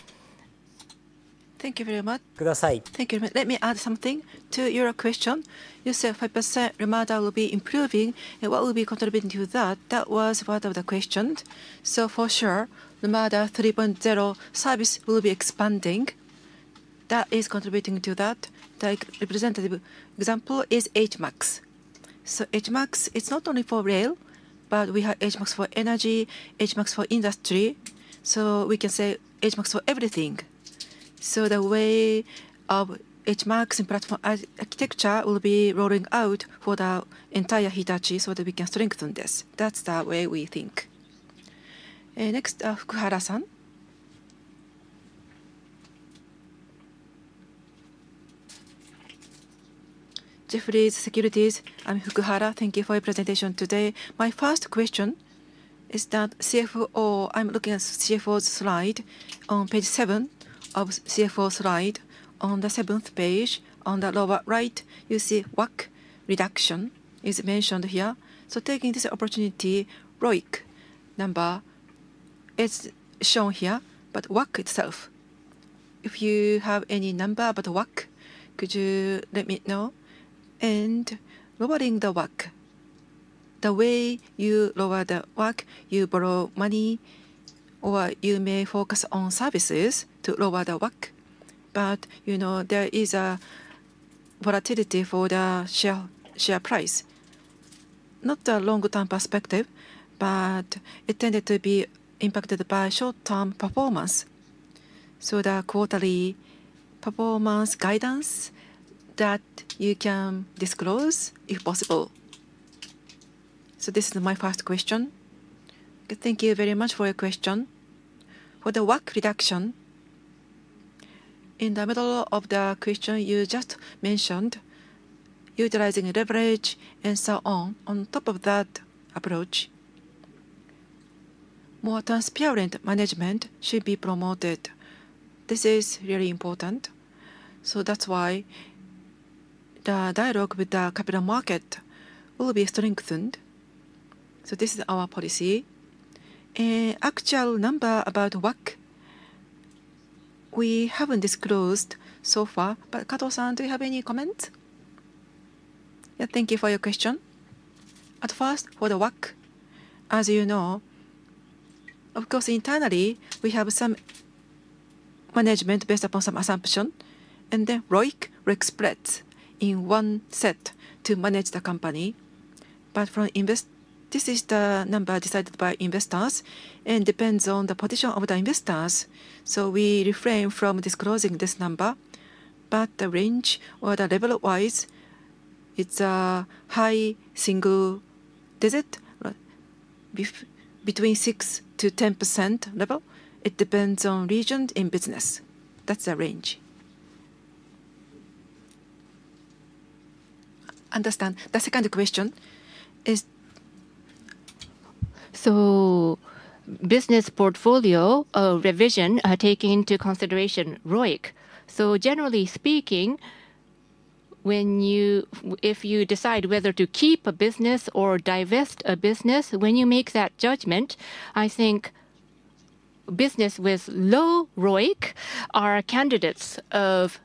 S1: Thank you very much. Let me add something to your question. You said 5% Lumada will be improving. What will be contributing to that? That was one of the questions. For sure, Lumada 3.0 service will be expanding. That is contributing to that. The representative example is HMAX. HMAX, it is not only for rail, but we have HMAX for energy, HMAX for industry. We can say HMAX for everything. The way of HMAX and platform architecture will be rolling out for the entire Hitachi so that we can strengthen this. That is the way we think. Next, Fukuhara-san. Jefferies Securities. I'm Fukuhara. Thank you for your presentation today. My first question is that CFO, I'm looking at CFO's slide on page seven of CFO slide. On the seventh page, on the lower right, you see WACC reduction is mentioned here. Taking this opportunity, ROIC number is shown here, but WACC itself. If you have any number about WACC, could you let me know? Lowering the WACC, the way you lower the WACC, you borrow money, or you may focus on services to lower the WACC. You know there is a volatility for the share price. Not the long-term perspective, but it tended to be impacted by short-term performance. The quarterly performance guidance that you can disclose if possible. This is my first question. Thank you very much for your question. For the WACC reduction, in the middle of the question, you just mentioned utilizing leverage and so on. On top of that approach, more transparent management should be promoted. This is really important. That is why the dialogue with the capital market will be strengthened. This is our policy. An actual number about WACC, we have not disclosed so far. Kato-san, do you have any comments? Yeah, thank you for your question. At first, for the WACC, as you know, of course, internally, we have some management based upon some assumption. Then ROIC, ROIC spreads in one set to manage the company. From investor, this is the number decided by investors and depends on the position of the investors. We refrain from disclosing this number. The range or the level-wise, it's a high single digit between 6-10% level. It depends on region and business. That's the range.
S8: Understand. The second question is, business portfolio revision taking into consideration ROIC. Generally speaking, if you decide whether to keep a business or divest a business, when you make that judgment, I think business with low ROIC are candidates of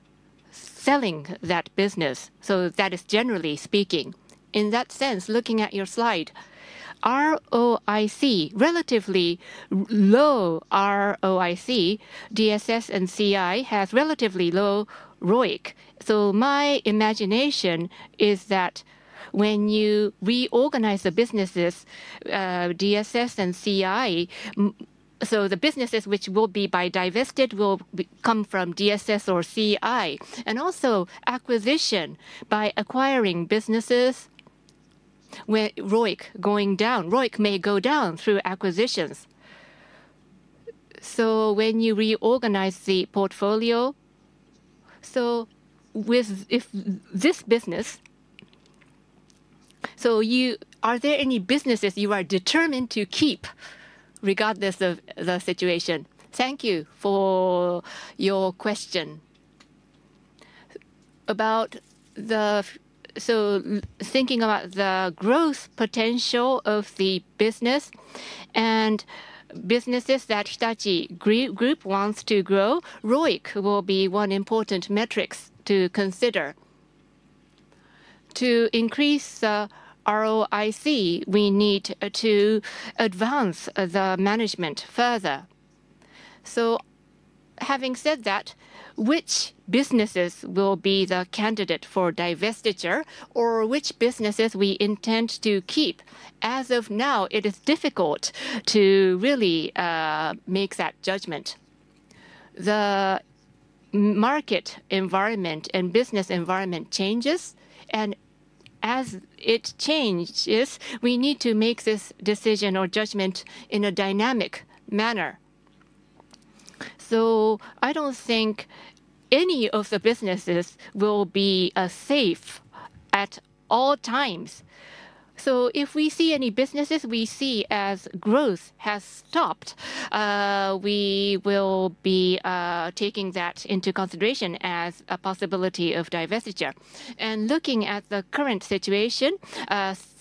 S8: selling that business. That is generally speaking. In that sense, looking at your slide, ROIC, relatively low ROIC, DSS and CI has relatively low ROIC. My imagination is that when you reorganize the businesses, DSS and CI, the businesses which will be divested will come from DSS or CI. Also, acquisition by acquiring businesses with ROIC going down. ROIC may go down through acquisitions. When you reorganize the portfolio, with this business, are there any businesses you are determined to keep regardless of the situation? Thank you for your question. About the thinking about the growth potential of the business and businesses that Hitachi Group wants to grow, ROIC will be one important metric to consider. To increase the ROIC, we need to advance the management further. Having said that, which businesses will be the candidate for divestiture or which businesses we intend to keep? As of now, it is difficult to really make that judgment. The market environment and business environment changes. As it changes, we need to make this decision or judgment in a dynamic manner. I do not think any of the businesses will be safe at all times. If we see any businesses we see as growth has stopped, we will be taking that into consideration as a possibility of divestiture. Looking at the current situation,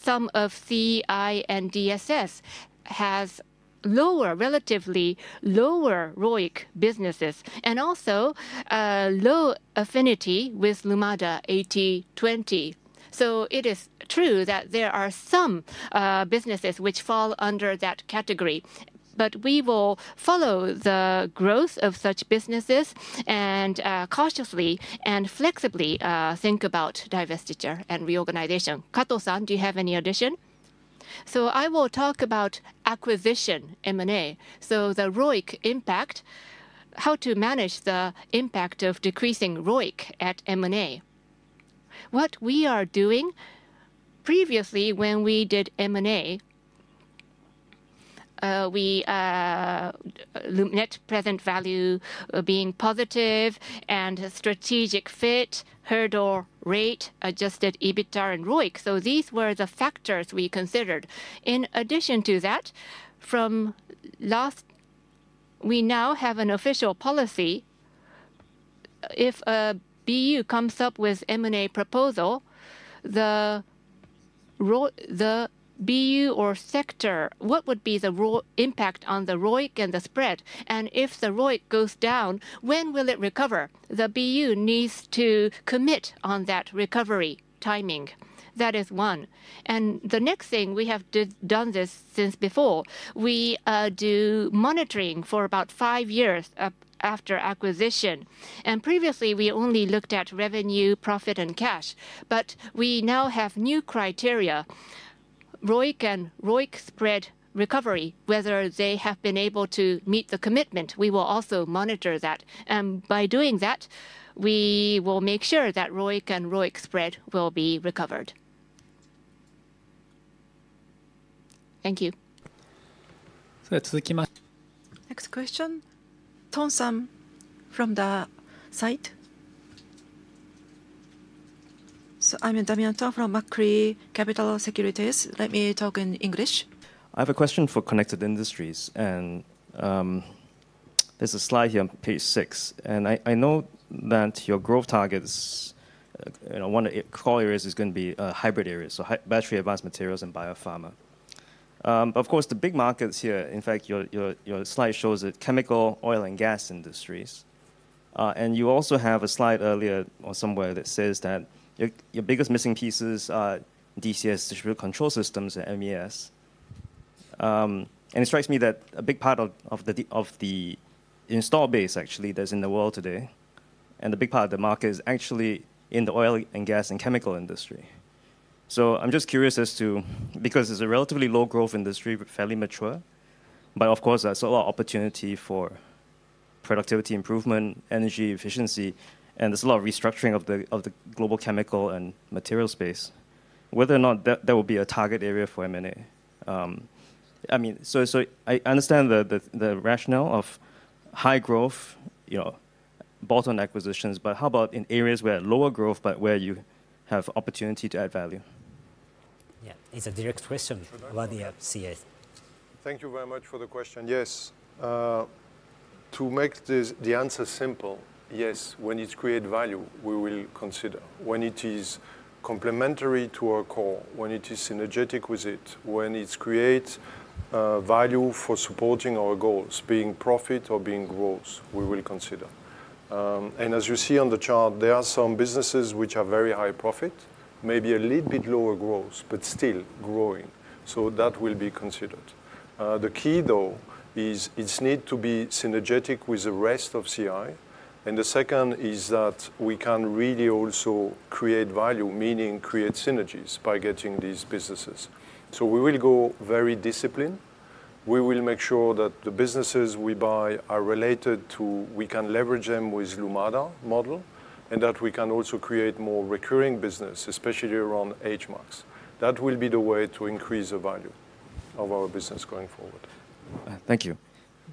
S8: some of CI and DSS have lower, relatively lower ROIC businesses and also low affinity with Lumada 8020. It is true that there are some businesses which fall under that category. We will follow the growth of such businesses and cautiously and flexibly think about divestiture and reorganization. Kato-san, do you have any addition? I will talk about acquisition M&A. The ROIC impact, how to manage the impact of decreasing ROIC at M&A. What we are doing previously when we did M&A, we looked at present value being positive and strategic fit, hurdle rate, adjusted EBITDA, and ROIC. These were the factors we considered. In addition to that, from last, we now have an official policy. If a BU comes up with an M&A proposal, the BU or sector, what would be the impact on the ROIC and the spread? If the ROIC goes down, when will it recover? The BU needs to commit on that recovery timing. That is one. The next thing, we have done this since before. We do monitoring for about five years after acquisition. Previously, we only looked at revenue, profit, and cash. We now have new criteria, ROIC and ROIC spread recovery, whether they have been able to meet the commitment. We will also monitor that. By doing that, we will make sure that ROIC and ROIC spread will be recovered. Thank you.
S4: 続きまして。Next question. Ton-san from the site.
S9: I'm Damien Ton from Macquarie Capital Securities. Let me talk in English.
S4: I have a question for Connected Industries. There is a slide here on page six. I know that your growth targets, one of the core areas is going to be a hybrid area, so battery, advanced materials, and biopharma. Of course, the big markets here, in fact, your slide shows the chemical, oil, and gas industries. You also have a slide earlier or somewhere that says that your biggest missing pieces are DCS, Distributed Control Systems, and MES. It strikes me that a big part of the install base actually that is in the world today, and a big part of the market, is actually in the oil, and gas, and chemical industry. I'm just curious as to, because it's a relatively low-growth industry, fairly mature, but of course, that's a lot of opportunity for productivity improvement, energy efficiency, and there's a lot of restructuring of the global chemical and material space. Whether or not that will be a target area for M&A. I mean, I understand the rationale of high growth, bottom acquisitions, but how about in areas where lower growth, but where you have opportunity to add value? Yeah, it's a direct question. What do you have? Thank you very much for the question. Yes. To make the answer simple, yes, when it creates value, we will consider. When it is complementary to our core, when it is synergetic with it, when it creates value for supporting our goals, being profit or being growth, we will consider. As you see on the chart, there are some businesses which are very high profit, maybe a little bit lower growth, but still growing. That will be considered. The key, though, is it needs to be synergetic with the rest of CI. The second is that we can really also create value, meaning create synergies by getting these businesses. We will go very disciplined. We will make sure that the businesses we buy are related to, we can leverage them with the Lumada model, and that we can also create more recurring business, especially around HMAX. That will be the way to increase the value of our business going forward. Thank you.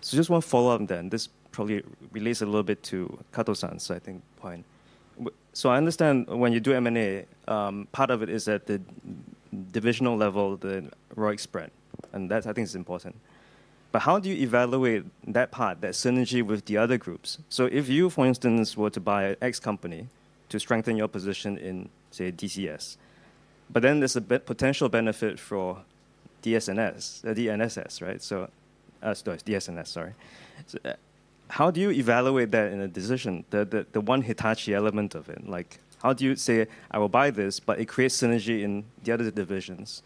S4: Just one follow-up then. This probably relates a little bit to Kato-san's, I think, point. I understand when you do M&A, part of it is at the divisional level, the ROIC spread. That, I think, is important. How do you evaluate that part, that synergy with the other groups? If you, for instance, were to buy an X company to strengthen your position in, say, DCS, but then there is a potential benefit for DSNS, right? DSNS, sorry. How do you evaluate that in a decision, the one Hitachi element of it? How do you say, I will buy this, but it creates synergy in the other divisions?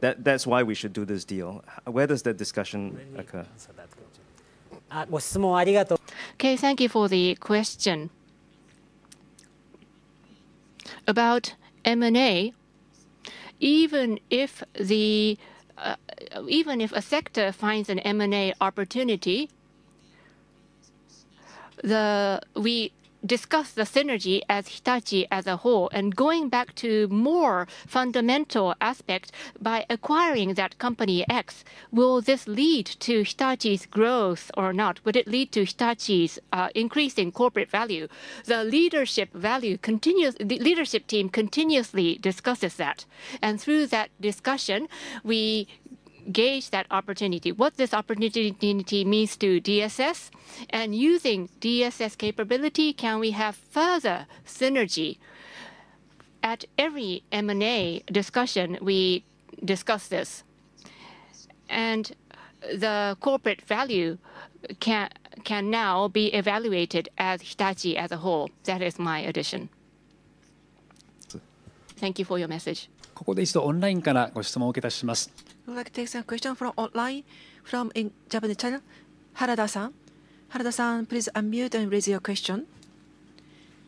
S4: That is why we should do this deal. Where does that discussion occur?
S1: Okay, thank you for the question. About M&A, even if a sector finds an M&A opportunity, we discuss the synergy as Hitachi as a whole. Going back to more fundamental aspects, by acquiring that company X, will this lead to Hitachi's growth or not? Would it lead to Hitachi's increasing corporate value? The leadership team continuously discusses that. Through that discussion, we gauge that opportunity. What does this opportunity mean to DSS? Using DSS capability, can we have further synergy? At every M&A discussion, we discuss this. The corporate value can now be evaluated as Hitachi as a whole. That is my addition. Thank you for your message.
S4: ここで一度オンラインからご質問を受けたします。Would like to take some questions from online from Japanese channel. Harada-san, please unmute and raise your question.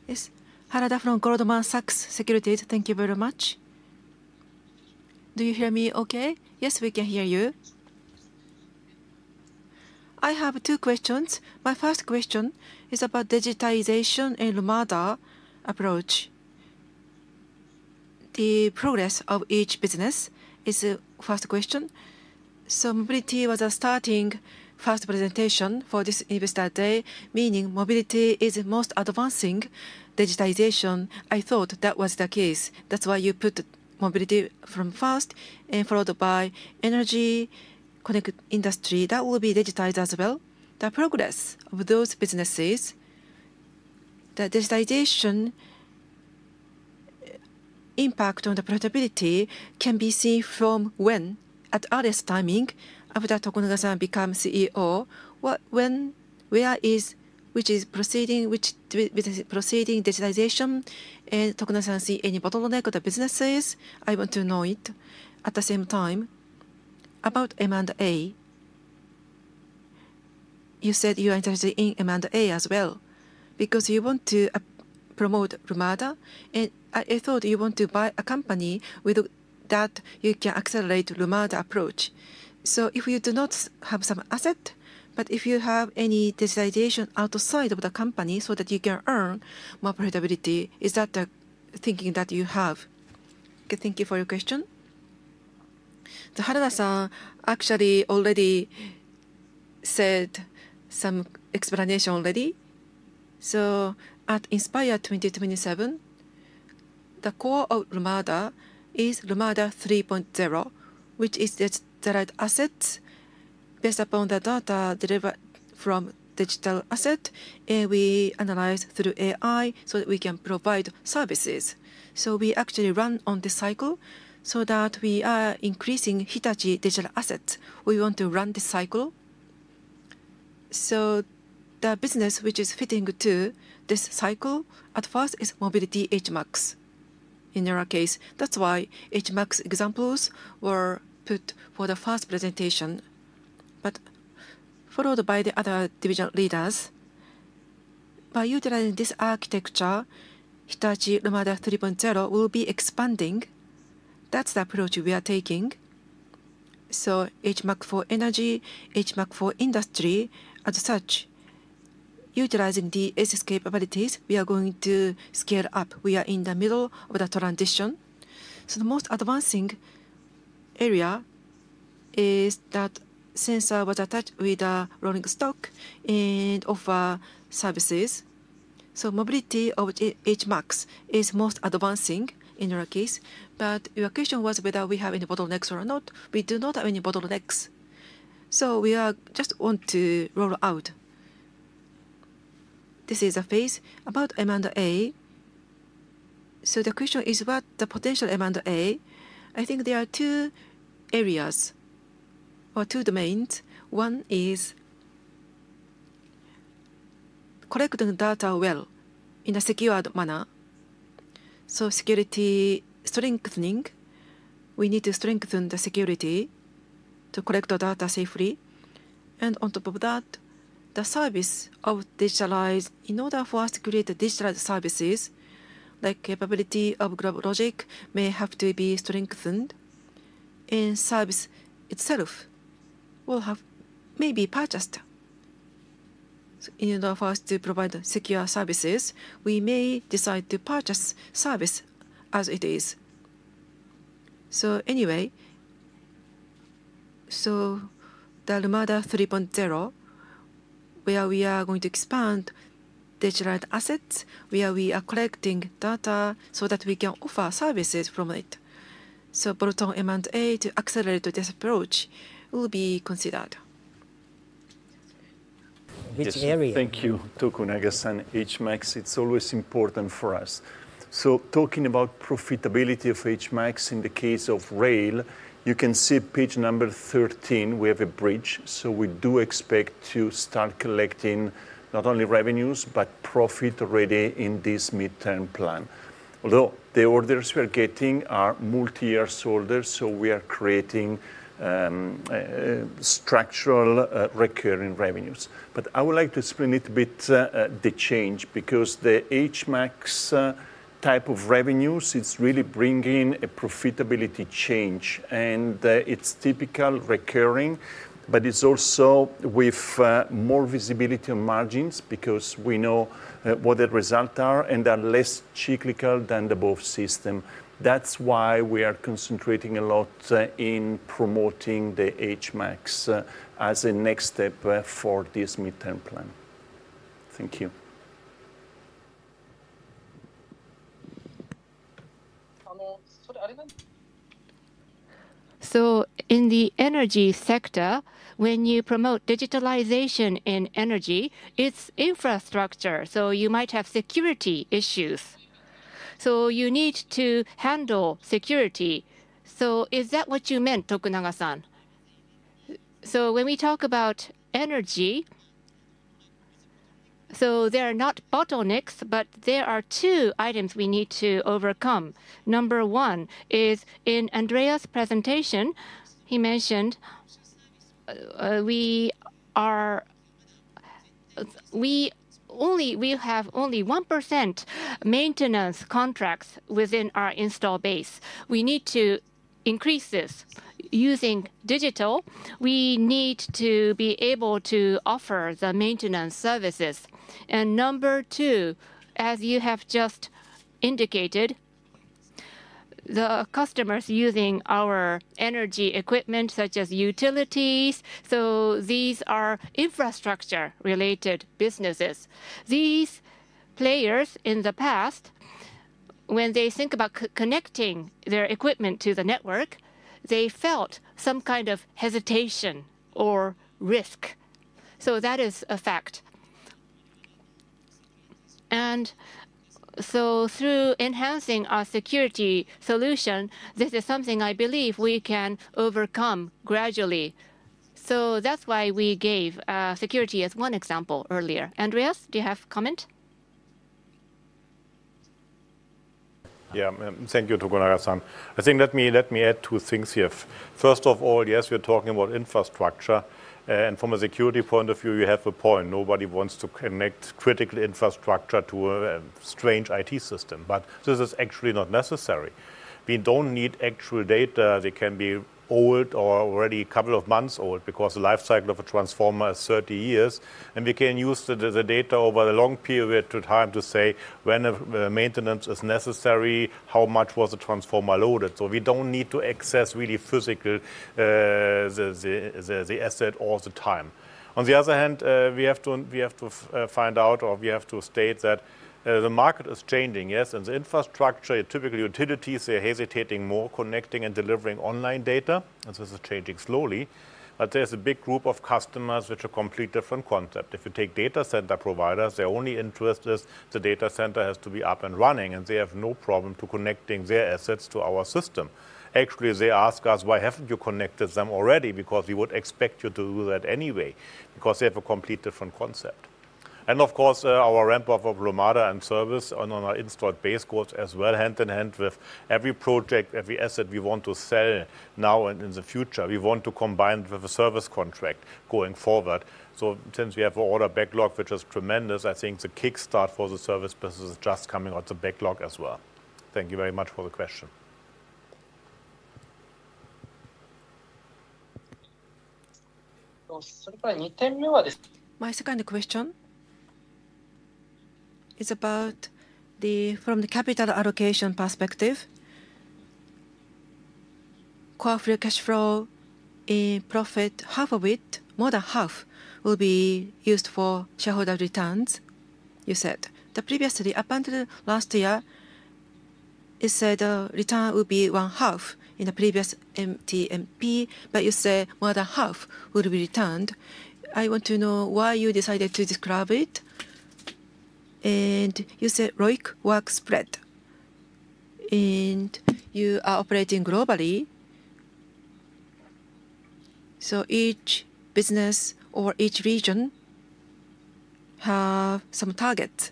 S4: Yes, Harada from Goldman Sachs Securities. Thank you very much. Do you hear me okay? Yes, we can hear you. I have two questions. My first question is about digitization and Lumada approach. The progress of each business is the first question. Mobility was a starting first presentation for this investor day, meaning mobility is the most advancing digitization. I thought that was the case.
S10: That's why you put mobility from first and followed by energy connected industry. That will be digitized as well. The progress of those businesses, the digitization impact on the profitability can be seen from when at earliest timing after Tokunaga-san becomes CEO. Where is which is proceeding with proceeding digitization? Does Tokunaga-san see any bottleneck of the businesses? I want to know it at the same time. About M&A, you said you are interested in M&A as well because you want to promote Lumada. I thought you want to buy a company with that you can accelerate Lumada approach. If you do not have some asset, but if you have any digitization outside of the company so that you can earn more profitability, is that the thinking that you have? Thank you for your question. Harada-san actually already said some explanation already. At Inspire 2027, the core of Lumada is Lumada 3.0, which is digital assets based upon the data delivered from digital assets. We analyze through AI so that we can provide services. We actually run on the cycle so that we are increasing Hitachi digital assets. We want to run the cycle. The business which is fitting to this cycle at first is mobility HMAX in our case. That is why HMAX examples were put for the first presentation, followed by the other division leaders. By utilizing this architecture, Hitachi Lumada 3.0 will be expanding. That is the approach we are taking. HMAX for energy, HMAX for industry as such, utilizing the ACES capabilities, we are going to scale up. We are in the middle of the transition. The most advancing area is that sensor was attached with a rolling stock and offer services. Mobility of HMAX is most advancing in our case. Your question was whether we have any bottlenecks or not. We do not have any bottlenecks. We just want to roll out. This is a phase about M&A. The question is what the potential M&A is. I think there are two areas or two domains. One is collecting data well in a secured manner. Security strengthening. We need to strengthen the security to collect data safely. On top of that, the service of digitalized, in order for us to create digitalized services, like capability of GlobalLogic, may have to be strengthened. Service itself will have maybe purchased. In order for us to provide secure services, we may decide to purchase service as it is. Anyway, the Lumada 3.0, where we are going to expand digital assets, where we are collecting data so that we can offer services from it. Proton M&A to accelerate this approach will be considered. Which area? Thank you, Tokunaga-san. HMAX, it's always important for us. Talking about profitability of HMAX in the case of rail, you can see page number 13, we have a bridge. We do expect to start collecting not only revenues, but profit already in this midterm plan. Although the orders we are getting are multi-year orders, we are creating structural recurring revenues. I would like to explain a little bit the change because the HMAX type of revenues, it's really bringing a profitability change. It's typical recurring, but it's also with more visibility on margins because we know what the results are and are less cyclical than the both system. That's why we are concentrating a lot in promoting the HMAX as a next step for this midterm plan. Thank you. In the energy sector, when you promote digitalization in energy, it's infrastructure. You might have security issues. You need to handle security. Is that what you meant, Tokunaga-san? When we talk about energy, there are not bottlenecks, but there are two items we need to overcome. Number one is in Andreas's presentation, he mentioned we have only 1% maintenance contracts within our install base. We need to increase this using digital. We need to be able to offer the maintenance services. Number two, as you have just indicated, the customers using our energy equipment, such as utilities. These are infrastructure-related businesses. These players in the past, when they think about connecting their equipment to the network, they felt some kind of hesitation or risk. That is a fact. Through enhancing our security solution, this is something I believe we can overcome gradually. That is why we gave security as one example earlier. Andreas, do you have a comment? Yeah, thank you, Tokunaga-san. I think let me add two things here. First of all, yes, we are talking about infrastructure. From a security point of view, you have a point. Nobody wants to connect critical infrastructure to a strange IT system. This is actually not necessary. We do not need actual data. They can be old or already a couple of months old because the lifecycle of a transformer is 30 years. We can use the data over a long period of time to say when maintenance is necessary, how much was the transformer loaded. We do not need to access the physical asset all the time. On the other hand, we have to find out or we have to state that the market is changing, yes. The infrastructure, typically utilities, they are hesitating more connecting and delivering online data. This is changing slowly. There is a big group of customers which are a completely different concept. If you take data center providers, their only interest is the data center has to be up and running. They have no problem connecting their assets to our system. Actually, they ask us, why have not you connected them already? Because we would expect you to do that anyway. They have a completely different concept. Our ramp-up of Lumada and service on our installed base goes as well hand in hand with every project, every asset we want to sell now and in the future. We want to combine it with a service contract going forward. Since we have order backlog, which is tremendous, I think the kickstart for the service business is just coming out of the backlog as well. Thank you very much for the question. まあ、世界2点目はですね。My second question is about the, from the capital allocation perspective, core free cash flow in profit, half of it, more than half will be used for shareholder returns, you said. Previously, up until last year, you said the return would be one half in the previous MTMP, but you said more than half would be returned. I want to know why you decided to describe it. You said ROIC work spread. You are operating globally, so each business or each region has some target,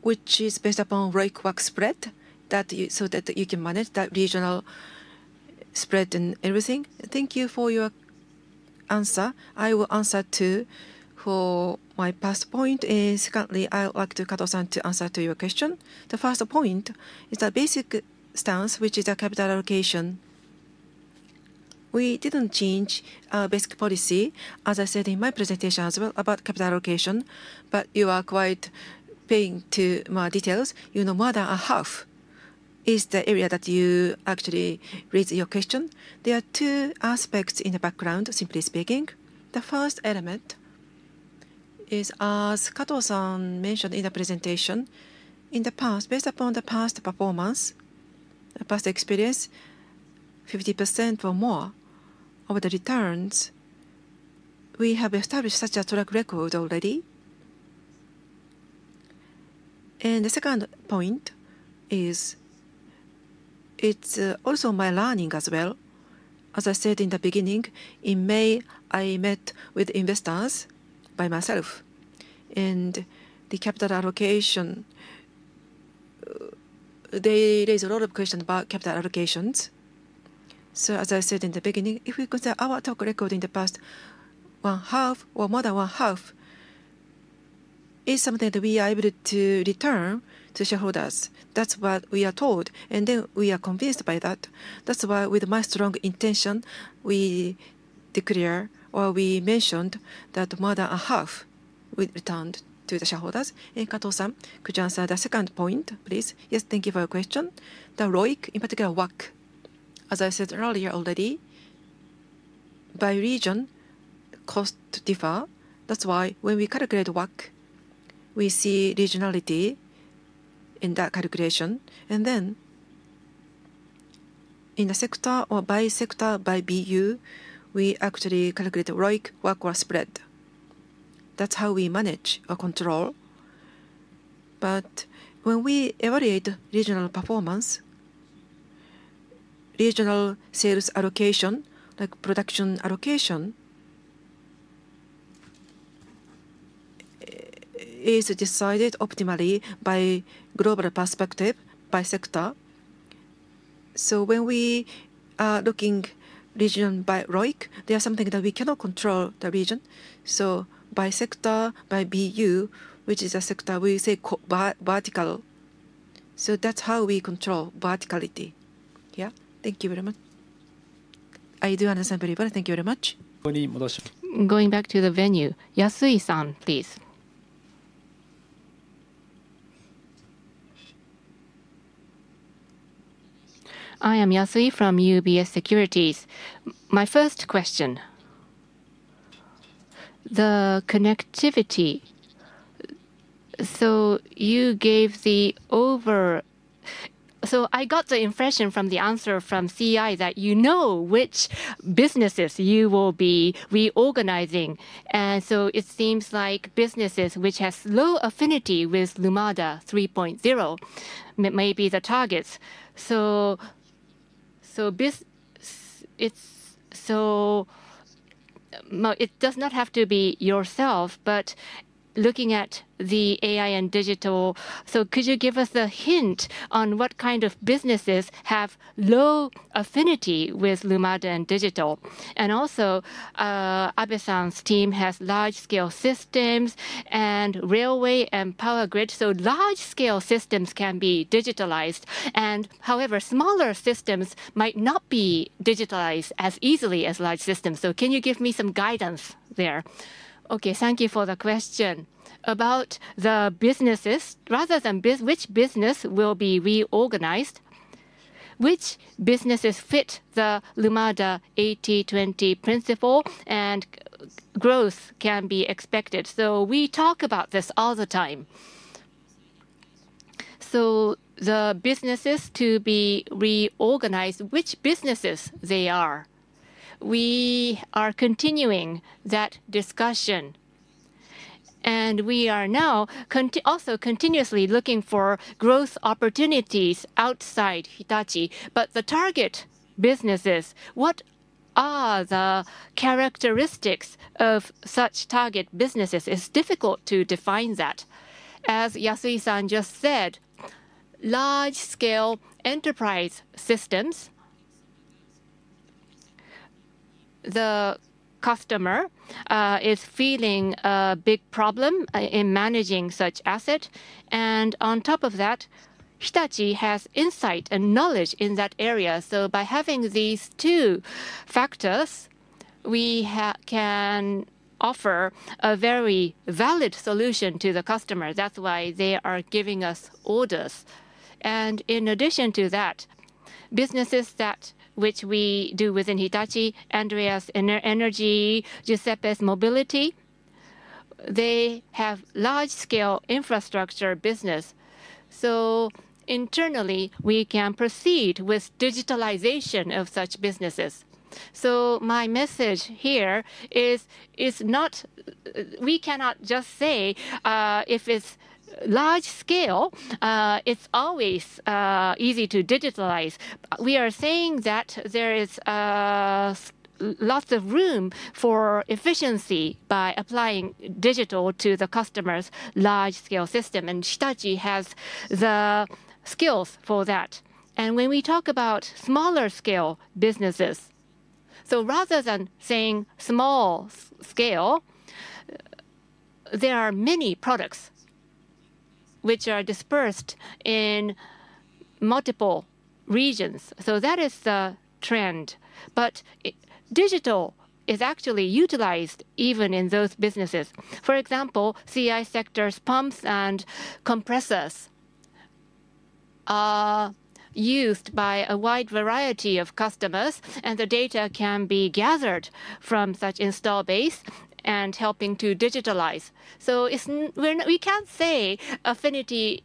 S10: which is based upon ROIC work spread so that you can manage that regional spread and everything. Thank you for your answer. I will answer too for my first point. Secondly, I would like Kato-san to answer your question. The first point is the basic stance, which is capital allocation. We did not change our basic policy, as I said in my presentation as well about capital allocation. You are quite paying too much details. You know more than half is the area that you actually raised your question. There are two aspects in the background, simply speaking. The first element is, as Kato-san mentioned in the presentation, in the past, based upon the past performance, the past experience, 50% or more of the returns, we have established such a track record already. The second point is it's also my learning as well. As I said in the beginning, in May, I met with investors by myself. The capital allocation, they raised a lot of questions about capital allocations. As I said in the beginning, if we consider our track record in the past, one half or more than one half, it's something that we are able to return to shareholders. That's what we are told. We are convinced by that. That's why with my strong intention, we declare or we mentioned that more than half will return to the shareholders. Kato-san, could you answer the second point, please? Yes, thank you for your question. The ROIC, in particular, work, as I said earlier already, by region, costs differ. That's why when we calculate work, we see regionality in that calculation. In the sector or by sector, by BU, we actually calculate ROIC work or spread. That's how we manage or control. When we evaluate regional performance, regional sales allocation, like production allocation, is decided optimally by global perspective, by sector. When we are looking region by ROIC, there is something that we cannot control, the region. By sector, by BU, which is a sector we say vertical. That's how we control verticality. Yeah? Thank you very much. I do understand very well. Thank you very much. に戻します。Going back to the venue, Yasui-san, please. I am Yasui from UBS Securities. My first question, the connectivity. You gave the over, so I got the impression from the answer from CI that you know which businesses you will be reorganizing. It seems like businesses which have low affinity with Lumada 3.0 may be the targets. It does not have to be yourself, but looking at the AI and digital, could you give us a hint on what kind of businesses have low affinity with Lumada and digital? Also, Abe-san's team has large-scale systems and railway and power grid. Large-scale systems can be digitalized. However, smaller systems might not be digitalized as easily as large systems. Can you give me some guidance there? Okay, thank you for the question. About the businesses, rather than which business will be reorganized, which businesses fit the Lumada 80/20 principle and growth can be expected? We talk about this all the time. The businesses to be reorganized, which businesses they are, we are continuing that discussion. We are now also continuously looking for growth opportunities outside Hitachi. The target businesses, what are the characteristics of such target businesses? It's difficult to define that. As Yasui-san just said, large-scale enterprise systems, the customer is feeling a big problem in managing such asset. On top of that, Hitachi has insight and knowledge in that area. By having these two factors, we can offer a very valid solution to the customer. That's why they are giving us orders. In addition to that, businesses that we do within Hitachi, Andreas' Energy, Giuseppe's Mobility, they have large-scale infrastructure business. Internally, we can proceed with digitalization of such businesses. My message here is we cannot just say if it's large-scale, it's always easy to digitalize. We are saying that there is lots of room for efficiency by applying digital to the customer's large-scale system. Hitachi has the skills for that. When we talk about smaller-scale businesses, rather than saying small-scale, there are many products which are dispersed in multiple regions. That is the trend. Digital is actually utilized even in those businesses. For example, CI sectors, pumps and compressors are used by a wide variety of customers. The data can be gathered from such install base and helping to digitalize. We can't say affinity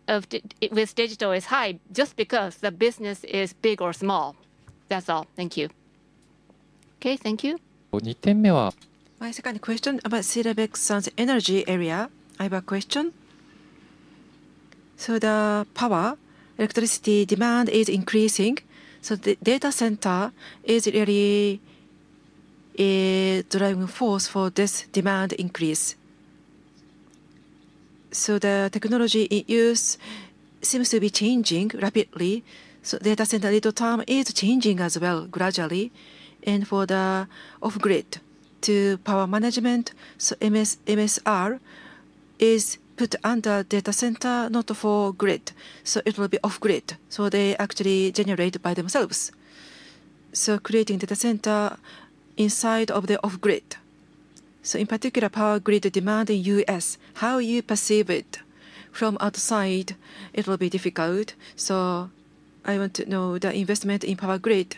S10: with digital is high just because the business is big or small. That's all. Thank you. Okay, thank you. 2点目は My second question about Schierenbeck-san's energy area. I have a question. The power, electricity demand is increasing. The data center is really a driving force for this demand increase. The technology in use seems to be changing rapidly. Data center data time is changing as well, gradually. For the off-grid to power management, MSR is put under data center, not for grid. It will be off-grid. They actually generate by themselves, creating data center inside of the off-grid. In particular, power grid demand in the US, how you perceive it from outside, it will be difficult. I want to know the investment in power grid.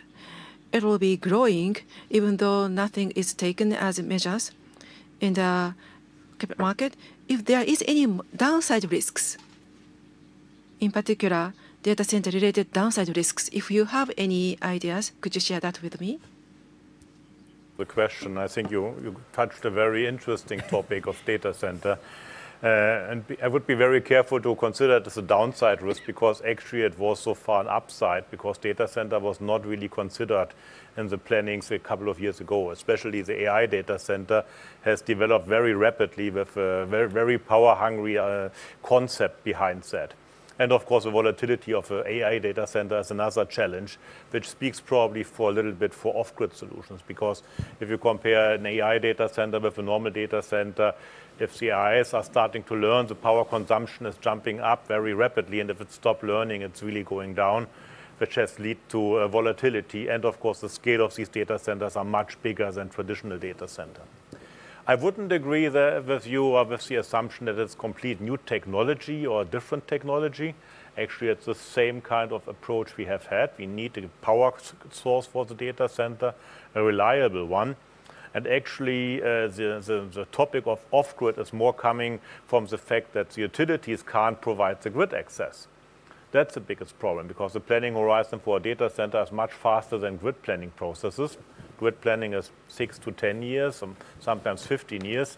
S10: It will be growing even though nothing is taken as measures in the market. If there are any downside risks, in particular, data center-related downside risks, if you have any ideas, could you share that with me? The question, I think you touched a very interesting topic of data center. I would be very careful to consider it as a downside risk because actually it was so far an upside because data center was not really considered in the plannings a couple of years ago. Especially the AI data center has developed very rapidly with a very power-hungry concept behind that. Of course, the volatility of an AI data center is another challenge, which speaks probably a little bit for off-grid solutions. If you compare an AI data center with a normal data center, if AIs are starting to learn, the power consumption is jumping up very rapidly. If it stops learning, it is really going down, which has led to volatility. The scale of these data centers is much bigger than traditional data centers. I wouldn't agree with you or with the assumption that it's complete new technology or different technology. Actually, it's the same kind of approach we have had. We need a power source for the data center, a reliable one. Actually, the topic of off-grid is more coming from the fact that utilities can't provide the grid access. That's the biggest problem because the planning horizon for a data center is much faster than grid planning processes. Grid planning is 6-10 years, sometimes 15 years.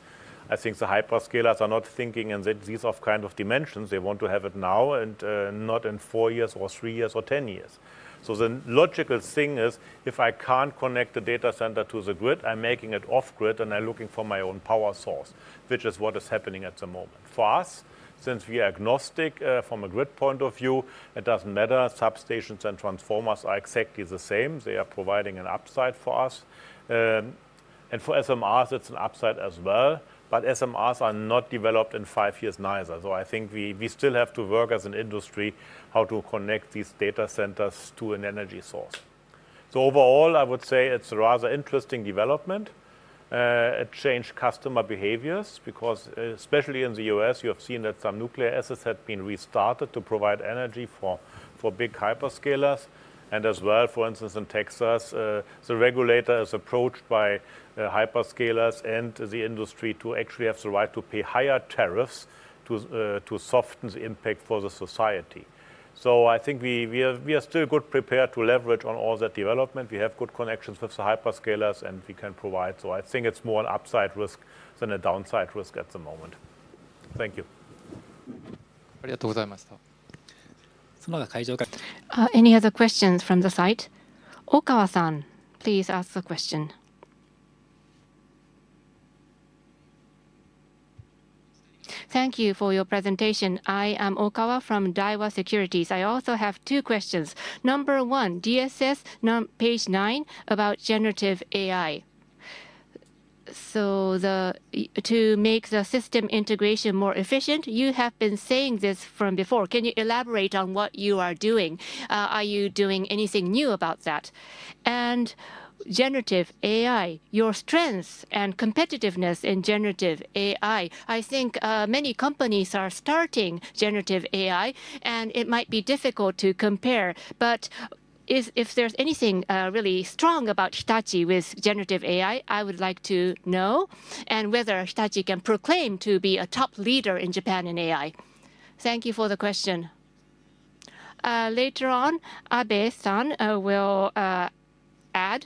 S10: I think the hyperscalers are not thinking in these kinds of dimensions. They want to have it now and not in 4 years or 3 years or 10 years. The logical thing is, if I can't connect the data center to the grid, I'm making it off-grid and I'm looking for my own power source, which is what is happening at the moment. For us, since we are agnostic from a grid point of view, it doesn't matter. Substations and transformers are exactly the same. They are providing an upside for us. For SMRs, it's an upside as well. SMRs are not developed in 5 years neither. I think we still have to work as an industry on how to connect these data centers to an energy source. Overall, I would say it's a rather interesting development. It changed customer behaviors because especially in the U.S., you have seen that some nuclear assets have been restarted to provide energy for big hyperscalers. For instance, in Texas, the regulator is approached by hyperscalers and the industry to actually have the right to pay higher tariffs to soften the impact for society. I think we are still good prepared to leverage on all that development. We have good connections with the hyperscalers and we can provide. I think it is more an upside risk than a downside risk at the moment. Thank you. ありがとうございました。その他会場。Any other questions from the site? Okawa-san, please ask a question. Thank you for your presentation. I am Okawa from Daiwa Securities. I also have two questions. Number one, DSS page nine about generative AI. To make the system integration more efficient, you have been saying this from before. Can you elaborate on what you are doing? Are you doing anything new about that? Generative AI, your strengths and competitiveness in generative AI, I think many companies are starting generative AI, and it might be difficult to compare. If there is anything really strong about Hitachi with generative AI, I would like to know whether Hitachi can proclaim to be a top leader in Japan in AI. Thank you for the question. Later on, Abe-san will add.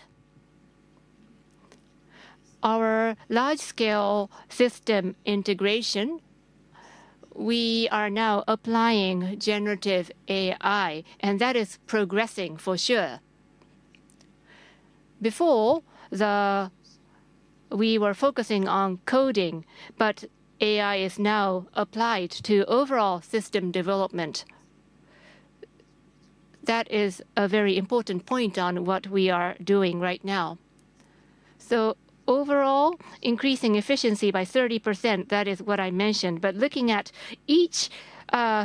S10: Our large-scale system integration, we are now applying generative AI, and that is progressing for sure. Before, we were focusing on coding, but AI is now applied to overall system development. That is a very important point on what we are doing right now. Overall, increasing efficiency by 30%, that is what I mentioned. Looking at each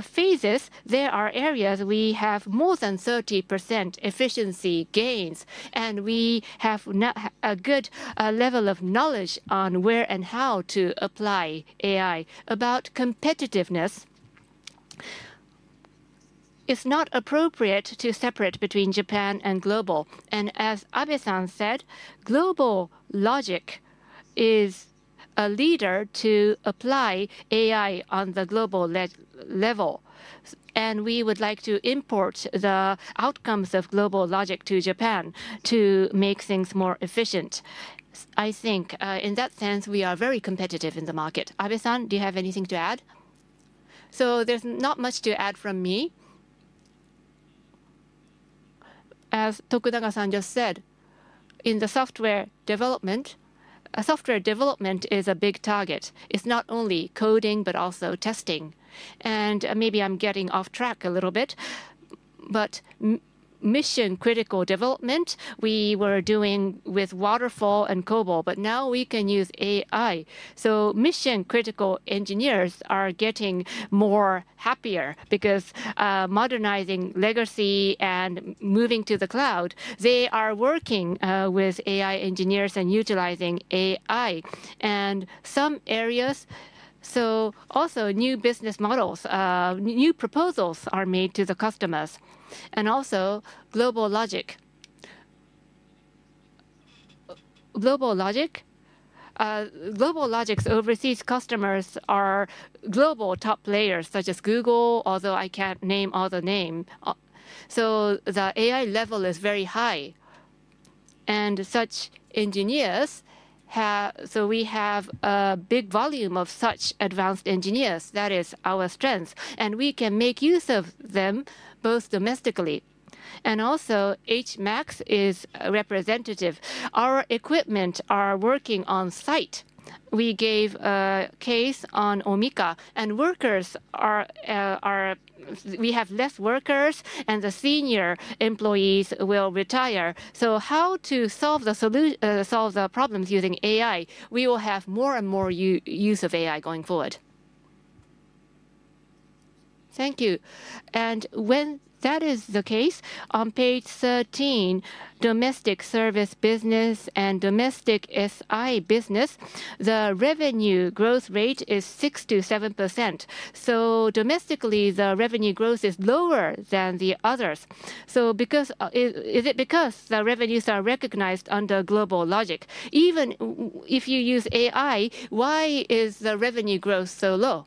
S10: phase, there are areas we have more than 30% efficiency gains, and we have a good level of knowledge on where and how to apply AI. About competitiveness, it's not appropriate to separate between Japan and global. As Abe-san said, GlobalLogic is a leader to apply AI on the global level. We would like to import the outcomes of GlobalLogic to Japan to make things more efficient. I think in that sense, we are very competitive in the market. Abe-san, do you have anything to add? There's not much to add from me. As Tokunaga-san just said, in the software development, software development is a big target. It's not only coding, but also testing. Maybe I'm getting off track a little bit. Mission-critical development, we were doing with Waterfall and COBOL, but now we can use AI. Mission-critical engineers are getting more happier because modernizing legacy and moving to the cloud, they are working with AI engineers and utilizing AI. In some areas, also new business models, new proposals are made to the customers. Also, GlobalLogic. GlobalLogic's overseas customers are global top players, such as Google, although I can't name all the names. The AI level is very high. Such engineers, we have a big volume of such advanced engineers. That is our strength. We can make use of them both domestically. Also, HMAX is representative. Our equipment are working on site. We gave a case on Omika, and workers are—we have fewer workers, and the senior employees will retire. How to solve the problems using AI? We will have more and more use of AI going forward. Thank you. When that is the case, on page 13, domestic service business and domestic SI business, the revenue growth rate is 6-7%. Domestically, the revenue growth is lower than the others. Is it because the revenues are recognized under GlobalLogic? Even if you use AI, why is the revenue growth so low?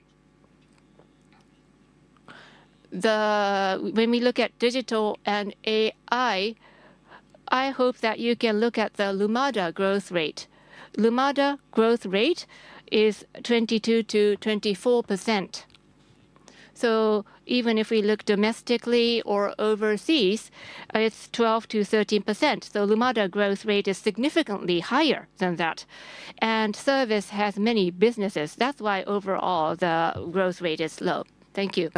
S10: When we look at digital and AI, I hope that you can look at the Lumada growth rate. Lumada growth rate is 22-24%. Even if we look domestically or overseas, it is 12-13%. Lumada growth rate is significantly higher than that. Service has many businesses. That is why overall the growth rate is low. Thank you.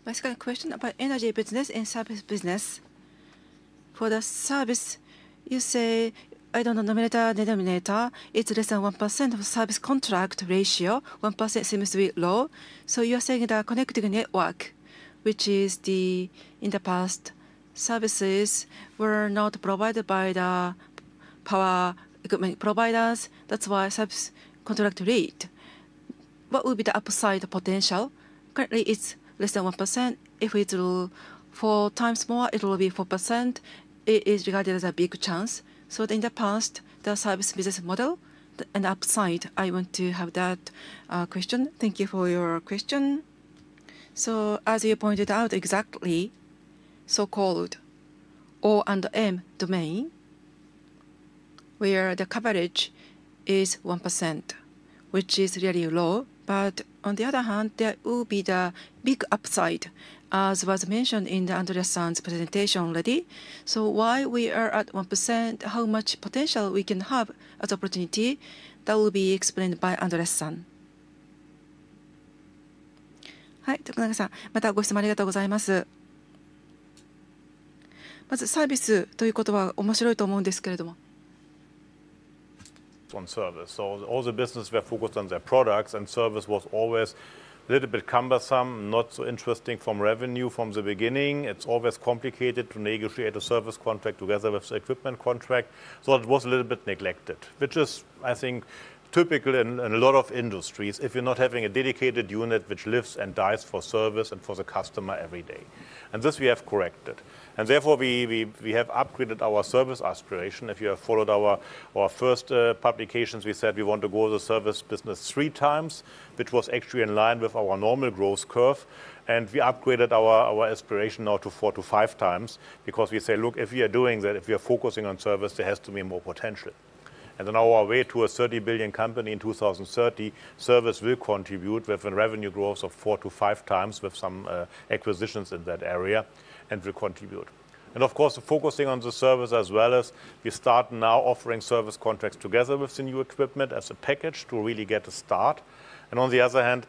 S10: あの。I just got a question about energy business and service business. For the service, you say, I do not know, nominator, denominator, it is less than 1% of service contract ratio. 1% seems to be low. You are saying the connected network, which is the—in the past, services were not provided by the power equipment providers. That's why service contract rate. What will be the upside potential? Currently, it's less than 1%. If it's four times more, it will be 4%. It is regarded as a big chance. In the past, the service business model and upside, I want to have that question. Thank you for your question. As you pointed out, exactly so-called O and M domain, where the coverage is 1%, which is really low. On the other hand, there will be the big upside, as was mentioned in Andreas-san's presentation already. Why we are at 1%, how much potential we can have as opportunity, that will be explained by Andreas-san. はい、徳永さん、またご質問ありがとうございます。まず、サービスという言葉は面白いと思うんですけれども。On service. All the business were focused on their products, and service was always a little bit cumbersome, not so interesting from revenue from the beginning. It's always complicated to negotiate a service contract together with the equipment contract. It was a little bit neglected, which is, I think, typical in a lot of industries if you're not having a dedicated unit which lives and dies for service and for the customer every day. This we have corrected. Therefore, we have upgraded our service aspiration. If you have followed our first publications, we said we want to go to the service business three times, which was actually in line with our normal growth curve. We upgraded our aspiration now to four- to five-times because we say, look, if we are doing that, if we are focusing on service, there has to be more potential. Our way to a $30 billion company in 2030, service will contribute with a revenue growth of four- to five-times with some acquisitions in that area and will contribute. Of course, focusing on the service as well as we start now offering service contracts together with the new equipment as a package to really get a start. On the other hand,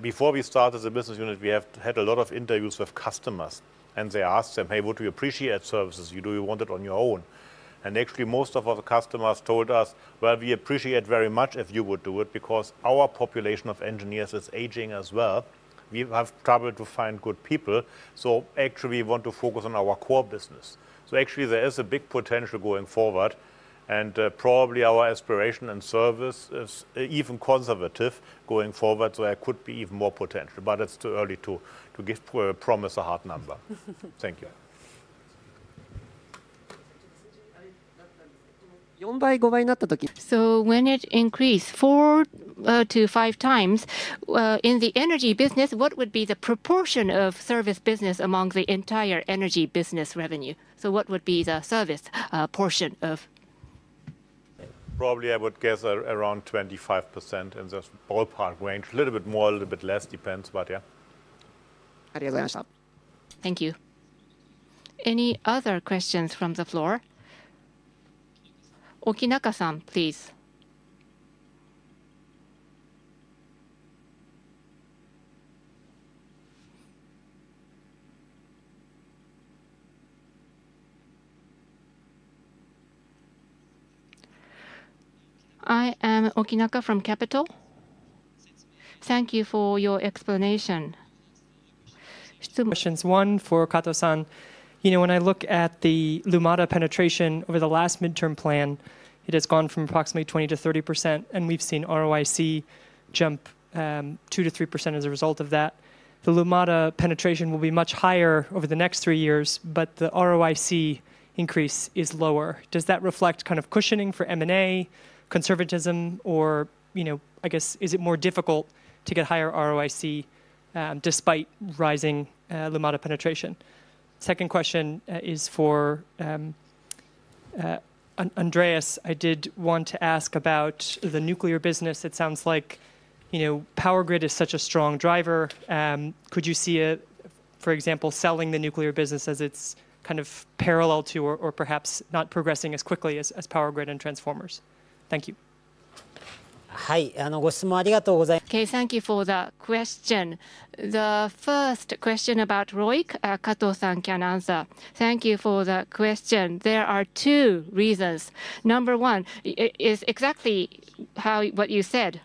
S10: before we started the business unit, we had a lot of interviews with customers. They asked them, hey, would we appreciate services? Do you want it on your own? Actually, most of our customers told us, well, we appreciate very much if you would do it because our population of engineers is aging as well. We have trouble to find good people. Actually, we want to focus on our core business. Actually, there is a big potential going forward. Our aspiration and service is even conservative going forward. There could be even more potential. It's too early to give promise a hard number. Thank you. 4倍、5倍になった時。When it increased four to five times in the energy business, what would be the proportion of service business among the entire energy business revenue? What would be the service portion of? I would guess around 25% in the ballpark range. A little bit more, a little bit less, depends. Yeah. ありがとうございました。Thank you. Any other questions from the floor? 沖中さん, please. I am Okina from Capital. Thank you for your explanation. 質問。Questions. One for Kato-san. You know, when I look at the Lumada penetration over the last midterm plan, it has gone from approximately 20% to 30%, and we've seen ROIC jump 2% to 3% as a result of that. The Lumada penetration will be much higher over the next three years, but the ROIC increase is lower. Does that reflect kind of cushioning for M&A, conservatism, or, you know, I guess, is it more difficult to get higher ROIC despite rising Lumada penetration? Second question is for Andreas. I did want to ask about the nuclear business. It sounds like, you know, power grid is such a strong driver. Could you see, for example, selling the nuclear business as it's kind of parallel to, or perhaps not progressing as quickly as power grid and transformers? Thank you. はい、あの、ご質問ありがとうございます。Okay, thank you for the question. The first question about ROIC, Kato-san can answer. Thank you for the question. There are two reasons. Number one is exactly how what you said.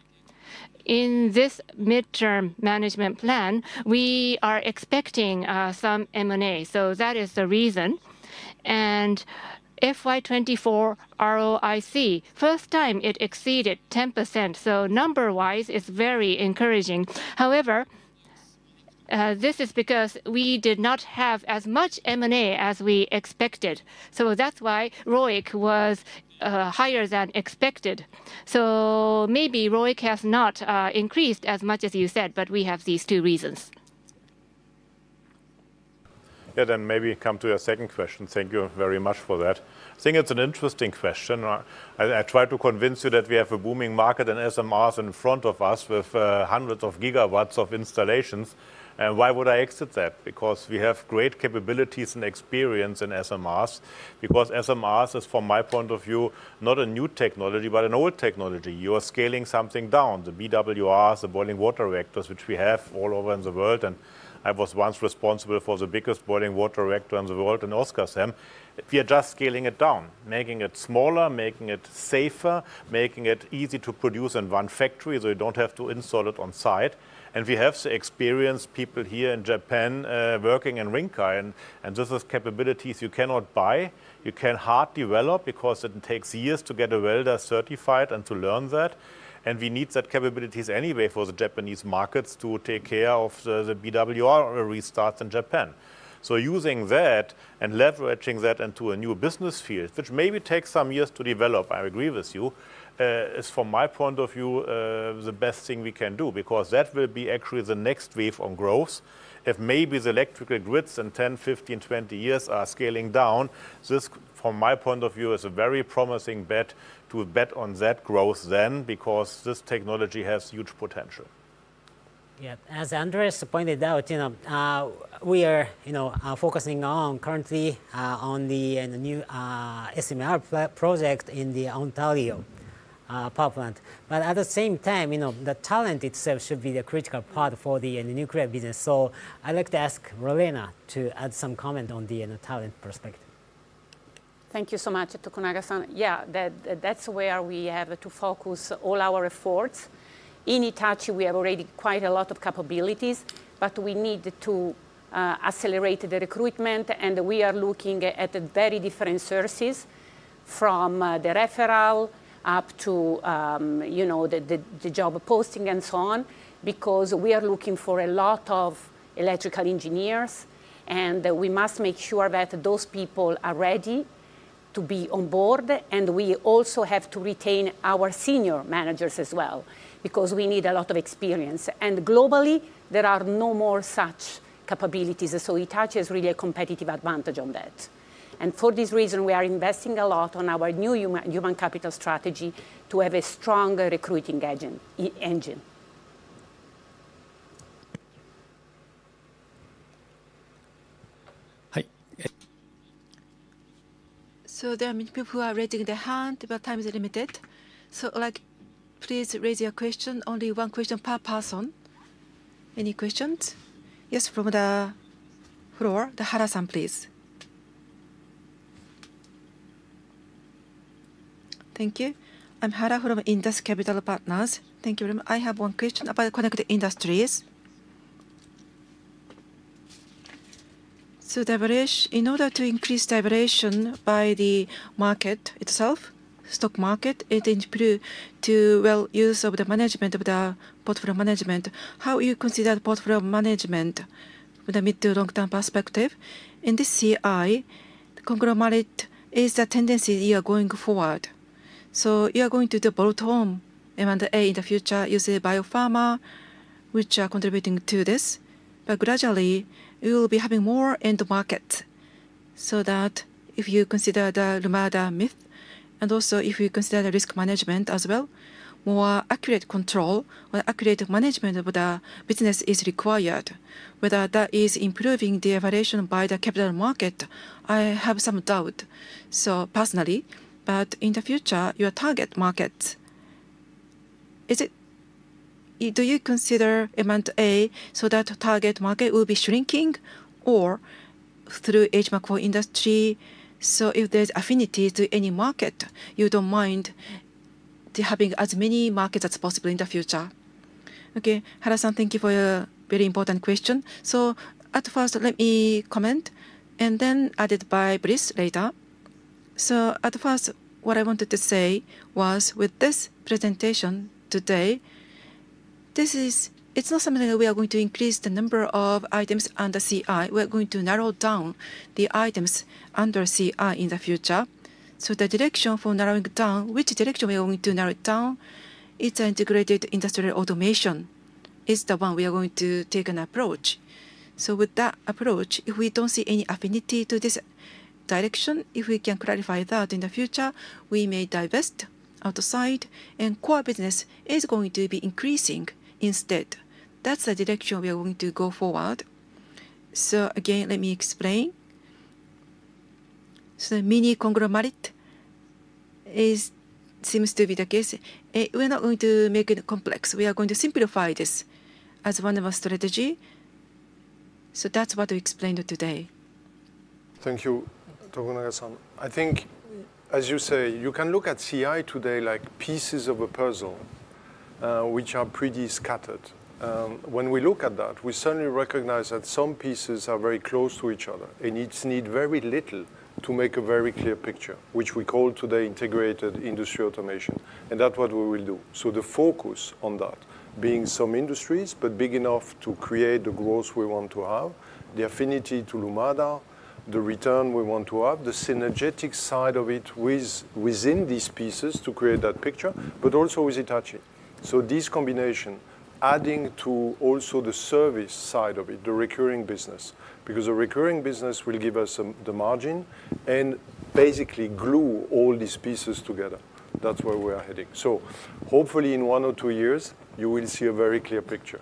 S10: In this midterm management plan, we are expecting some M&A. So that is the reason. FY24 ROIC, first time it exceeded 10%. Number-wise, it is very encouraging. However, this is because we did not have as much M&A as we expected. That is why ROIC was higher than expected. Maybe ROIC has not increased as much as you said, but we have these two reasons. Maybe I will come to your second question. Thank you very much for that. I think it is an interesting question. I tried to convince you that we have a booming market in SMRs in front of us with hundreds of gigawatts of installations. Why would I exit that? We have great capabilities and experience in SMRs. SMRs is, from my point of view, not a new technology, but an old technology. You are scaling something down, the BWRs, the boiling water reactors, which we have all over in the world. I was once responsible for the biggest boiling water reactor in the world in Oskarshamn. We are just scaling it down, making it smaller, making it safer, making it easy to produce in one factory so you do not have to install it on site. We have the experienced people here in Japan working in Rinkai. This is capabilities you cannot buy. You can hard develop because it takes years to get a welder certified and to learn that. We need that capabilities anyway for the Japanese markets to take care of the BWR restarts in Japan. Using that and leveraging that into a new business field, which maybe takes some years to develop, I agree with you, is from my point of view the best thing we can do because that will be actually the next wave on growth. If maybe the electrical grids in 10, 15, 20 years are scaling down, this, from my point of view, is a very promising bet to bet on that growth then because this technology has huge potential. Yeah, as Andreas pointed out, you know, we are, you know, focusing on currently on the new SMR project in the Ontario power plant. At the same time, you know, the talent itself should be the critical part for the nuclear business. I’d like to ask Lorena to add some comment on the talent perspective. Thank you so much, Tokunaga-san. Yeah, that’s where we have to focus all our efforts. In Hitachi, we have already quite a lot of capabilities, but we need to accelerate the recruitment. We are looking at very different sources from the referral up to, you know, the job posting and so on because we are looking for a lot of electrical engineers. We must make sure that those people are ready to be on board. We also have to retain our senior managers as well because we need a lot of experience. Globally, there are no more such capabilities. Hitachi is really a competitive advantage on that. For this reason, we are investing a lot on our new human capital strategy to have a stronger recruiting engine. はい. There are many people who are raising their hand, but time is limited. Please raise your question, only one question per person. Any questions? Yes, from the floor, Hara-san, please. Thank you. I'm Hara from Indus Capital Partners. Thank you very much. I have one question about Connected Industries. In order to increase diversion by the market itself, stock market, it is to use of the management of the portfolio management. How do you consider the portfolio management with a mid to long-term perspective? In this CI, conglomerate is the tendency you are going forward. You are going to do bolt-on M&A in the future, using biopharma, which are contributing to this. Gradually, we will be having more end markets. If you consider the Lumada myth, and also if you consider the risk management as well, more accurate control or accurate management of the business is required. Whether that is improving the evaluation by the capital market, I have some doubt. Personally, in the future, your target markets, do you consider M&A so that target market will be shrinking or through age macro industry? If there is affinity to any market, you do not mind having as many markets as possible in the future. Hara-san, thank you for your very important question. At first, let me comment, and then added by Breeze later. At first, what I wanted to say was with this presentation today, this is, it is not something that we are going to increase the number of items under CI. We are going to narrow down the items under CI in the future. The direction for narrowing down, which direction we are going to narrow down, it is an integrated industrial automation. It is the one we are going to take an approach. With that approach, if we do not see any affinity to this direction, if we can clarify that in the future, we may divest outside and core business is going to be increasing instead. That's the direction we are going to go forward. Again, let me explain. The mini conglomerate seems to be the case. We're not going to make it complex. We are going to simplify this as one of our strategies. That's what we explained today. Thank you, Tokunaga-san. I think, as you say, you can look at CI today like pieces of a puzzle, which are pretty scattered. When we look at that, we suddenly recognize that some pieces are very close to each other, and it needs very little to make a very clear picture, which we call today integrated industry automation. That's what we will do. The focus on that being some industries, but big enough to create the growth we want to have, the affinity to Lumada, the return we want to have, the synergetic side of it within these pieces to create that picture, but also with Hitachi. This combination, adding to also the service side of it, the recurring business, because the recurring business will give us the margin and basically glue all these pieces together. That is where we are heading. Hopefully in one or two years, you will see a very clear picture.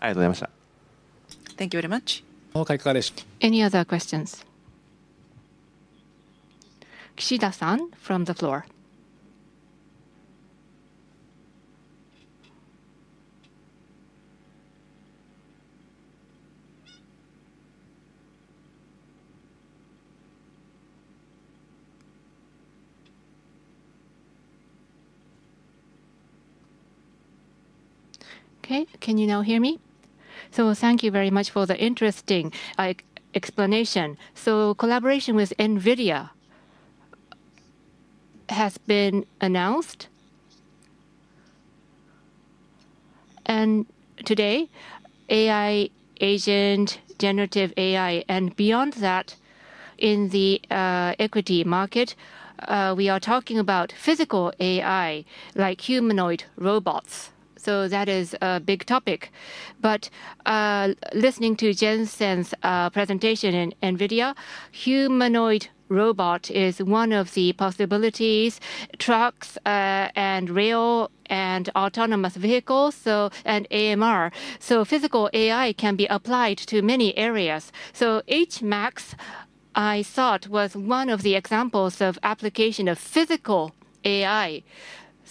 S10: ありがとうございました。Thank you very much. 公開から。Any other questions? Kishida-san, from the floor. Okay, can you now hear me? Thank you very much for the interesting explanation. Collaboration with NVIDIA has been announced. Today, AI agent, generative AI, and beyond that, in the equity market, we are talking about physical AI, like humanoid robots. That is a big topic. Listening to Jensen's presentation in NVIDIA, humanoid robot is one of the possibilities: trucks and rail and autonomous vehicles, and AMR. Physical AI can be applied to many areas. HMAX, I thought, was one of the examples of application of physical AI.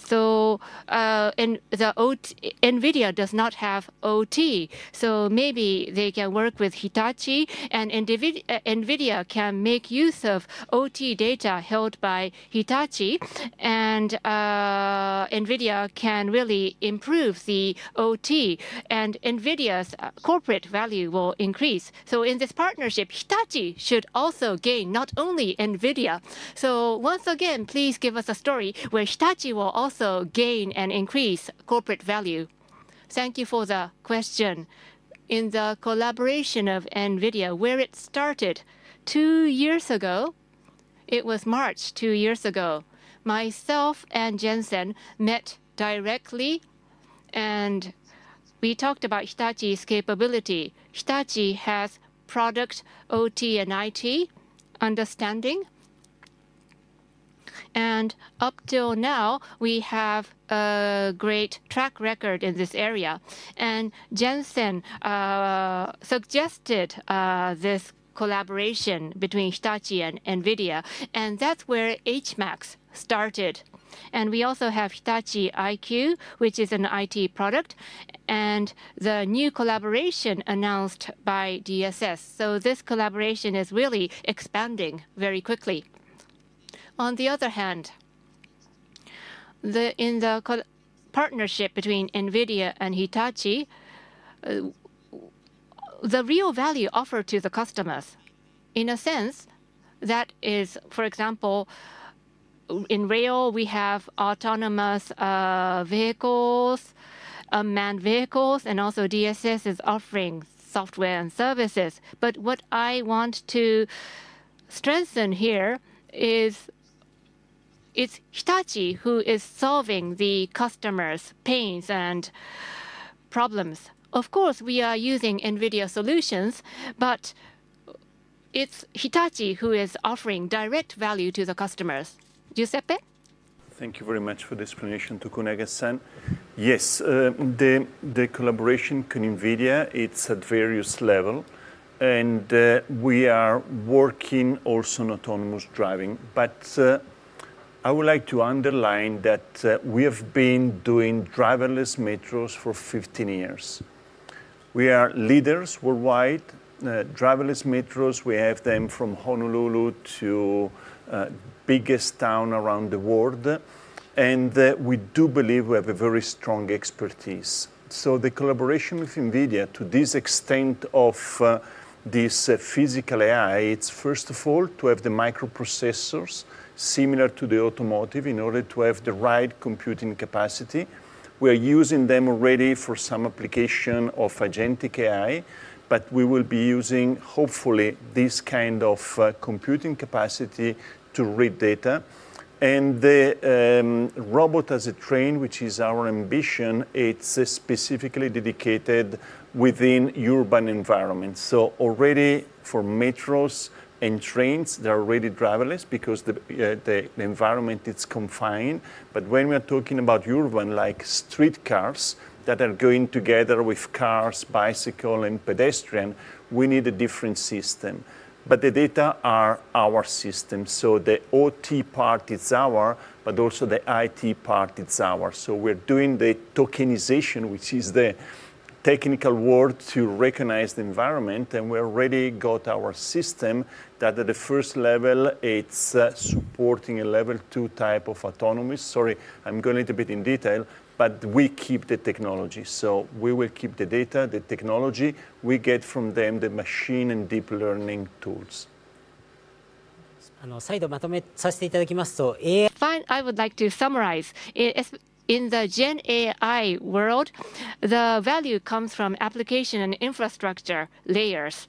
S10: NVIDIA does not have OT. Maybe they can work with Hitachi, and NVIDIA can make use of OT data held by Hitachi. NVIDIA can really improve the OT, and NVIDIA's corporate value will increase. In this partnership, Hitachi should also gain, not only NVIDIA. Once again, please give us a story where Hitachi will also gain and increase corporate value. Thank you for the question. In the collaboration of NVIDIA, where it started two years ago, it was March two years ago, myself and Jensen met directly, and we talked about Hitachi's capability. Hitachi has product OT and IT understanding. Up till now, we have a great track record in this area. Jensen suggested this collaboration between Hitachi and NVIDIA. That's where HMAX started. We also have Hitachi IQ, which is an IT product, and the new collaboration announced by DSS. This collaboration is really expanding very quickly. On the other hand, in the partnership between NVIDIA and Hitachi, the real value offered to the customers, in a sense, that is, for example, in rail, we have autonomous vehicles, unmanned vehicles, and also DSS is offering software and services. What I want to strengthen here is it's Hitachi who is solving the customer's pains and problems. Of course, we are using NVIDIA solutions, but it's Hitachi who is offering direct value to the customers. Giuseppe? Thank you very much for the explanation, Tokunaga-san. Yes, the collaboration with NVIDIA, it's at various levels. We are working also on autonomous driving. I would like to underline that we have been doing driverless metros for 15 years. We are leaders worldwide, driverless metros. We have them from Honolulu to the biggest town around the world. We do believe we have a very strong expertise. The collaboration with NVIDIA to this extent of this physical AI, it's first of all to have the microprocessors similar to the automotive in order to have the right computing capacity. We are using them already for some application of agentic AI, but we will be using, hopefully, this kind of computing capacity to read data. The robot as a train, which is our ambition, is specifically dedicated within urban environments. Already for metros and trains, they are already driverless because the environment is confined. When we are talking about urban, like streetcars that are going together with cars, bicycles, and pedestrians, we need a different system. The data are our system. The OT part is ours, but also the IT part is ours. We are doing the tokenization, which is the technical word to recognize the environment. We already have our system that at the first level is supporting a level two type of autonomous. Sorry, I am going a little bit in detail, but we keep the technology. We will keep the data, the technology. We get from them the machine and deep learning tools. の最後まとめさせていただきますと。Finally, I would like to summarize. In the GenAI world, the value comes from application and infrastructure layers.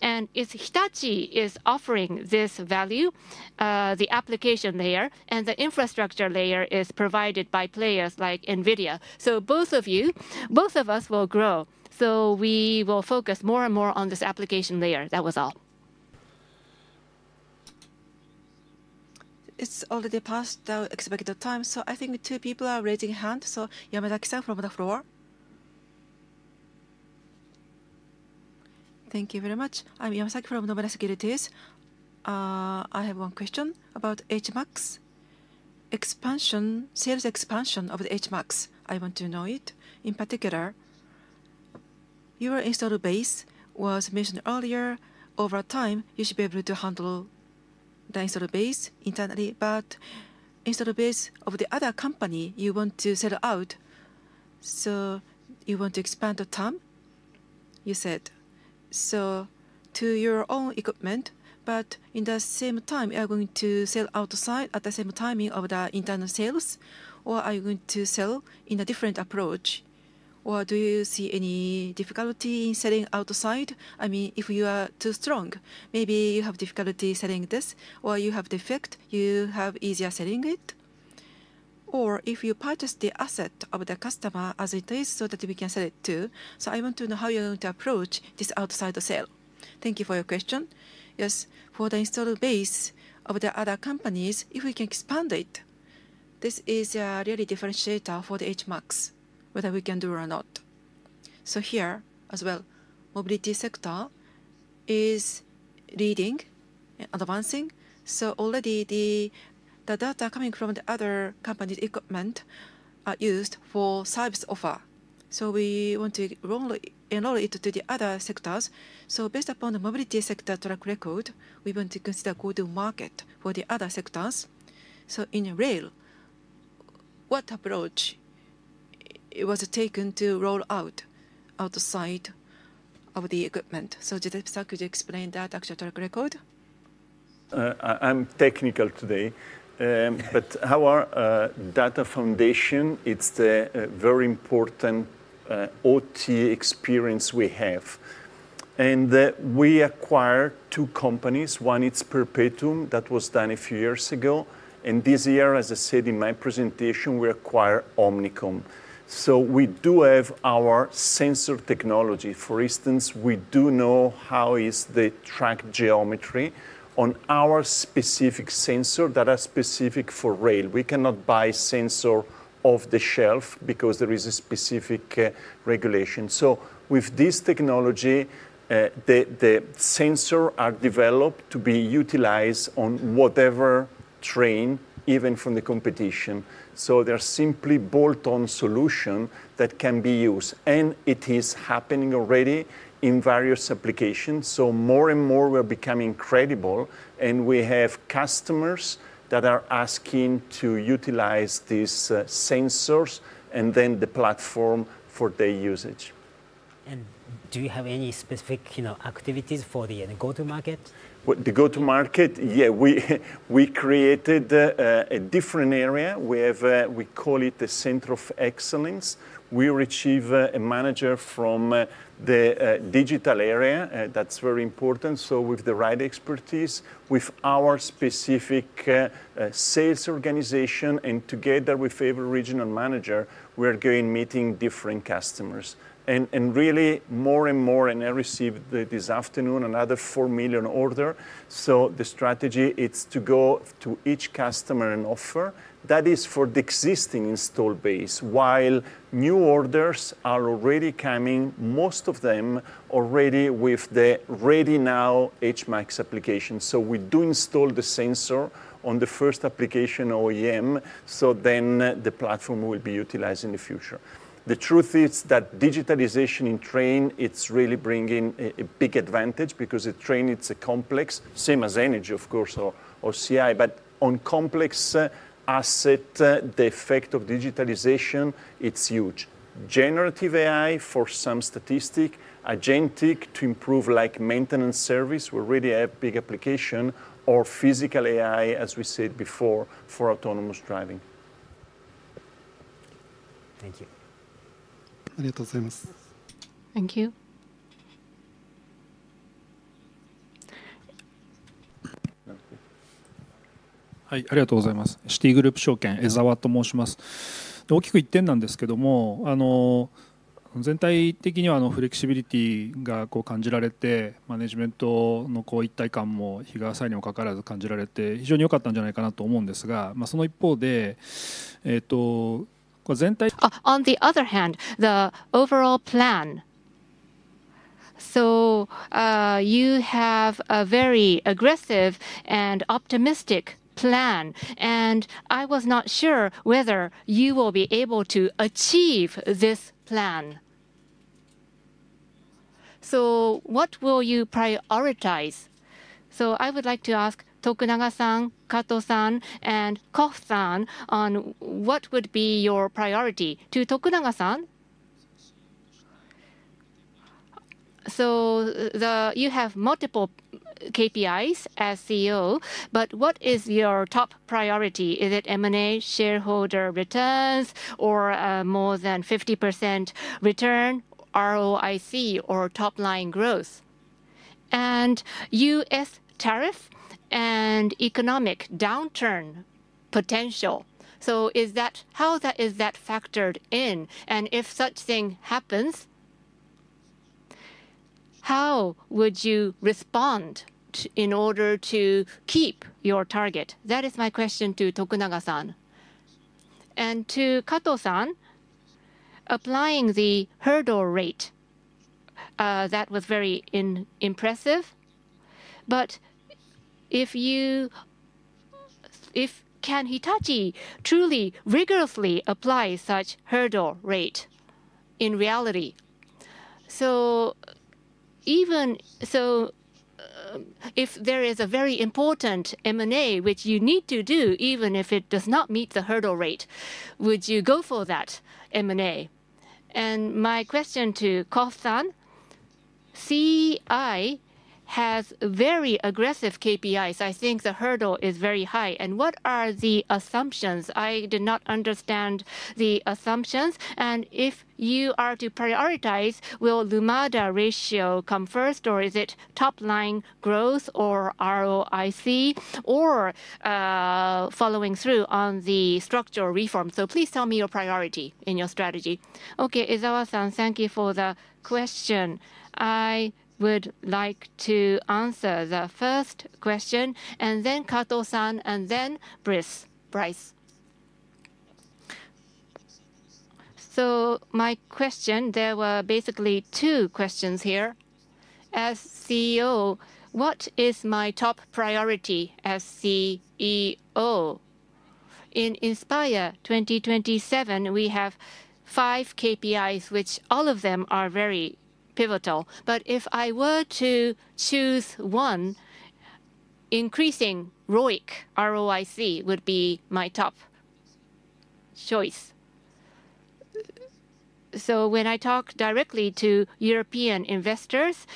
S10: Hitachi is offering this value, the application layer, and the infrastructure layer is provided by players like NVIDIA. Both of you, both of us will grow. We will focus more and more on this application layer. That was all. It is already past the expected time. I think two people are raising hands. Yamazaki-san from the floor. Thank you very much. I'm Yamazaki from Nomura Securities. I have one question about HMAX expansion, sales expansion of the HMAX. I want to know it in particular. Your installed base was mentioned earlier. Over time, you should be able to handle the installed base internally. But installed base of the other company you want to sell out. You want to expand the time, you said. To your own equipment, but at the same time, are you going to sell outside at the same timing of the internal sales, or are you going to sell in a different approach? Do you see any difficulty in selling outside? I mean, if you are too strong, maybe you have difficulty selling this, or you have the effect, you have easier selling it. Or if you purchase the asset of the customer as it is so that we can sell it too. I want to know how you're going to approach this outside the sale. Thank you for your question. Yes, for the installed base of the other companies, if we can expand it, this is really a differentiator for the HMAX, whether we can do it or not. Here as well, Mobility sector is leading and advancing. Already the data coming from the other company's equipment are used for service offer. We want to enroll it to the other sectors. Based upon the mobility sector track record, we want to consider a go-to-market for the other sectors. In rail, what approach was taken to roll out outside of the equipment? Could you explain that actual track record? I'm technical today. Our data foundation, it's a very important OT experience we have. We acquired two companies. One is Perpetuum. That was done a few years ago. This year, as I said in my presentation, we acquired Omnicom. We do have our sensor technology. For instance, we do know how is the track geometry on our specific sensor that are specific for rail. We cannot buy sensors off the shelf because there is a specific regulation. With this technology, the sensors are developed to be utilized on whatever train, even from the competition. They are simply bolt-on solutions that can be used. It is happening already in various applications. More and more, we're becoming credible. We have customers that are asking to utilize these sensors and then the platform for their usage. Do you have any specific activities for the go-to-market? The go-to-market, yeah, we created a different area. We call it the Center of Excellence. We receive a manager from the digital area. That's very important. With the right expertise, with our specific sales organization, and together with every regional manager, we're going meeting different customers. Really, more and more, and I received this afternoon another $4 million orders. The strategy is to go to each customer and offer. That is for the existing installed base, while new orders are already coming, most of them already with the ready now HMAX application. We do install the sensor on the first application OEM, so then the platform will be utilized in the future. The truth is that digitalization in train, it's really bringing a big advantage because in train, it's complex, same as energy, of course, or CI. On complex assets, the effect of digitalization is huge. Generative AI for some statistics, agentic to improve like maintenance service, is really a big application, or physical AI, as we said before, for autonomous driving. Thank you. On the other hand, the overall plan. You have a very aggressive and optimistic plan. I was not sure whether you will be able to achieve this plan. What will you prioritize? I would like to ask Tokunaga-san, Kato-san, and Koff-san on what would be your priority. To Tokunaga-san? You have multiple KPIs as CEO, but what is your top priority? Is it M&A, shareholder returns, or more than 50% return, ROIC, or top-line growth? U.S. tariff and economic downturn potential. How is that factored in? If such thing happens, how would you respond in order to keep your target? That is my question to Tokunaga-san. To Kato-san, applying the hurdle rate, that was very impressive. Can Hitachi truly rigorously apply such hurdle rate in reality? If there is a very important M&A, which you need to do, even if it does not meet the hurdle rate, would you go for that M&A? My question to Koff-san, CI has very aggressive KPIs. I think the hurdle is very high. What are the assumptions? I did not understand the assumptions. If you are to prioritize, will Lumada ratio come first, or is it top-line growth or ROIC, or following through on the structural reform? Please tell me your priority in your strategy. Okay, Ezawa-san, thank you for the question. I would like to answer the first question, and then Kato-san, and then Brice. My question, there were basically two questions here. As CEO, what is my top priority as CEO? In Inspire 2027, we have five KPIs, which all of them are very pivotal. If I were to choose one, increasing ROIC, ROIC, would be my top choice. When I talk directly to European investors,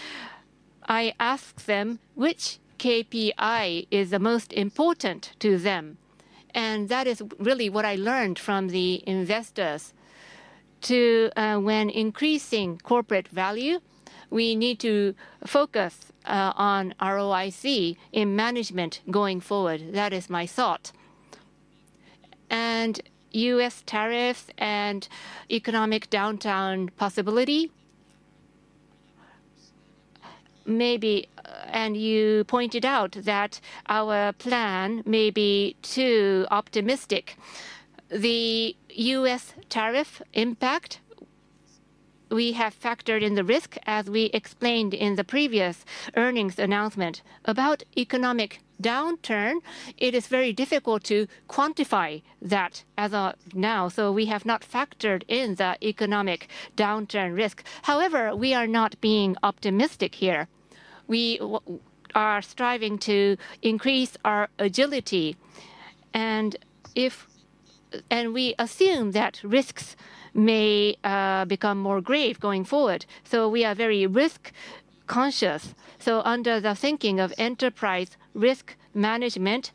S10: I ask them which KPI is the most important to them. That is really what I learned from the investors. When increasing corporate value, we need to focus on ROIC in management going forward. That is my thought. U.S. tariffs and economic downturn possibility? Maybe. You pointed out that our plan may be too optimistic. The U.S. tariff impact, we have factored in the risk, as we explained in the previous earnings announcement. About economic downturn, it is very difficult to quantify that as of now. We have not factored in the economic downturn risk. However, we are not being optimistic here. We are striving to increase our agility. We assume that risks may become more grave going forward. We are very risk-conscious. Under the thinking of enterprise risk management,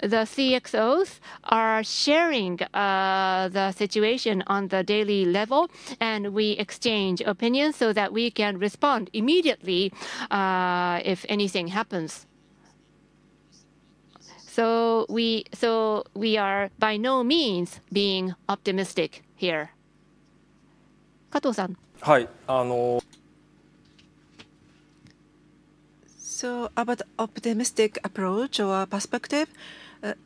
S10: the CXOs are sharing the situation on the daily level, and we exchange opinions so that we can respond immediately if anything happens. We are by no means being optimistic here. Kato-san. Yes. About the optimistic approach or perspective,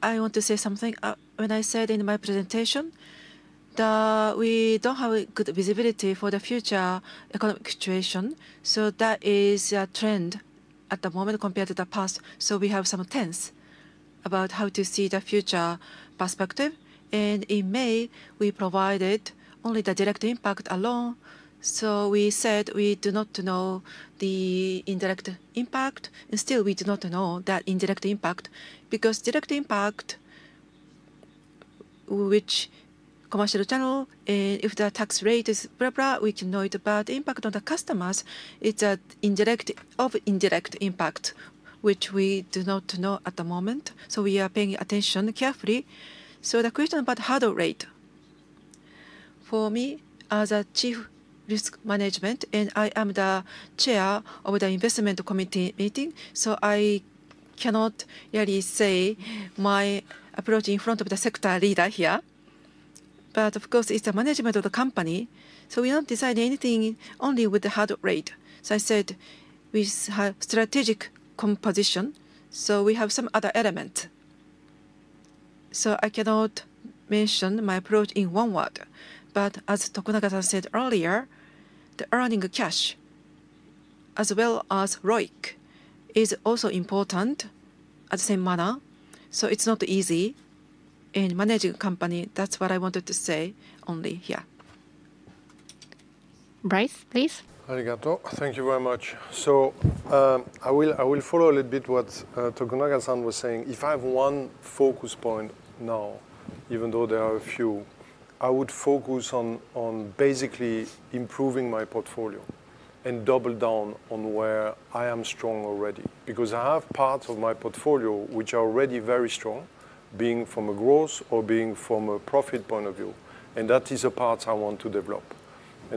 S10: I want to say something. When I said in my presentation that we do not have good visibility for the future economic situation, that is a trend at the moment compared to the past. We have some tension about how to see the future perspective. In May, we provided only the direct impact alone. We said we do not know the indirect impact. Still, we do not know that indirect impact because direct impact, which commercial channel, and if the tax rate is blah, blah, we can know it. The impact on the customers is an indirect of indirect impact, which we do not know at the moment. We are paying attention carefully. The question about hurdle rate, for me, as Chief Risk Management, and I am the chair of the investment committee meeting, I cannot really say my approach in front of the sector leader here. Of course, it is the management of the company. We do not decide anything only with the hurdle rate. I said we have strategic composition. We have some other elements. I cannot mention my approach in one word. As Tokunaga-san said earlier, the earning cash, as well as ROIC, is also important in the same manner. It is not easy in managing a company. That is what I wanted to say only here. Brice, please. ありがとう。Thank you very much. I will follow a little bit what Tokunaga-san was saying. If I have one focus point now, even though there are a few, I would focus on basically improving my portfolio and double down on where I am strong already. Because I have parts of my portfolio which are already very strong, being from a growth or being from a profit point of view. That is a part I want to develop.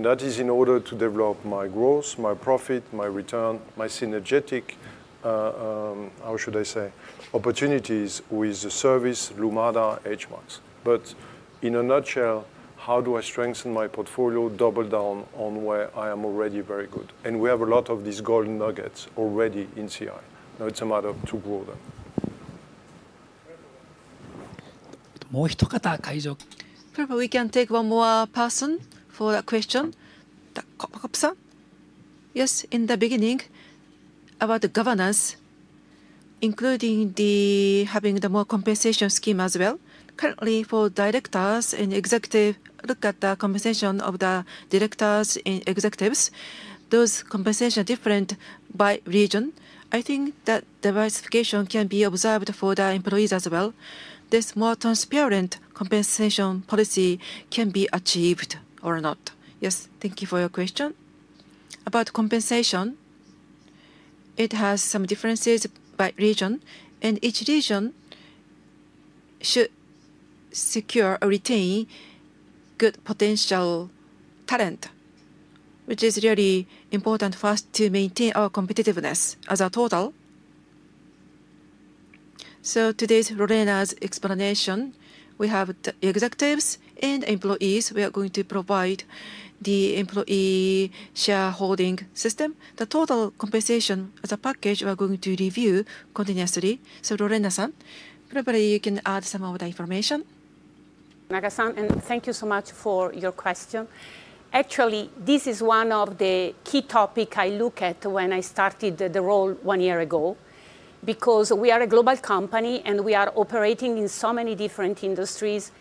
S10: That is in order to develop my growth, my profit, my return, my synergetic, how should I say, opportunities with the service, Lumada, HMAX. In a nutshell, how do I strengthen my portfolio, double down on where I am already very good? We have a lot of these golden nuggets already in CI. Now it's a matter of to grow them. もう一方、会場。Perhaps we can take one more person for that question. Kato-san? Yes, in the beginning, about the governance, including having the more compensation scheme as well. Currently, for directors and executives, look at the compensation of the directors and executives. Those compensations are different by region. I think that diversification can be observed for the employees as well. This more transparent compensation policy can be achieved or not. Yes, thank you for your question. About compensation, it has some differences by region. Each region should secure or retain good potential talent, which is really important for us to maintain our competitiveness as a total. Today's Lorena's explanation, we have the executives and employees. We are going to provide the employee shareholding system. The total compensation as a package, we are going to review continuously. Lorena-san, probably you can add some of the information. Nagasan, and thank you so much for your question. Actually, this is one of the key topics I look at when I started the role one year ago. Because we are a global company, and we are operating in so many different industries.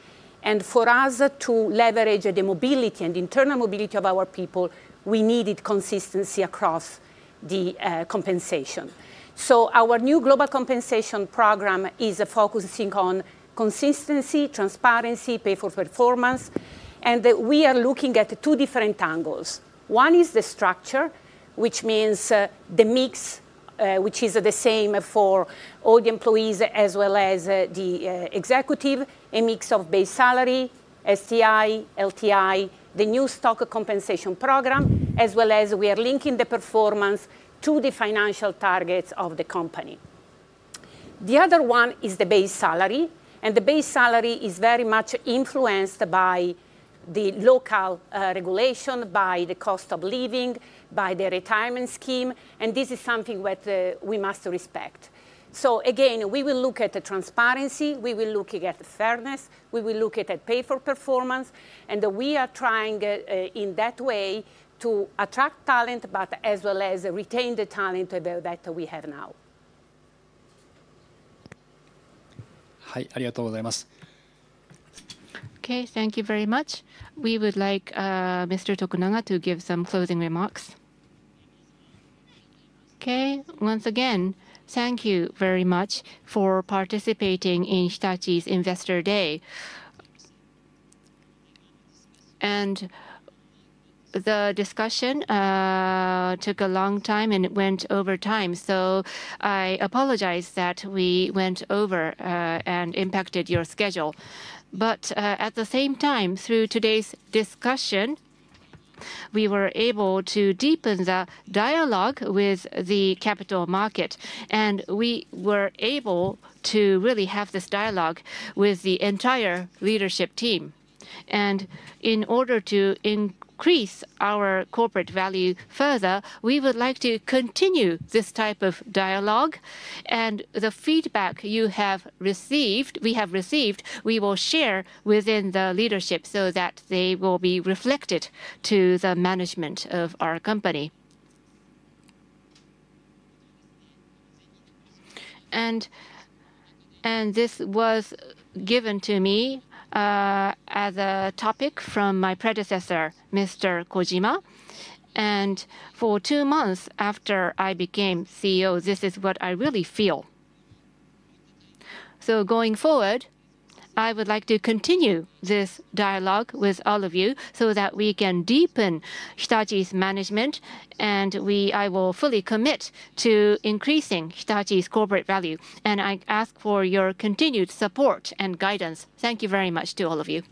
S10: For us to leverage the mobility and internal mobility of our people, we needed consistency across the compensation. Our new global compensation program is focusing on consistency, transparency, pay-for-performance. We are looking at two different angles. One is the structure, which means the mix, which is the same for all the employees as well as the executive, a mix of base salary, STI, LTI, the new stock compensation program, as well as we are linking the performance to the financial targets of the company. The other one is the base salary. The base salary is very much influenced by the local regulation, by the cost of living, by the retirement scheme. This is something that we must respect. Again, we will look at the transparency. We will look at the fairness. We will look at pay-for-performance. We are trying in that way to attract talent, as well as retain the talent that we have now. はい、ありがとうございます。Okay, thank you very much. We would like Mr. Tokunaga to give some closing remarks. Okay, once again, thank you very much for participating in Hitachi's Investor Day. The discussion took a long time, and it went over time. I apologize that we went over and impacted your schedule. At the same time, through today's discussion, we were able to deepen the dialogue with the capital market. We were able to really have this dialogue with the entire leadership team. In order to increase our corporate value further, we would like to continue this type of dialogue. The feedback you have received, we have received, we will share within the leadership so that it will be reflected in the management of our company. This was given to me as a topic from my predecessor, Mr. Kojima. For two months after I became CEO, this is what I really feel. Going forward, I would like to continue this dialogue with all of you so that we can deepen Hitachi's management. I will fully commit to increasing Hitachi's corporate value. I ask for your continued support and guidance. Thank you very much to all of you.